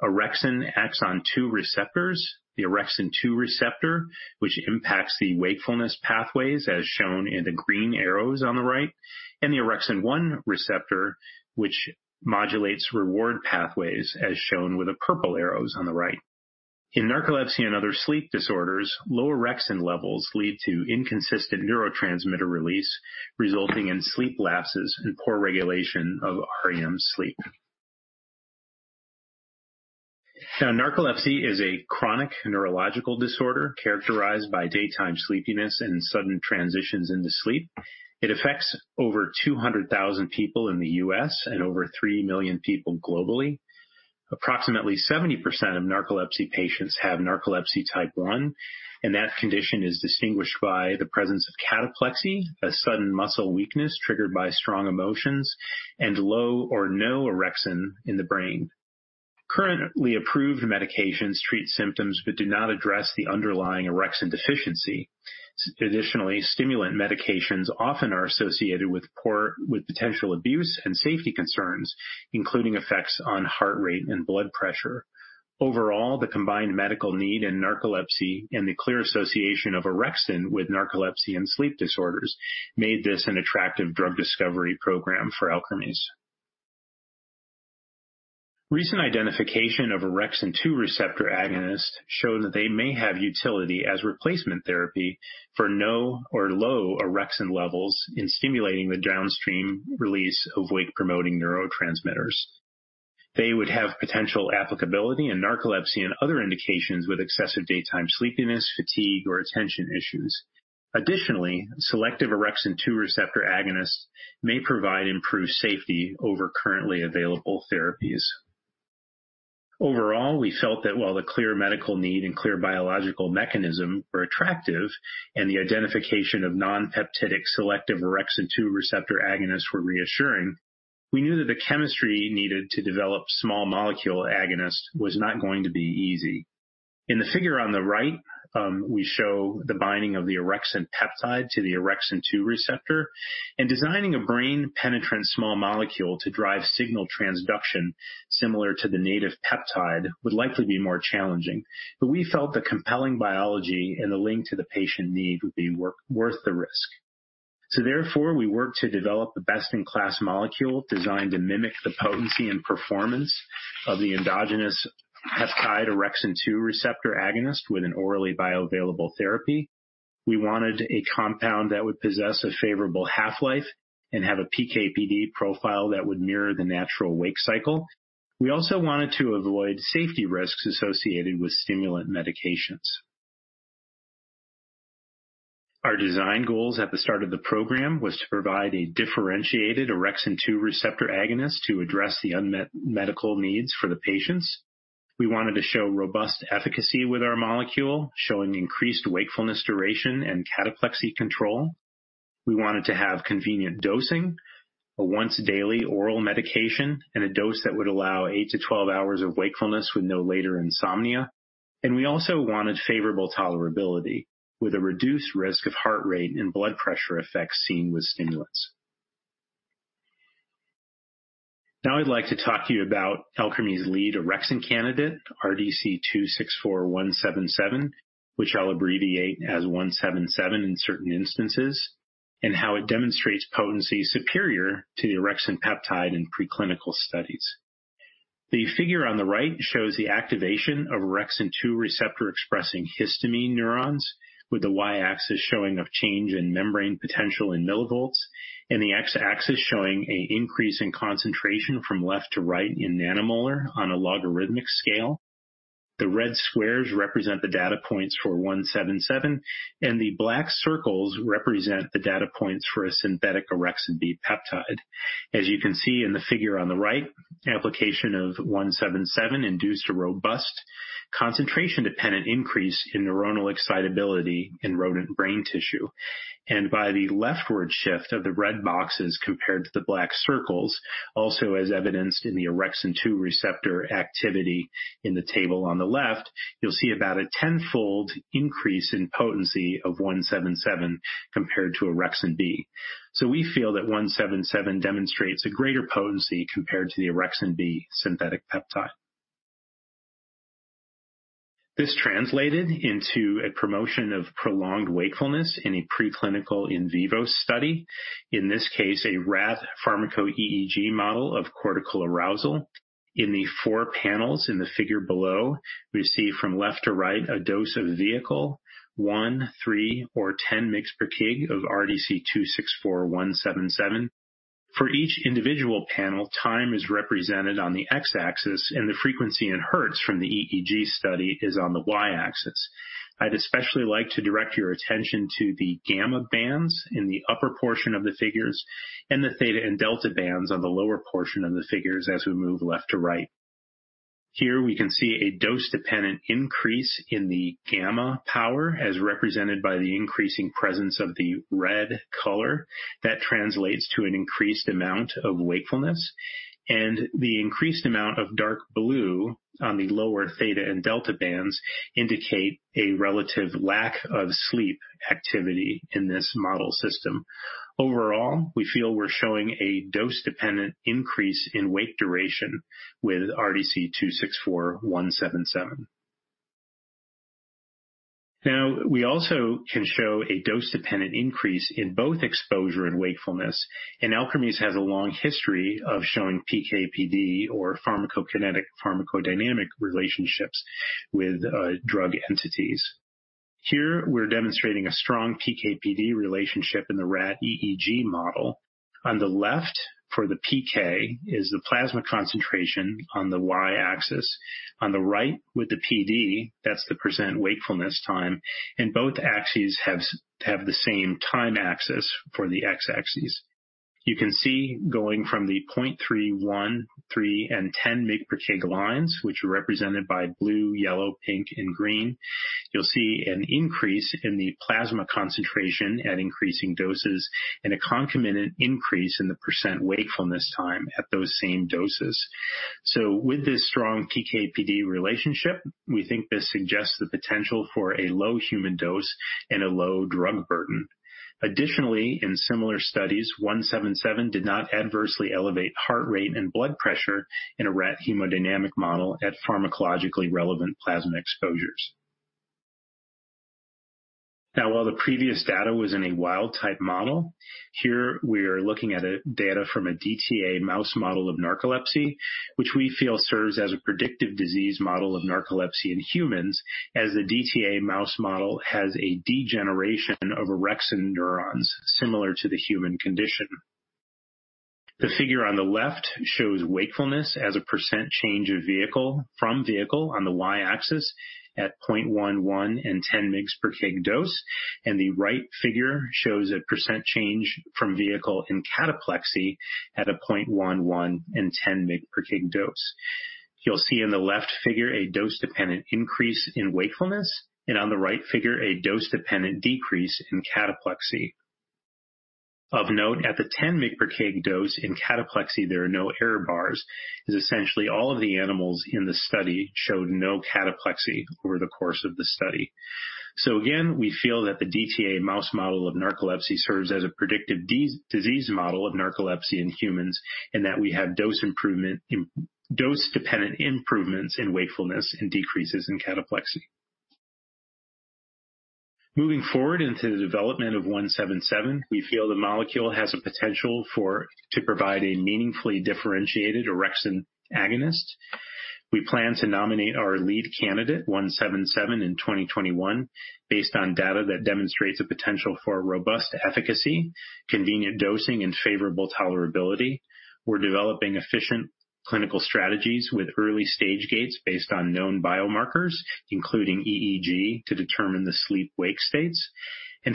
Orexin acts on two receptors, the orexin-2 receptor, which impacts the wakefulness pathways, as shown in the green arrows on the right, and the orexin-1 receptor, which modulates reward pathways, as shown with the purple arrows on the right. In narcolepsy and other sleep disorders, low orexin levels lead to inconsistent neurotransmitter release, resulting in sleep lapses and poor regulation of REM sleep. Narcolepsy is a chronic neurological disorder characterized by daytime sleepiness and sudden transitions into sleep. It affects over 200,000 people in the U.S. and over 3 million people globally. Approximately 70% of narcolepsy patients have narcolepsy type 1. That condition is distinguished by the presence of cataplexy, a sudden muscle weakness triggered by strong emotions, and low or no orexin in the brain. Currently approved medications treat symptoms but do not address the underlying orexin deficiency. Additionally, stimulant medications often are associated with potential abuse and safety concerns, including effects on heart rate and blood pressure. Overall, the combined medical need in narcolepsy and the clear association of orexin with narcolepsy and sleep disorders made this an attractive drug discovery program for Alkermes. Recent identification of orexin-2 receptor agonists show that they may have utility as replacement therapy for no or low orexin levels in stimulating the downstream release of wake-promoting neurotransmitters. They would have potential applicability in narcolepsy and other indications with excessive daytime sleepiness, fatigue, or attention issues. Additionally, selective orexin-2 receptor agonists may provide improved safety over currently available therapies. Overall, we felt that while the clear medical need and clear biological mechanism were attractive and the identification of non-peptidic selective orexin-2 receptor agonists were reassuring, we knew that the chemistry needed to develop small molecule agonists was not going to be easy. In the figure on the right, we show the binding of the orexin peptide to the orexin-2 receptor. Designing a brain-penetrant small molecule to drive signal transduction similar to the native peptide would likely be more challenging. We felt the compelling biology and the link to the patient need would be worth the risk. Therefore, we worked to develop the best-in-class molecule designed to mimic the potency and performance of the endogenous peptide orexin-2 receptor agonist with an orally bioavailable therapy. We wanted a compound that would possess a favorable half-life and have a PK/PD profile that would mirror the natural wake cycle. We also wanted to avoid safety risks associated with stimulant medications. Our design goals at the start of the program was to provide a differentiated orexin-2 receptor agonist to address the unmet medical needs for the patients. We wanted to show robust efficacy with our molecule, showing increased wakefulness duration and cataplexy control. We wanted to have convenient dosing, a once-daily oral medication, a dose that would allow 8-12 hours of wakefulness with no later insomnia. We also wanted favorable tolerability with a reduced risk of heart rate and blood pressure effects seen with stimulants. Now I'd like to talk to you about Alkermes' lead orexin candidate, RDC-264177, which I'll abbreviate as 177 in certain instances, and how it demonstrates potency superior to the orexin peptide in preclinical studies. The figure on the right shows the activation of orexin-2 receptor expressing histamine neurons, with the y-axis showing a change in membrane potential in millivolts and the x-axis showing an increase in concentration from left to right in nanomolar on a logarithmic scale. The red squares represent the data points for 177, and the black circles represent the data points for a synthetic orexin B peptide. As you can see in the figure on the right, application of 177 induced a robust, concentration-dependent increase in neuronal excitability in rodent brain tissue. By the leftward shift of the red boxes compared to the black circles, also as evidenced in the orexin-2 receptor activity in the table on the left, you'll see about a 10-fold increase in potency of 177 compared to orexin B. We feel that 177 demonstrates a greater potency compared to the orexin B synthetic peptide. This translated into a promotion of prolonged wakefulness in a preclinical in vivo study, in this case, a rat pharmaco-EEG model of cortical arousal. In the four panels in the figure below, we see from left to right a dose of vehicle, one, three, or 10 mg/kg of RDC-264177. For each individual panel, time is represented on the x-axis, and the frequency in hertz from the EEG study is on the y-axis. I'd especially like to direct your attention to the gamma bands in the upper portion of the figures and the theta and delta bands on the lower portion of the figures as we move left to right. Here we can see a dose-dependent increase in the gamma power as represented by the increasing presence of the red color. That translates to an increased amount of wakefulness. The increased amount of dark blue on the lower theta and delta bands indicate a relative lack of sleep activity in this model system. Overall, we feel we're showing a dose-dependent increase in wake duration with RDC-264177. We also can show a dose-dependent increase in both exposure and wakefulness, and Alkermes has a long history of showing PK/PD or pharmacokinetic/pharmacodynamic relationships with drug entities. Here we're demonstrating a strong PK/PD relationship in the rat EEG model. On the left, for the PK, is the plasma concentration on the y-axis. On the right with the PD, that's the percent wakefulness time, and both axes have the same time axis for the x-axis. You can see going from the 0.31, 3, and 10 mg/kg lines, which are represented by blue, yellow, pink, and green. You'll see an increase in the plasma concentration at increasing doses and a concomitant increase in the percent wakefulness time at those same doses. With this strong PK/PD relationship, we think this suggests the potential for a low human dose and a low drug burden. Additionally, in similar studies, 177 did not adversely elevate heart rate and blood pressure in a rat hemodynamic model at pharmacologically relevant plasma exposures. While the previous data was in a wild-type model, here we are looking at data from a DTA mouse model of narcolepsy, which we feel serves as a predictive disease model of narcolepsy in humans as the DTA mouse model has a degeneration of orexin neurons similar to the human condition. The figure on the left shows wakefulness as a % change of vehicle from vehicle on the y-axis at 0.11 and 10 mg/kg dose. The right figure shows a % change from vehicle in cataplexy at a 0.11 and 10 mg/kg dose. You'll see in the left figure a dose-dependent increase in wakefulness, and on the right figure, a dose-dependent decrease in cataplexy. Of note, at the 10 mg/kg dose in cataplexy, there are no error bars, as essentially all of the animals in the study showed no cataplexy over the course of the study. Again, we feel that the DTA mouse model of narcolepsy serves as a predictive disease model of narcolepsy in humans, and that we have dose-dependent improvements in wakefulness and decreases in cataplexy. Moving forward into the development of 177, we feel the molecule has a potential to provide a meaningfully differentiated orexin agonist. We plan to nominate our lead candidate, 177, in 2021 based on data that demonstrates a potential for robust efficacy, convenient dosing, and favorable tolerability. We're developing efficient clinical strategies with early-stage gates based on known biomarkers, including EEG, to determine the sleep-wake states.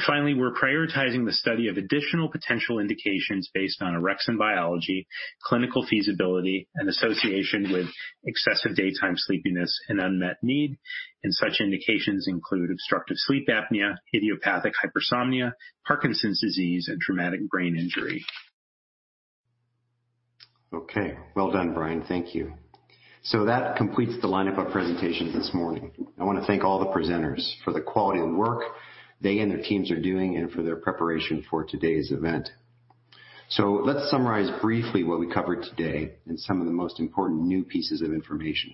Finally, we're prioritizing the study of additional potential indications based on orexin biology, clinical feasibility, and association with excessive daytime sleepiness and unmet need, and such indications include obstructive sleep apnea, idiopathic hypersomnia, Parkinson's disease, and traumatic brain injury. Okay. Well done, Brian. Thank you. That completes the lineup of presentations this morning. I want to thank all the presenters for the quality of work they and their teams are doing and for their preparation for today's event. Let's summarize briefly what we covered today and some of the most important new pieces of information.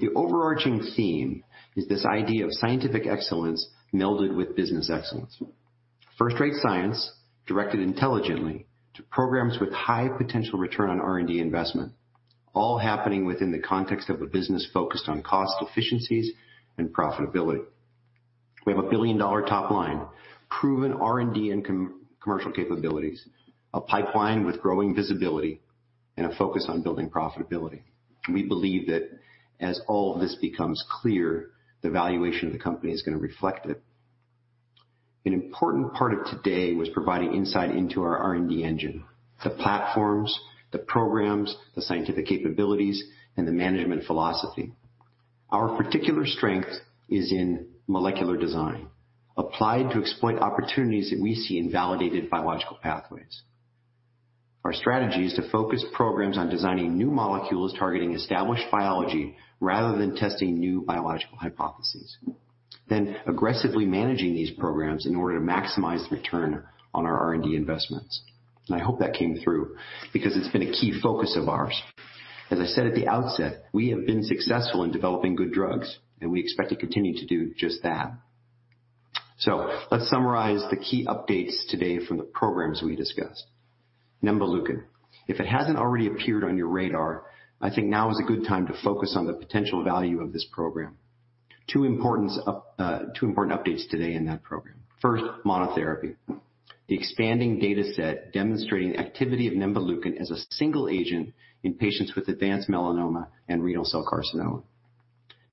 The overarching theme is this idea of scientific excellence melded with business excellence. First-rate science directed intelligently to programs with high potential return on R&D investment, all happening within the context of a business focused on cost efficiencies and profitability. We have a billion-dollar top line, proven R&D and commercial capabilities, a pipeline with growing visibility, and a focus on building profitability. We believe that as all of this becomes clear, the valuation of the company is going to reflect it. Important part of today was providing insight into our R&D engine, the platforms, the programs, the scientific capabilities, and the management philosophy. Our particular strength is in molecular design, applied to exploit opportunities that we see in validated biological pathways. Our strategy is to focus programs on designing new molecules targeting established biology rather than testing new biological hypotheses. Aggressively managing these programs in order to maximize return on our R&D investments. I hope that came through, because it's been a key focus of ours. As I said at the outset, we have been successful in developing good drugs, and we expect to continue to do just that. Let's summarize the key updates today from the programs we discussed. nemvaleukin. If it hasn't already appeared on your radar, I think now is a good time to focus on the potential value of this program. Two important updates today in that program. First, monotherapy. The expanding data set demonstrating the activity of nemvaleukin as a single agent in patients with advanced melanoma and renal cell carcinoma.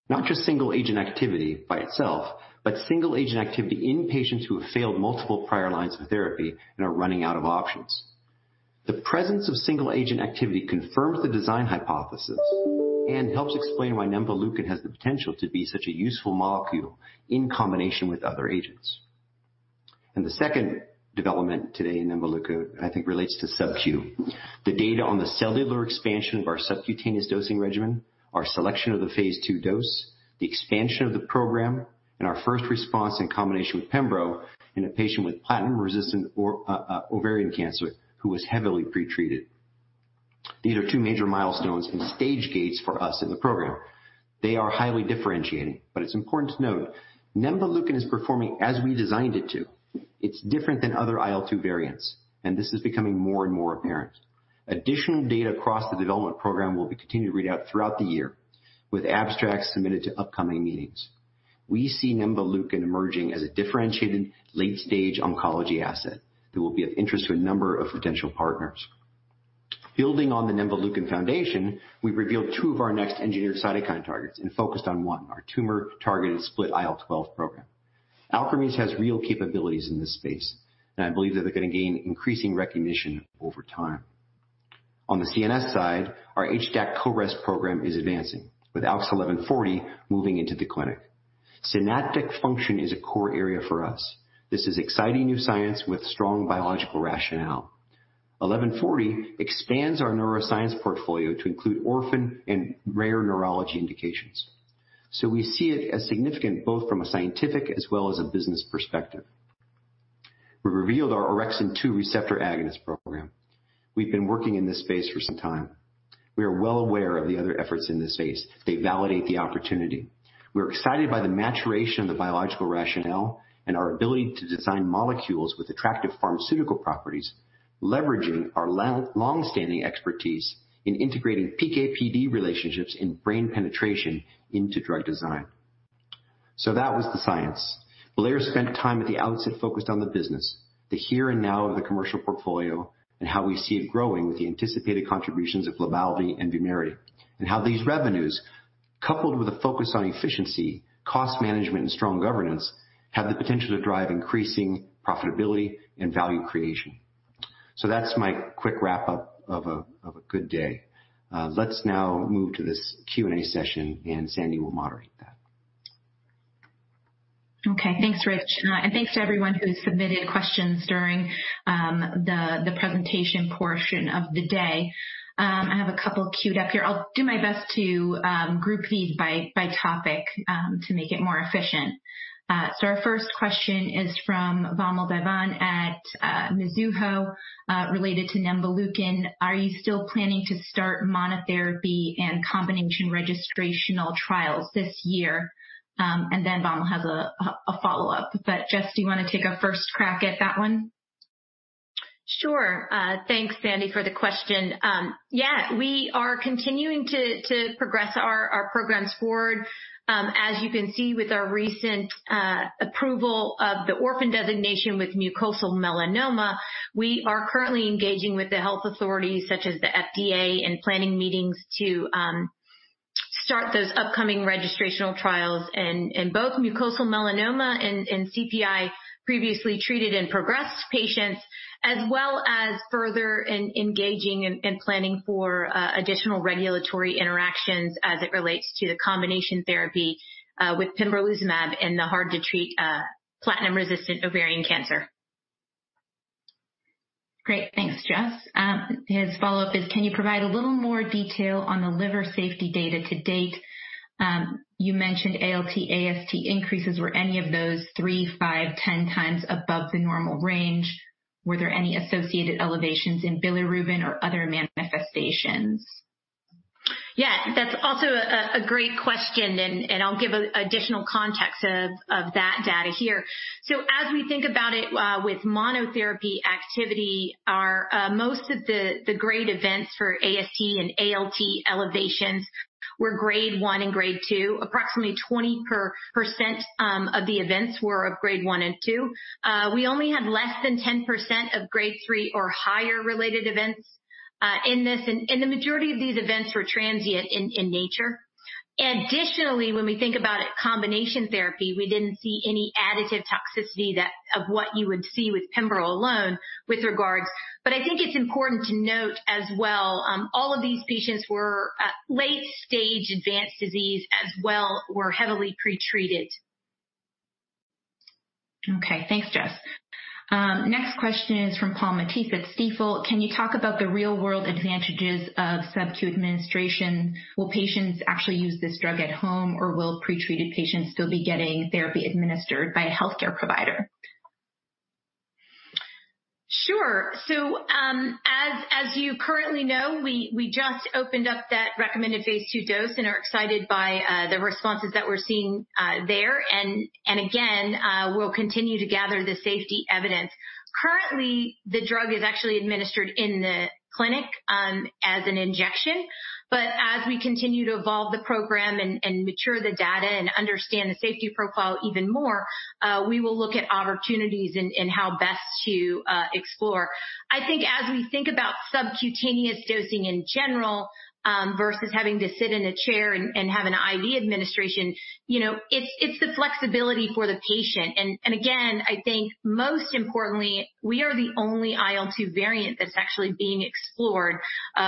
Not just single-agent activity by itself, but single-agent activity in patients who have failed multiple prior lines of therapy and are running out of options. The presence of single-agent activity confirms the design hypothesis and helps explain why nemvaleukin has the potential to be such a useful molecule in combination with other agents. The second development today in nemvaleukin, I think, relates to sub-Q. The data on the cellular expansion of our subcutaneous dosing regimen, our selection of the phase II dose, the expansion of the program, and our first response in combination with pembro in a patient with platinum-resistant ovarian cancer who was heavily pretreated. These are two major milestones and stage gates for us in the program. They are highly differentiating. It's important to note, nemvaleukin is performing as we designed it to. It's different than other IL-2 variants. This is becoming more and more apparent. Additional data across the development program will be continued to read out throughout the year with abstracts submitted to upcoming meetings. We see nemvaleukin emerging as a differentiated late-stage oncology asset that will be of interest to a number of potential partners. Building on the nemvaleukin foundation, we've revealed two of our next engineered cytokine targets and focused on one, our tumor-targeted split IL-12 program. Alkermes has real capabilities in this space. I believe that they're going to gain increasing recognition over time. On the CNS side, our HDAC CoREST program is advancing, with ALKS 1140 moving into the clinic. Synaptic function is a core area for us. This is exciting new science with strong biological rationale. 1140 expands our neuroscience portfolio to include orphan and rare neurology indications. We see it as significant both from a scientific as well as a business perspective. We revealed our orexin-2 receptor agonist program. We've been working in this space for some time. We are well aware of the other efforts in this space. They validate the opportunity. We're excited by the maturation of the biological rationale and our ability to design molecules with attractive pharmaceutical properties, leveraging our longstanding expertise in integrating PK/PD relationships and brain penetration into drug design. That was the science. Blair spent time at the outset focused on the business, the here and now of the commercial portfolio and how we see it growing with the anticipated contributions of LYBALVI and VUMERITY, and how these revenues, coupled with a focus on efficiency, cost management, and strong governance, have the potential to drive increasing profitability and value creation. That's my quick wrap-up of a good day. Let's now move to this Q&A session, and Sandy will moderate that. Okay. Thanks, Rich. Thanks to everyone who submitted questions during the presentation portion of the day. I have a couple queued up here. I'll do my best to group these by topic to make it more efficient. Our first question is from Vamil Divan at Mizuho, related to nemvaleukin. "Are you still planning to start monotherapy and combination registrational trials this year?" Vamil has a follow-up. Jess, do you want to take a first crack at that one? Sure. Thanks, Sandy, for the question. We are continuing to progress our programs forward. As you can see with our recent approval of the orphan designation with mucosal melanoma, we are currently engaging with the health authorities such as the FDA and planning meetings to start those upcoming registrational trials in both mucosal melanoma and CPI previously treated and progressed patients, as well as further engaging and planning for additional regulatory interactions as it relates to the combination therapy with pembrolizumab in the hard to treat platinum-resistant ovarian cancer. Great. Thanks, Jess. His follow-up is, "Can you provide a little more detail on the liver safety data to date? You mentioned ALT, AST increases. Were any of those three, five, 10 times above the normal range? Were there any associated elevations in bilirubin or other manifestations? That's also a great question, and I'll give additional context of that data here. As we think about it with monotherapy activity, most of the grade events for AST and ALT elevations were grade 1 and grade 2. Approximately 20% of the events were of grade 1 and 2. We only had less than 10% of grade 3 or higher related events. In this, and the majority of these events were transient in nature. Additionally, when we think about combination therapy, we didn't see any additive toxicity of what you would see with pembro alone with regards. I think it's important to note as well, all of these patients were late stage advanced disease as well, were heavily pretreated. Okay. Thanks, Jess. Next question is from Paul Matteis at Stifel. "Can you talk about the real world advantages of subcu administration? Will patients actually use this drug at home, or will pretreated patients still be getting therapy administered by a healthcare provider? Sure. As you currently know, we just opened up that recommended phase II dose and are excited by the responses that we're seeing there. We'll continue to gather the safety evidence. Currently, the drug is actually administered in the clinic, as an injection. As we continue to evolve the program and mature the data and understand the safety profile even more, we will look at opportunities in how best to explore. I think as we think about subcutaneous dosing in general, versus having to sit in a chair and have an IV administration, it's the flexibility for the patient. I think most importantly, we are the only IL-2 variant that's actually being explored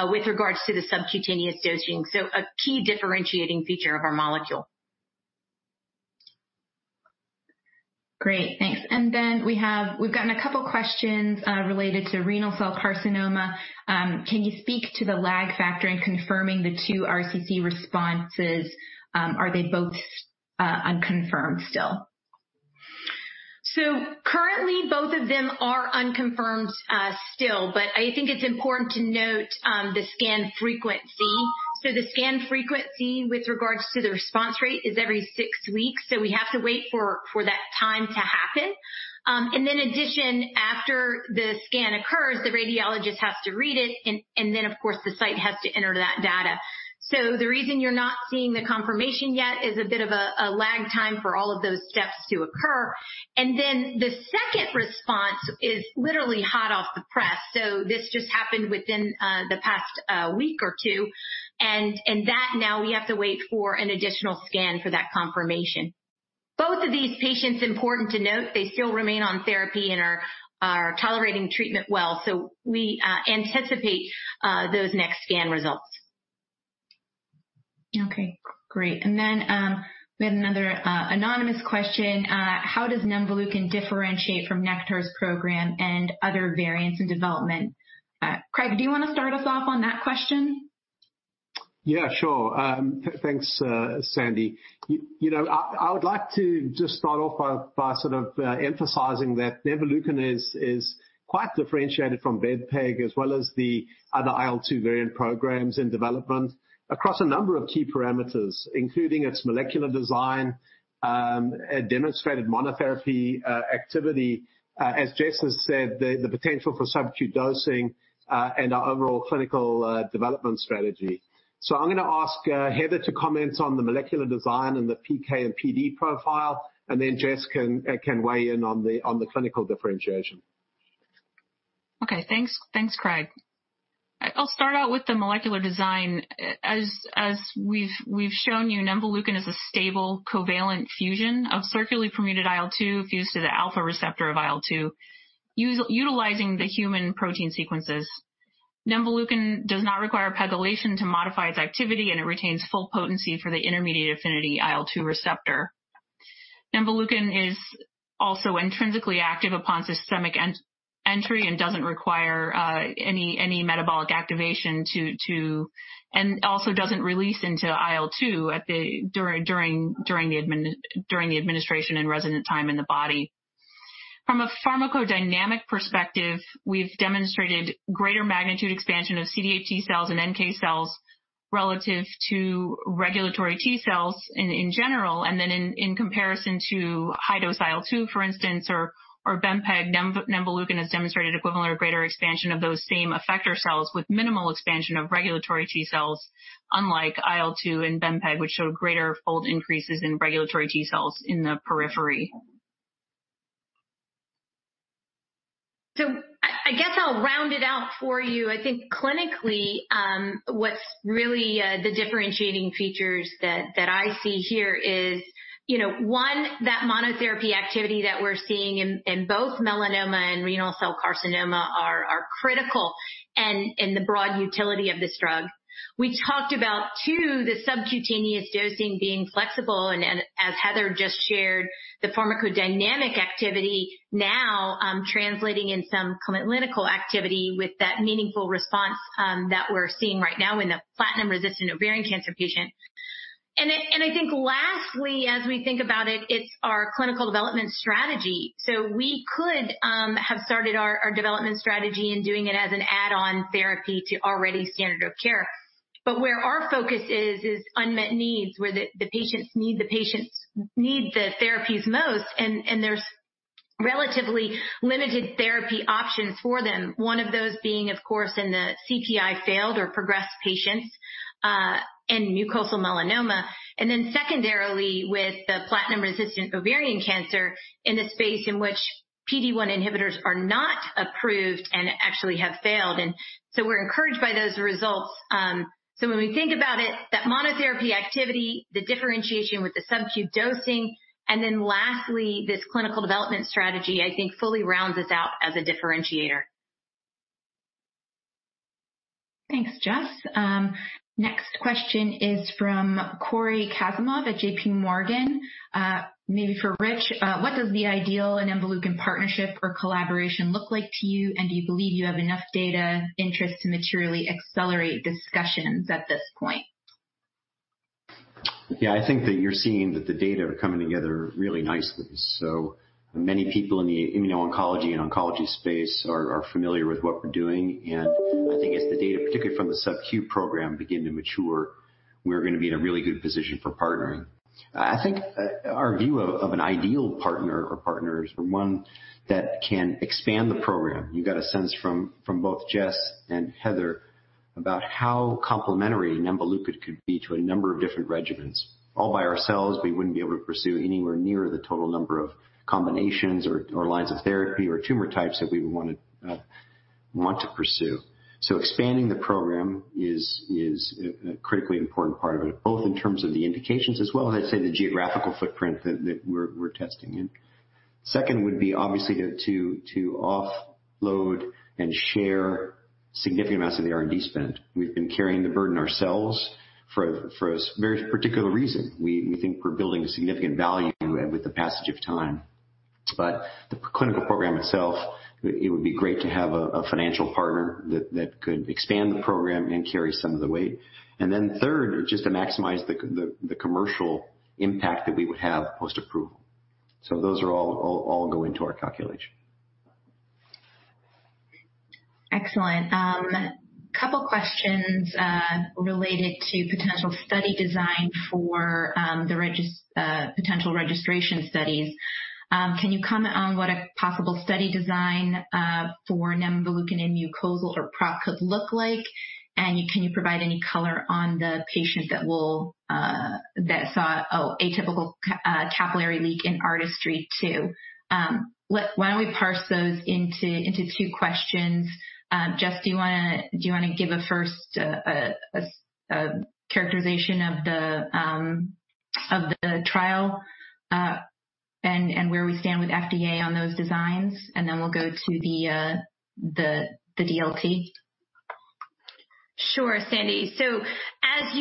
with regards to the subcutaneous dosing. A key differentiating feature of our molecule. Great, thanks. Then we've gotten a couple questions related to renal cell carcinoma. Can you speak to the lag factor in confirming the two RCC responses? Are they both unconfirmed still? Currently, both of them are unconfirmed still. I think it's important to note the scan frequency. The scan frequency with regards to the response rate is every six weeks. We have to wait for that time to happen. In addition, after the scan occurs, the radiologist has to read it, of course, the site has to enter that data. The reason you're not seeing the confirmation yet is a bit of a lag time for all of those steps to occur. The second response is literally hot off the press. This just happened within the past week or two. Now we have to wait for an additional scan for that confirmation. Both of these patients, important to note, they still remain on therapy and are tolerating treatment well. We anticipate those next scan results. Okay, great. We had another anonymous question. "How does nemvaleukin differentiate from Nektar's program and other variants in development?" Craig, do you want to start us off on that question? Yeah, sure. Thanks, Sandy. I would like to just start off by sort of emphasizing that nemvaleukin is quite differentiated from bempegaldesleukin as well as the other IL-2 variant programs in development across a number of key parameters, including its molecular design, demonstrated monotherapy activity, as Jess has said, the potential for subcu dosing, and our overall clinical development strategy. I'm going to ask Heather to comment on the molecular design and the PK and PD profile, and then Jess can weigh in on the clinical differentiation. Okay. Thanks, Craig. I'll start out with the molecular design. As we've shown you, nemvaleukin is a stable covalent fusion of circularly permuted IL-2 fused to the alpha receptor of IL-2, utilizing the human protein sequences. nemvaleukin does not require pegylation to modify its activity, and it retains full potency for the intermediate affinity IL-2 receptor. nemvaleukin is also intrinsically active upon systemic entry and doesn't require any metabolic activation. Also doesn't release into IL-2 during the administration and resident time in the body. From a pharmacodynamic perspective, we've demonstrated greater magnitude expansion of CD8+ T cells and NK cells relative to Regulatory T cells in general, and then in comparison to high-dose IL-2, for instance, or bempegaldesleukin, nemvaleukin has demonstrated equivalent or greater expansion of those same effector cells with minimal expansion of Regulatory T cells, unlike IL-2 and bempegaldesleukin, which showed greater fold increases in Regulatory T cells in the periphery. I guess I'll round it out for you. I think clinically, what's really the differentiating features that I see here is, one, that monotherapy activity that we're seeing in both melanoma and renal cell carcinoma are critical and in the broad utility of this drug. We talked about, two, the subcutaneous dosing being flexible and as Heather just shared, the pharmacodynamic activity now translating in some clinical activity with that meaningful response that we're seeing right now in the platinum-resistant ovarian cancer patient. I think lastly, as we think about it's our clinical development strategy. We could have started our development strategy and doing it as an add-on therapy to already standard of care. Where our focus is unmet needs where the patients need the therapies most, and there's relatively limited therapy options for them. One of those being, of course, in the CPI failed or progressed patients, and mucosal melanoma, secondarily with the platinum-resistant ovarian cancer in a space in which PD-1 inhibitors are not approved and actually have failed. We're encouraged by those results. When we think about it, that monotherapy activity, the differentiation with the sub-Q dosing, lastly, this clinical development strategy, I think fully rounds us out as a differentiator. Thanks, Jess. Next question is from Cory Kasimov at J.P. Morgan. Maybe for Rich. What does the ideal nemvaleukin partnership or collaboration look like to you, and do you believe you have enough data interest to materially accelerate discussions at this point? I think that you're seeing that the data are coming together really nicely. Many people in the immuno-oncology and oncology space are familiar with what we're doing, and I think as the data, particularly from the sub-Q program, begin to mature, we're going to be in a really good position for partnering. I think our view of an ideal partner or partners are one that can expand the program. You got a sense from both Jessicca and Heather about how complementary nemvaleukin could be to a number of different regimens. All by ourselves, we wouldn't be able to pursue anywhere near the total number of combinations or lines of therapy or tumor types that we would want to pursue. Expanding the program is a critically important part of it, both in terms of the indications as well as, say, the geographical footprint that we're testing in. Second would be obviously to offload and share significant amounts of the R&D spend. We've been carrying the burden ourselves for a very particular reason. We think we're building significant value with the passage of time. The clinical program itself, it would be great to have a financial partner that could expand the program and carry some of the weight. Third, just to maximize the commercial impact that we would have post-approval. Those all go into our calculation. Excellent. Couple questions related to potential study design for the potential registration studies. Can you comment on what a possible study design for nemvaleukin in mucosal or PROC could look like, and can you provide any color on the patient that saw atypical capillary leak in ARTISTRY-2? Why don't we parse those into two questions. Jess, do you want to give a first characterization of the trial, and where we stand with FDA on those designs? Then we'll go to the DLT. Sure, Sandy. As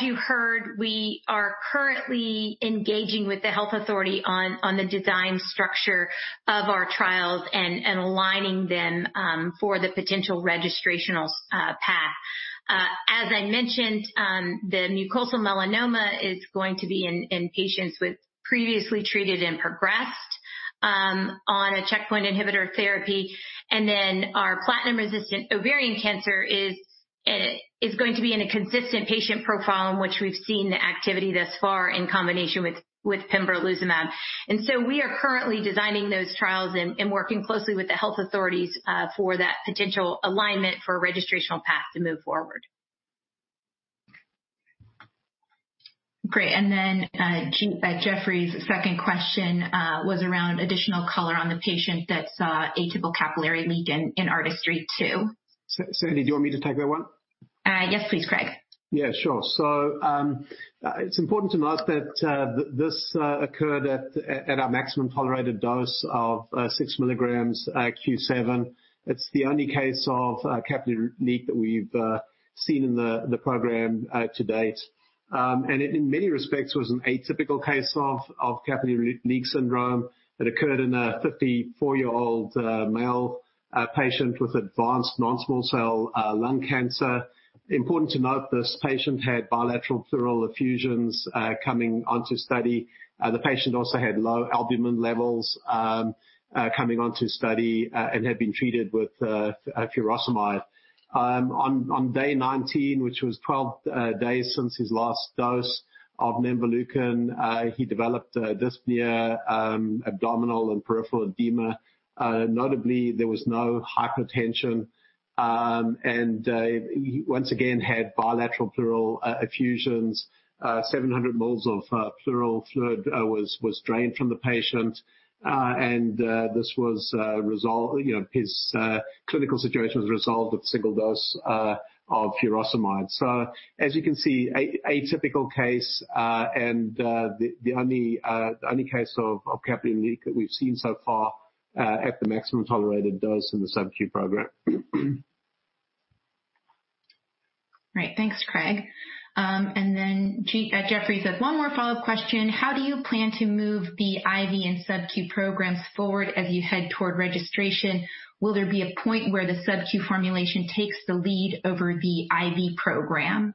you heard, we are currently engaging with the health authority on the design structure of our trials and aligning them for the potential registrational path. As I mentioned, the mucosal melanoma is going to be in patients with previously treated and progressed on a checkpoint inhibitor therapy. Our platinum-resistant ovarian cancer is going to be in a consistent patient profile in which we've seen activity thus far in combination with pembrolizumab. We are currently designing those trials and working closely with the health authorities for that potential alignment for a registrational path to move forward. Great, Jefferies' second question was around additional color on the patient that saw atypical capillary leak in ARTISTRY-2. Sandy, do you want me to take that one? Yes, please, Craig. Yeah, sure. It's important to note that this occurred at our maximum tolerated dose of 6 milligrams Q7. It's the only case of capillary leak that we've seen in the program to date. It, in many respects, was an atypical case of capillary leak syndrome that occurred in a 54-year-old male patient with advanced non-small cell lung cancer. Important to note, this patient had bilateral pleural effusions coming onto study. The patient also had low albumin levels coming onto study and had been treated with furosemide. On day 19, which was 12 days since his last dose of nemvaleukin, he developed dyspnea, abdominal and peripheral edema. Notably, there was no hypertension. He once again had bilateral pleural effusions. 700 mils of pleural fluid was drained from the patient. His clinical situation was resolved with a single dose of furosemide. As you can see, atypical case, and the only case of capillary leak that we've seen so far at the maximum tolerated dose in the sub-Q program. Great. Thanks, Craig. Jefferies has one more follow-up question. How do you plan to move the IV and sub-Q programs forward as you head toward registration? Will there be a point where the sub-Q formulation takes the lead over the IV program?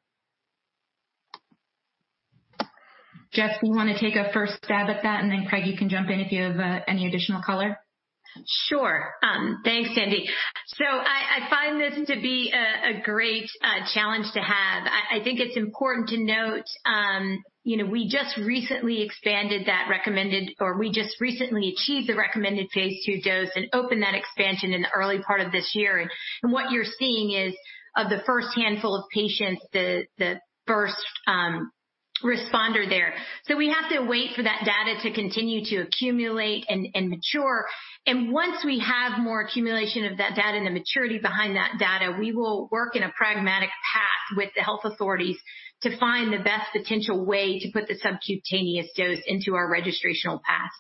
Jess, do you want to take a first stab at that, and then Craig, you can jump in if you have any additional color. Sure. Thanks, Sandy. I find this to be a great challenge to have. I think it's important to note we just recently achieved the recommended phase II dose and opened that expansion in the early part of this year. What you're seeing is, of the first handful of patients, the first responder there. Once we have more accumulation of that data and the maturity behind that data, we will work in a pragmatic path with the health authorities to find the best potential way to put the subcutaneous dose into our registrational path.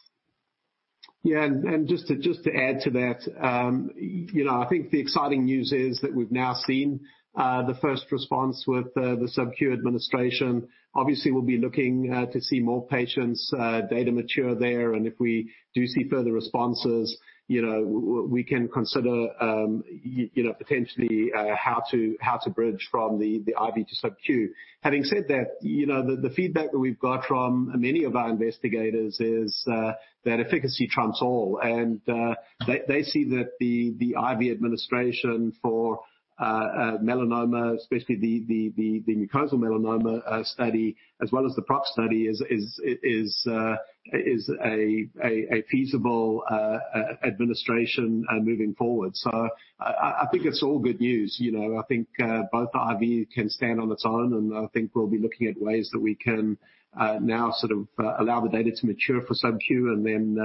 Yeah. Just to add to that, I think the exciting news is that we've now seen the first response with the subcu administration. Obviously, we'll be looking to see more patients' data mature there. If we do see further responses, we can consider potentially how to bridge from the IV to subcu. Having said that, the feedback that we've got from many of our investigators is that efficacy trumps all. They see that the IV administration for melanoma, especially the mucosal melanoma study as well as the PROC study, is a feasible administration moving forward. I think it's all good news. I think both the IV can stand on its own, and I think we'll be looking at ways that we can now sort of allow the data to mature for subcu and then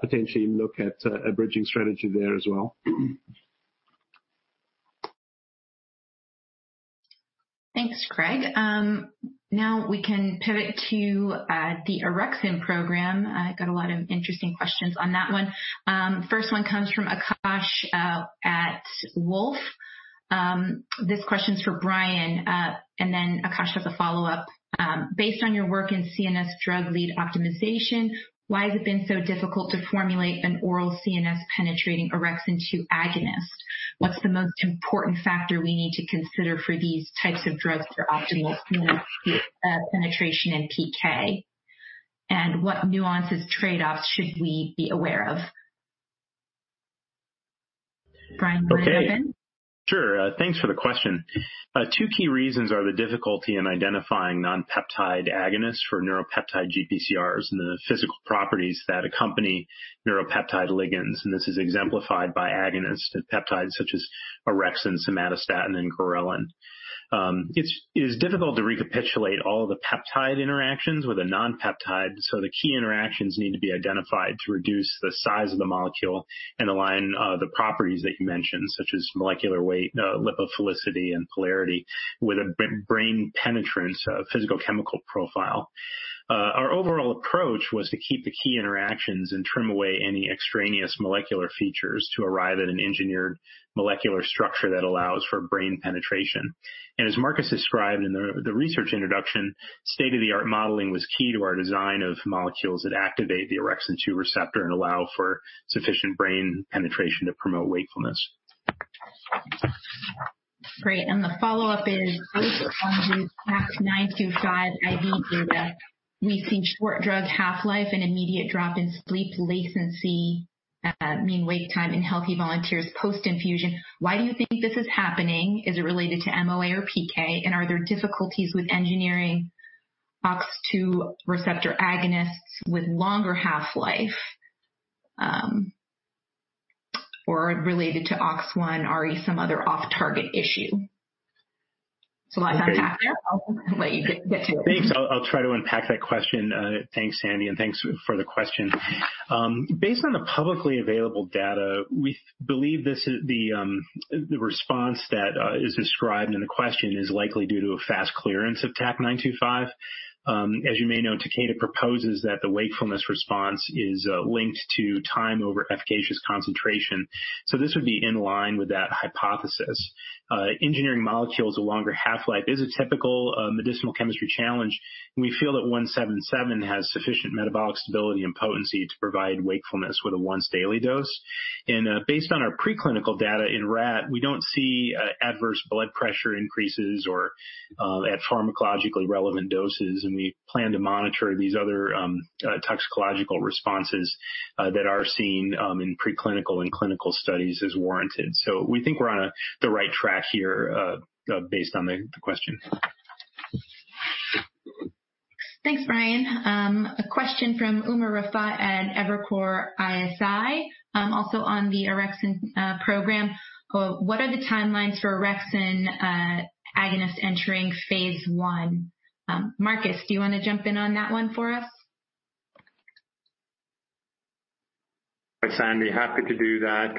potentially look at a bridging strategy there as well. Thanks, Craig. Now we can pivot to the orexin program. Got a lot of interesting questions on that one. First one comes from Akash at Wolfe. This question's for Brian, then Akash has a follow-up. Based on your work in CNS drug lead optimization, why has it been so difficult to formulate an oral CNS penetrating orexin 2 agonist? What's the most important factor we need to consider for these types of drugs for optimal CNS penetration and PK? What nuances trade-offs should we be aware of? Brian, want to dive in? Sure. Thanks for the question. Two key reasons are the difficulty in identifying nonpeptide agonists for neuropeptide GPCRs and the physical properties that accompany neuropeptide ligands. This is exemplified by agonist peptides such as orexin, somatostatin, and ghrelin. It's difficult to recapitulate all the peptide interactions with a nonpeptide. The key interactions need to be identified to reduce the size of the molecule and align the properties that you mentioned, such as molecular weight, lipophilicity, and polarity with a brain penetrance physical chemical profile. Our overall approach was to keep the key interactions and trim away any extraneous molecular features to arrive at an engineered molecular structure that allows for brain penetration. As Markus described in the research introduction, state-of-the-art modeling was key to our design of molecules that activate the orexin-2 receptor and allow for sufficient brain penetration to promote wakefulness. Great. The follow-up is, based on the TAK-925 IV data, we've seen short drug half-life and immediate drop in sleep latency, mean wake time in healthy volunteers post-infusion. Why do you think this is happening? Is it related to MOA or PK? Are there difficulties with engineering orexin-2 receptor agonists with longer half-life? Related to orexin-1 receptor, are we some other off-target issue? It's a lot to unpack there. I'll let you get to it. Thanks. I'll try to unpack that question. Thanks, Sandy, thanks for the question. Based on the publicly available data, we believe the response that is described in the question is likely due to a fast clearance of TAK-925. As you may know, Takeda proposes that the wakefulness response is linked to time over efficacious concentration. This would be in line with that hypothesis. Engineering molecules with longer half-life is a typical medicinal chemistry challenge. We feel that 177 has sufficient metabolic stability and potency to provide wakefulness with a once-daily dose. Based on our preclinical data in rat, we don't see adverse blood pressure increases or at pharmacologically relevant doses, and we plan to monitor these other toxicological responses that are seen in preclinical and clinical studies as warranted. We think we're on the right track here based on the question. Thanks, Brian. A question from Umer Raffat at Evercore ISI, also on the orexin program. What are the timelines for orexin agonist entering phase I? Markus, do you want to jump in on that one for us? Hi, Sandy. Happy to do that.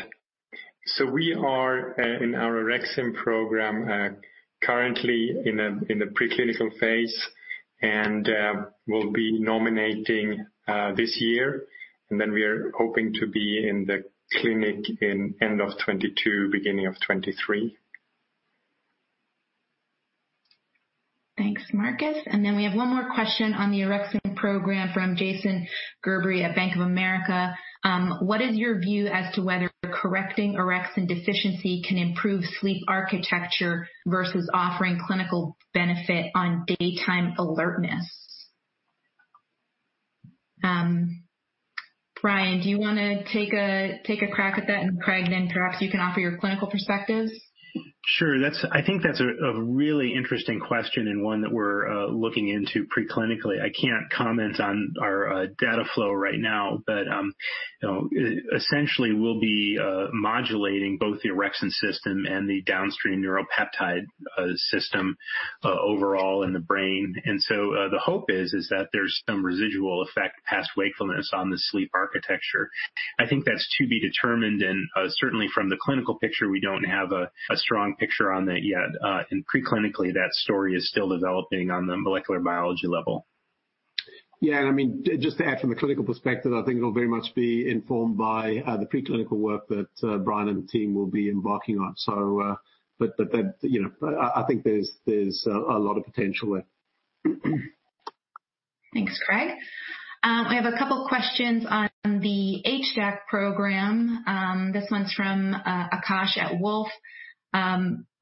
We are in our orexin program currently in the preclinical phase, and we'll be nominating this year. We are hoping to be in the clinic in end of 2022, beginning of 2023. Thanks, Markus. We have one more question on the orexin program from Jason Gerberry at Bank of America. What is your view as to whether correcting orexin deficiency can improve sleep architecture versus offering clinical benefit on daytime alertness? Brian, do you want to take a crack at that? Craig, then perhaps you can offer your clinical perspectives. Sure. I think that's a really interesting question and one that we're looking into pre-clinically. I can't comment on our data flow right now, but essentially, we'll be modulating both the orexin system and the downstream neuropeptide system overall in the brain. The hope is that there's some residual effect past wakefulness on the sleep architecture. I think that's to be determined, and certainly from the clinical picture, we don't have a strong picture on that yet. Pre-clinically, that story is still developing on the molecular biology level. Yeah, just to add from a clinical perspective, I think it'll very much be informed by the pre-clinical work that Brian and the team will be embarking on. I think there's a lot of potential there. Thanks, Craig. I have a couple questions on the HDAC program. This one's from Akash at Wolfe.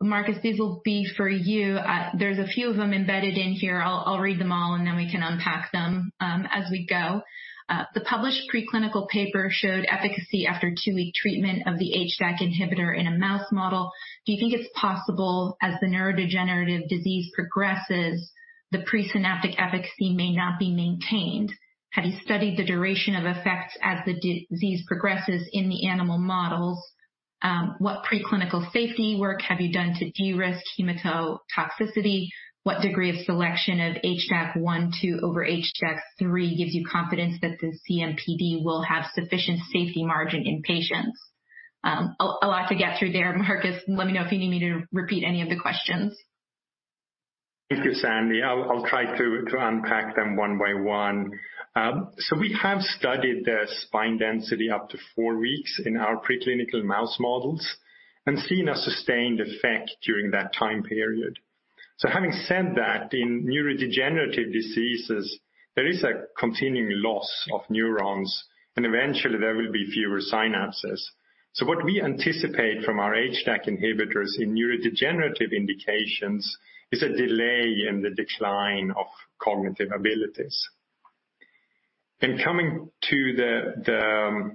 Markus, these will be for you. There's a few of them embedded in here. I'll read them all, and then we can unpack them as we go. The published pre-clinical paper showed efficacy after two-week treatment of the HDAC inhibitor in a mouse model. Do you think it's possible, as the neurodegenerative disease progresses, the presynaptic efficacy may not be maintained? Have you studied the duration of effects as the disease progresses in the animal models? What pre-clinical safety work have you done to de-risk hematotoxicity? What degree of selection of HDAC1/2 over HDAC3 gives you confidence that the CMPD will have sufficient safety margin in patients? A lot to get through there, Markus. Let me know if you need me to repeat any of the questions. Thank you, Sandy. I'll try to unpack them one by one. We have studied the spine density up to four weeks in our preclinical mouse models and seen a sustained effect during that time period. Having said that, in neurodegenerative diseases, there is a continuing loss of neurons, and eventually, there will be fewer synapses. What we anticipate from our HDAC inhibitors in neurodegenerative indications is a delay in the decline of cognitive abilities. Coming to the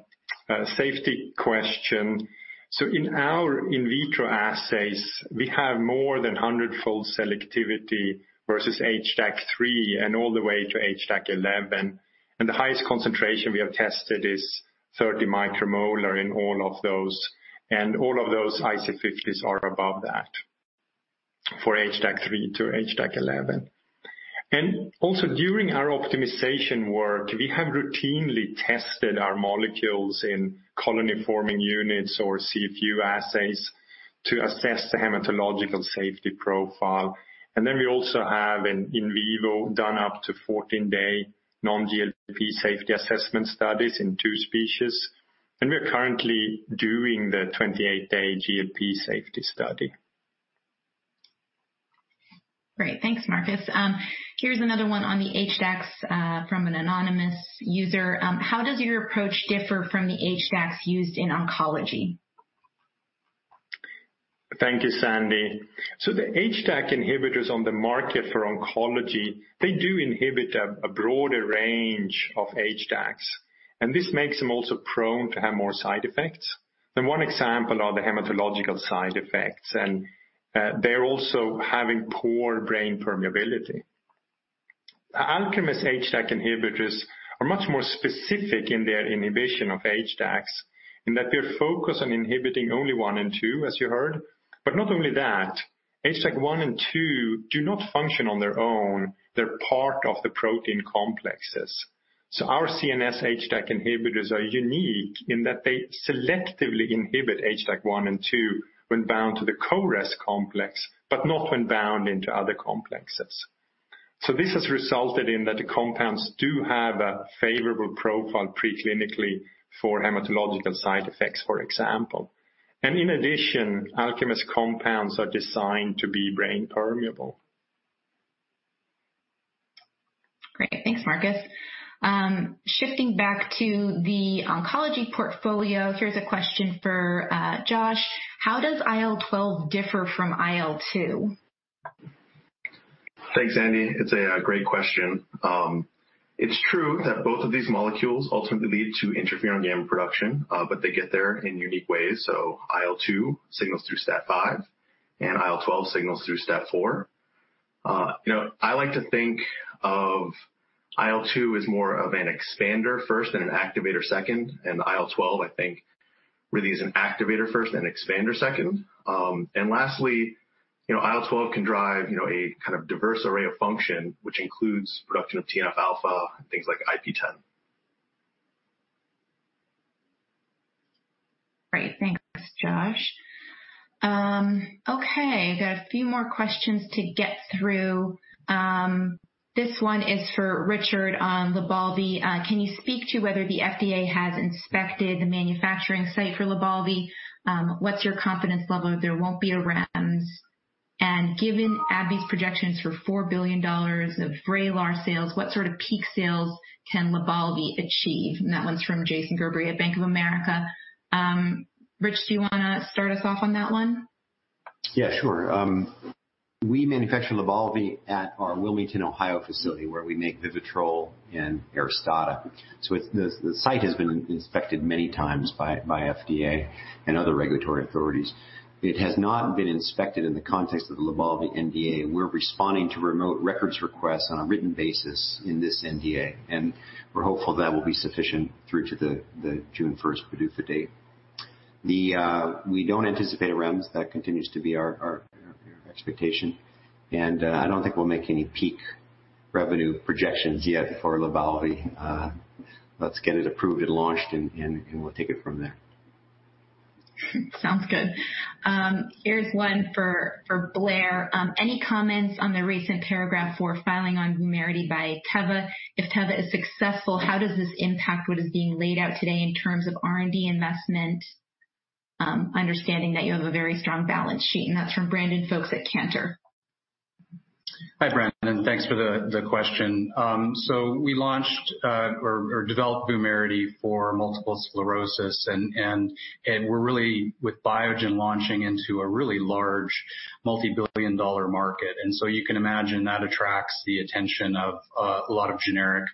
safety question. In our in vitro assays, we have more than 100-fold selectivity versus HDAC3 and all the way to HDAC11, and the highest concentration we have tested is 30 micromolar in all of those. All of those IC50s are above that for HDAC3 to HDAC11. Also during our optimization work, we have routinely tested our molecules in colony-forming units or CFU assays to assess the hematological safety profile. We also have an in vivo done up to 14-day non-GLP safety assessment studies in two species, and we're currently doing the 28-day GLP safety study. Great. Thanks, Markus. Here's another one on the HDACs from an anonymous user. How does your approach differ from the HDACs used in oncology? Thank you, Sandy. The HDAC inhibitors on the market for oncology, they do inhibit a broader range of HDACs, this makes them also prone to have more side effects. One example are the hematological side effects, they're also having poor brain permeability. Alkermes HDAC inhibitors are much more specific in their inhibition of HDACs in that they're focused on inhibiting only one and two, as you heard. Not only that, HDAC one and two do not function on their own. They're part of the protein complexes. Our CNS HDAC inhibitors are unique in that they selectively inhibit HDAC one and two when bound to the CoREST complex, but not when bound into other complexes. This has resulted in that the compounds do have a favorable profile pre-clinically for hematological side effects, for example. In addition, Alkermes compounds are designed to be brain permeable. Great. Thanks, Markus. Shifting back to the oncology portfolio, here's a question for Josh. How does IL-12 differ from IL-2? Thanks, Sandy. It's a great question. It's true that both of these molecules ultimately lead to Interferon gamma production, but they get there in unique ways. IL-2 signals through STAT5, and IL-12 signals through STAT4. I like to think of IL-2 as more of an expander first and an activator second, and IL-12, I think, really is an activator first and expander second. Lastly, IL-12 can drive a kind of diverse array of function, which includes production of TNF-alpha, things like IP-10. Great. Thanks, Josh. Okay, got a few more questions to get through. This one is for Richard on LYBALVI. Can you speak to whether the FDA has inspected the manufacturing site for LYBALVI? What's your confidence level there won't be a REMS? Given AbbVie's projections for $4 billion of VRAYLAR sales, what sort of peak sales can LYBALVI achieve? That one's from Jason Gerberry at Bank of America. Rich, do you want to start us off on that one? Yeah, sure. We manufacture LYBALVI at our Wilmington, Ohio facility, where we make VIVITROL and ARISTADA. The site has been inspected many times by FDA and other regulatory authorities. It has not been inspected in the context of the LYBALVI NDA. We're responding to remote records requests on a written basis in this NDA, and we're hopeful that will be sufficient through to the June 1st PDUFA date. We don't anticipate a REMS. That continues to be our expectation. I don't think we'll make any peak revenue projections yet for LYBALVI. Let's get it approved and launched, and we'll take it from there. Sounds good. Here's one for Blair. Any comments on the recent Paragraph IV filing on VUMERITY by Teva? If Teva is successful, how does this impact what is being laid out today in terms of R&D investment, understanding that you have a very strong balance sheet? That's from Brandon Folkes at Cantor. Hi, Brandon. Thanks for the question. We launched or developed VUMERITY for multiple sclerosis, and we're really, with Biogen, launching into a really large multi-billion-dollar market. You can imagine that attracts the attention of a lot of generic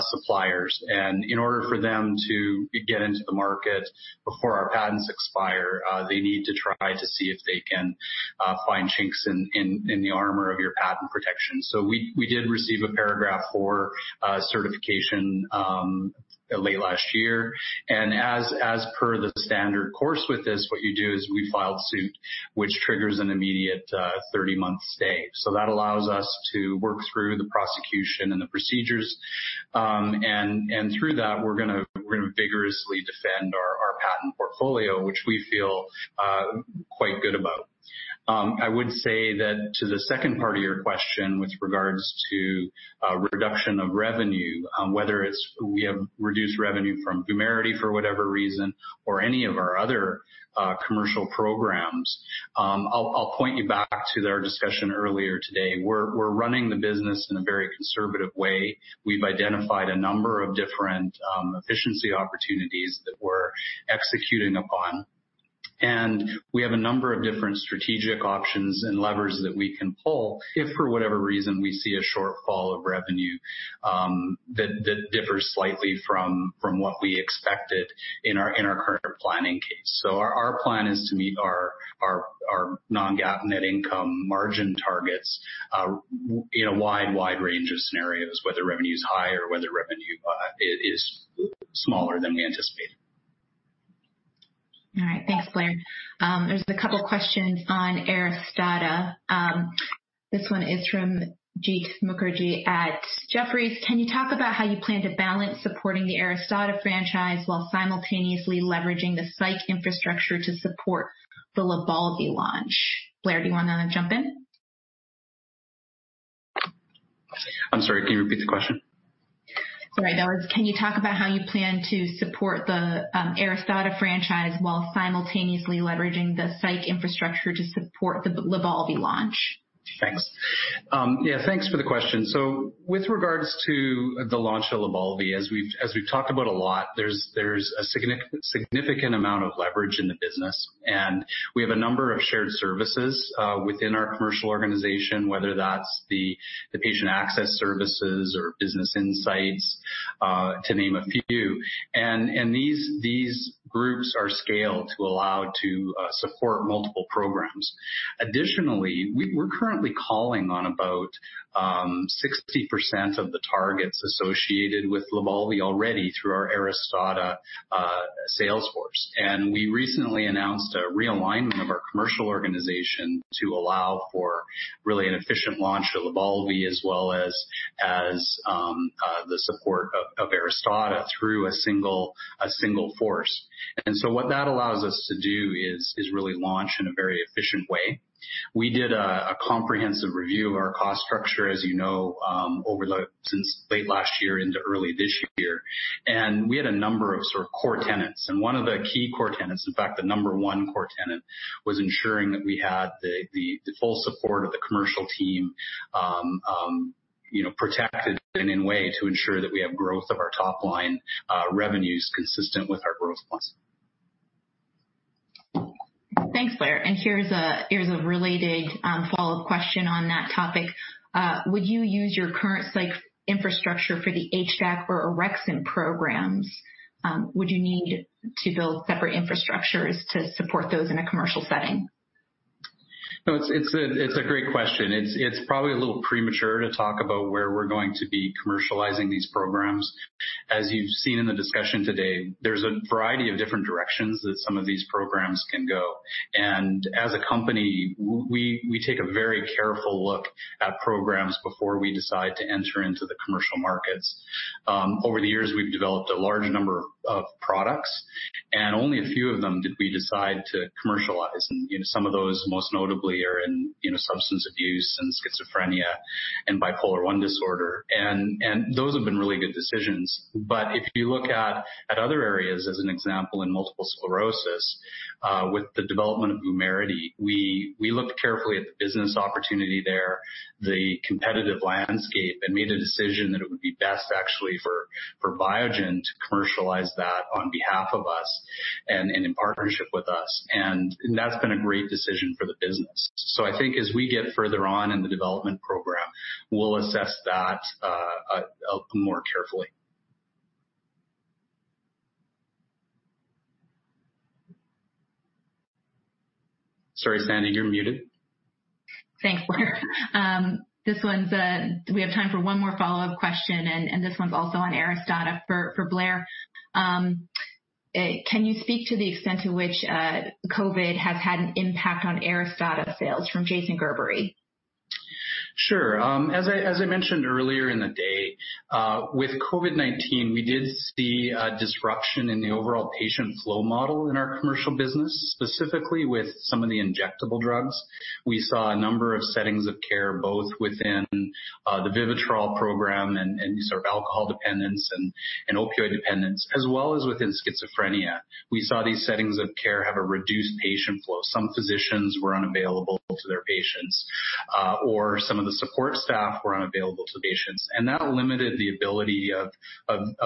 suppliers. In order for them to get into the market before our patents expire, they need to try to see if they can find chinks in the armor of your patent protection. We did receive a Paragraph IV certification late last year. As per the standard course with this, what you do is we filed suit, which triggers an immediate 30-month stay. That allows us to work through the prosecution and the procedures. Through that, we're going to vigorously defend our patent portfolio, which we feel quite good about. I would say that to the second part of your question, with regards to reduction of revenue, whether we have reduced revenue from VUMERITY for whatever reason or any of our other commercial programs, I'll point you back to our discussion earlier today. We're running the business in a very conservative way. We've identified a number of different efficiency opportunities that we're executing upon, and we have a number of different strategic options and levers that we can pull if for whatever reason, we see a shortfall of revenue that differs slightly from what we expected in our current planning case. Our plan is to meet our non-GAAP net income margin targets in a wide range of scenarios, whether revenue's high or whether revenue is smaller than we anticipated. All right. Thanks, Blair. There's a couple questions on ARISTADA. This one is from Jeet Mukherjee at Jefferies. Can you talk about how you plan to balance supporting the ARISTADA franchise while simultaneously leveraging the psych infrastructure to support the LYBALVI launch? Blair, do you want to jump in? I'm sorry, can you repeat the question? Sorry. Can you talk about how you plan to support the ARISTADA franchise while simultaneously leveraging the psych infrastructure to support the LYBALVI launch? Thanks. Yeah, thanks for the question. With regards to the launch of LYBALVI, as we've talked about a lot, there's a significant amount of leverage in the business, and we have a number of shared services within our commercial organization, whether that's the patient access services or business insights, to name a few. These groups are scaled to allow to support multiple programs. Additionally, we're currently calling on about 60% of the targets associated with LYBALVI already through our ARISTADA sales force. We recently announced a realignment of our commercial organization to allow for really an efficient launch of LYBALVI as well as the support of ARISTADA through a single force. What that allows us to do is really launch in a very efficient way. We did a comprehensive review of our cost structure, as you know, since late last year into early this year. We had a number of sort of core tenets. One of the key core tenets, in fact, the number one core tenet, was ensuring that we had the full support of the commercial team protected and in way to ensure that we have growth of our top-line revenues consistent with our growth plans. Thanks, Blair. Here's a related follow-up question on that topic. Would you use your current psych infrastructure for the HDAC or Orexin programs? Would you need to build separate infrastructures to support those in a commercial setting? No, it's a great question. It's probably a little premature to talk about where we're going to be commercializing these programs. As you've seen in the discussion today, there's a variety of different directions that some of these programs can go. As a company, we take a very careful look at programs before we decide to enter into the commercial markets. Over the years, we've developed a large number of products, and only a few of them did we decide to commercialize. Some of those, most notably, are in substance abuse and schizophrenia and bipolar I disorder. Those have been really good decisions. If you look at other areas, as an example in multiple sclerosis, with the development of VUMERITY, we looked carefully at the business opportunity there, the competitive landscape, and made a decision that it would be best actually for Biogen to commercialize that on behalf of us and in partnership with us. That's been a great decision for the business. I think as we get further on in the development program, we'll assess that more carefully. Sorry, Sandy, you're muted. Thanks, Blair. We have time for one more follow-up question. This one's also on ARISTADA for Blair. Can you speak to the extent to which COVID has had an impact on ARISTADA sales from Jason Gerberry? Sure. As I mentioned earlier in the day, with COVID-19, we did see a disruption in the overall patient flow model in our commercial business, specifically with some of the injectable drugs. We saw a number of settings of care, both within the Vivitrol program and these are alcohol dependence and opioid dependence, as well as within schizophrenia. We saw these settings of care have a reduced patient flow. Some physicians were unavailable to their patients, or some of the support staff were unavailable to patients, That limited the ability of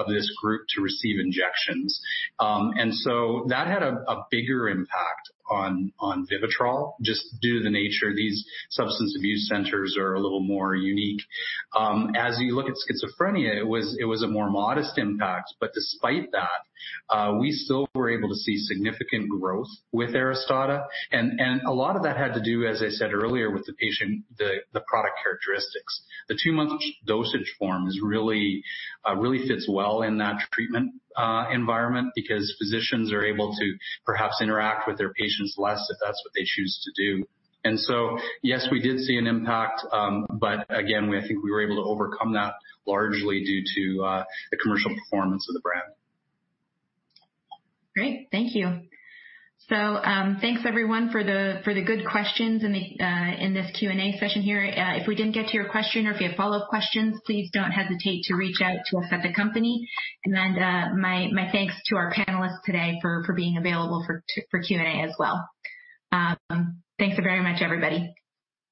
this group to receive injections. That had a bigger impact on Vivitrol, just due to the nature. These substance abuse centers are a little more unique. As you look at schizophrenia, it was a more modest impact, Despite that, we still were able to see significant growth with ARISTADA. A lot of that had to do, as I said earlier, with the product characteristics. The two-month dosage form really fits well in that treatment environment because physicians are able to perhaps interact with their patients less if that's what they choose to do. Yes, we did see an impact. Again, I think we were able to overcome that largely due to the commercial performance of the brand. Great. Thank you. Thanks everyone for the good questions in this Q&A session here. If we didn't get to your question or if you have follow-up questions, please don't hesitate to reach out to us at the company. My thanks to our panelists today for being available for Q&A as well. Thanks very much, everybody.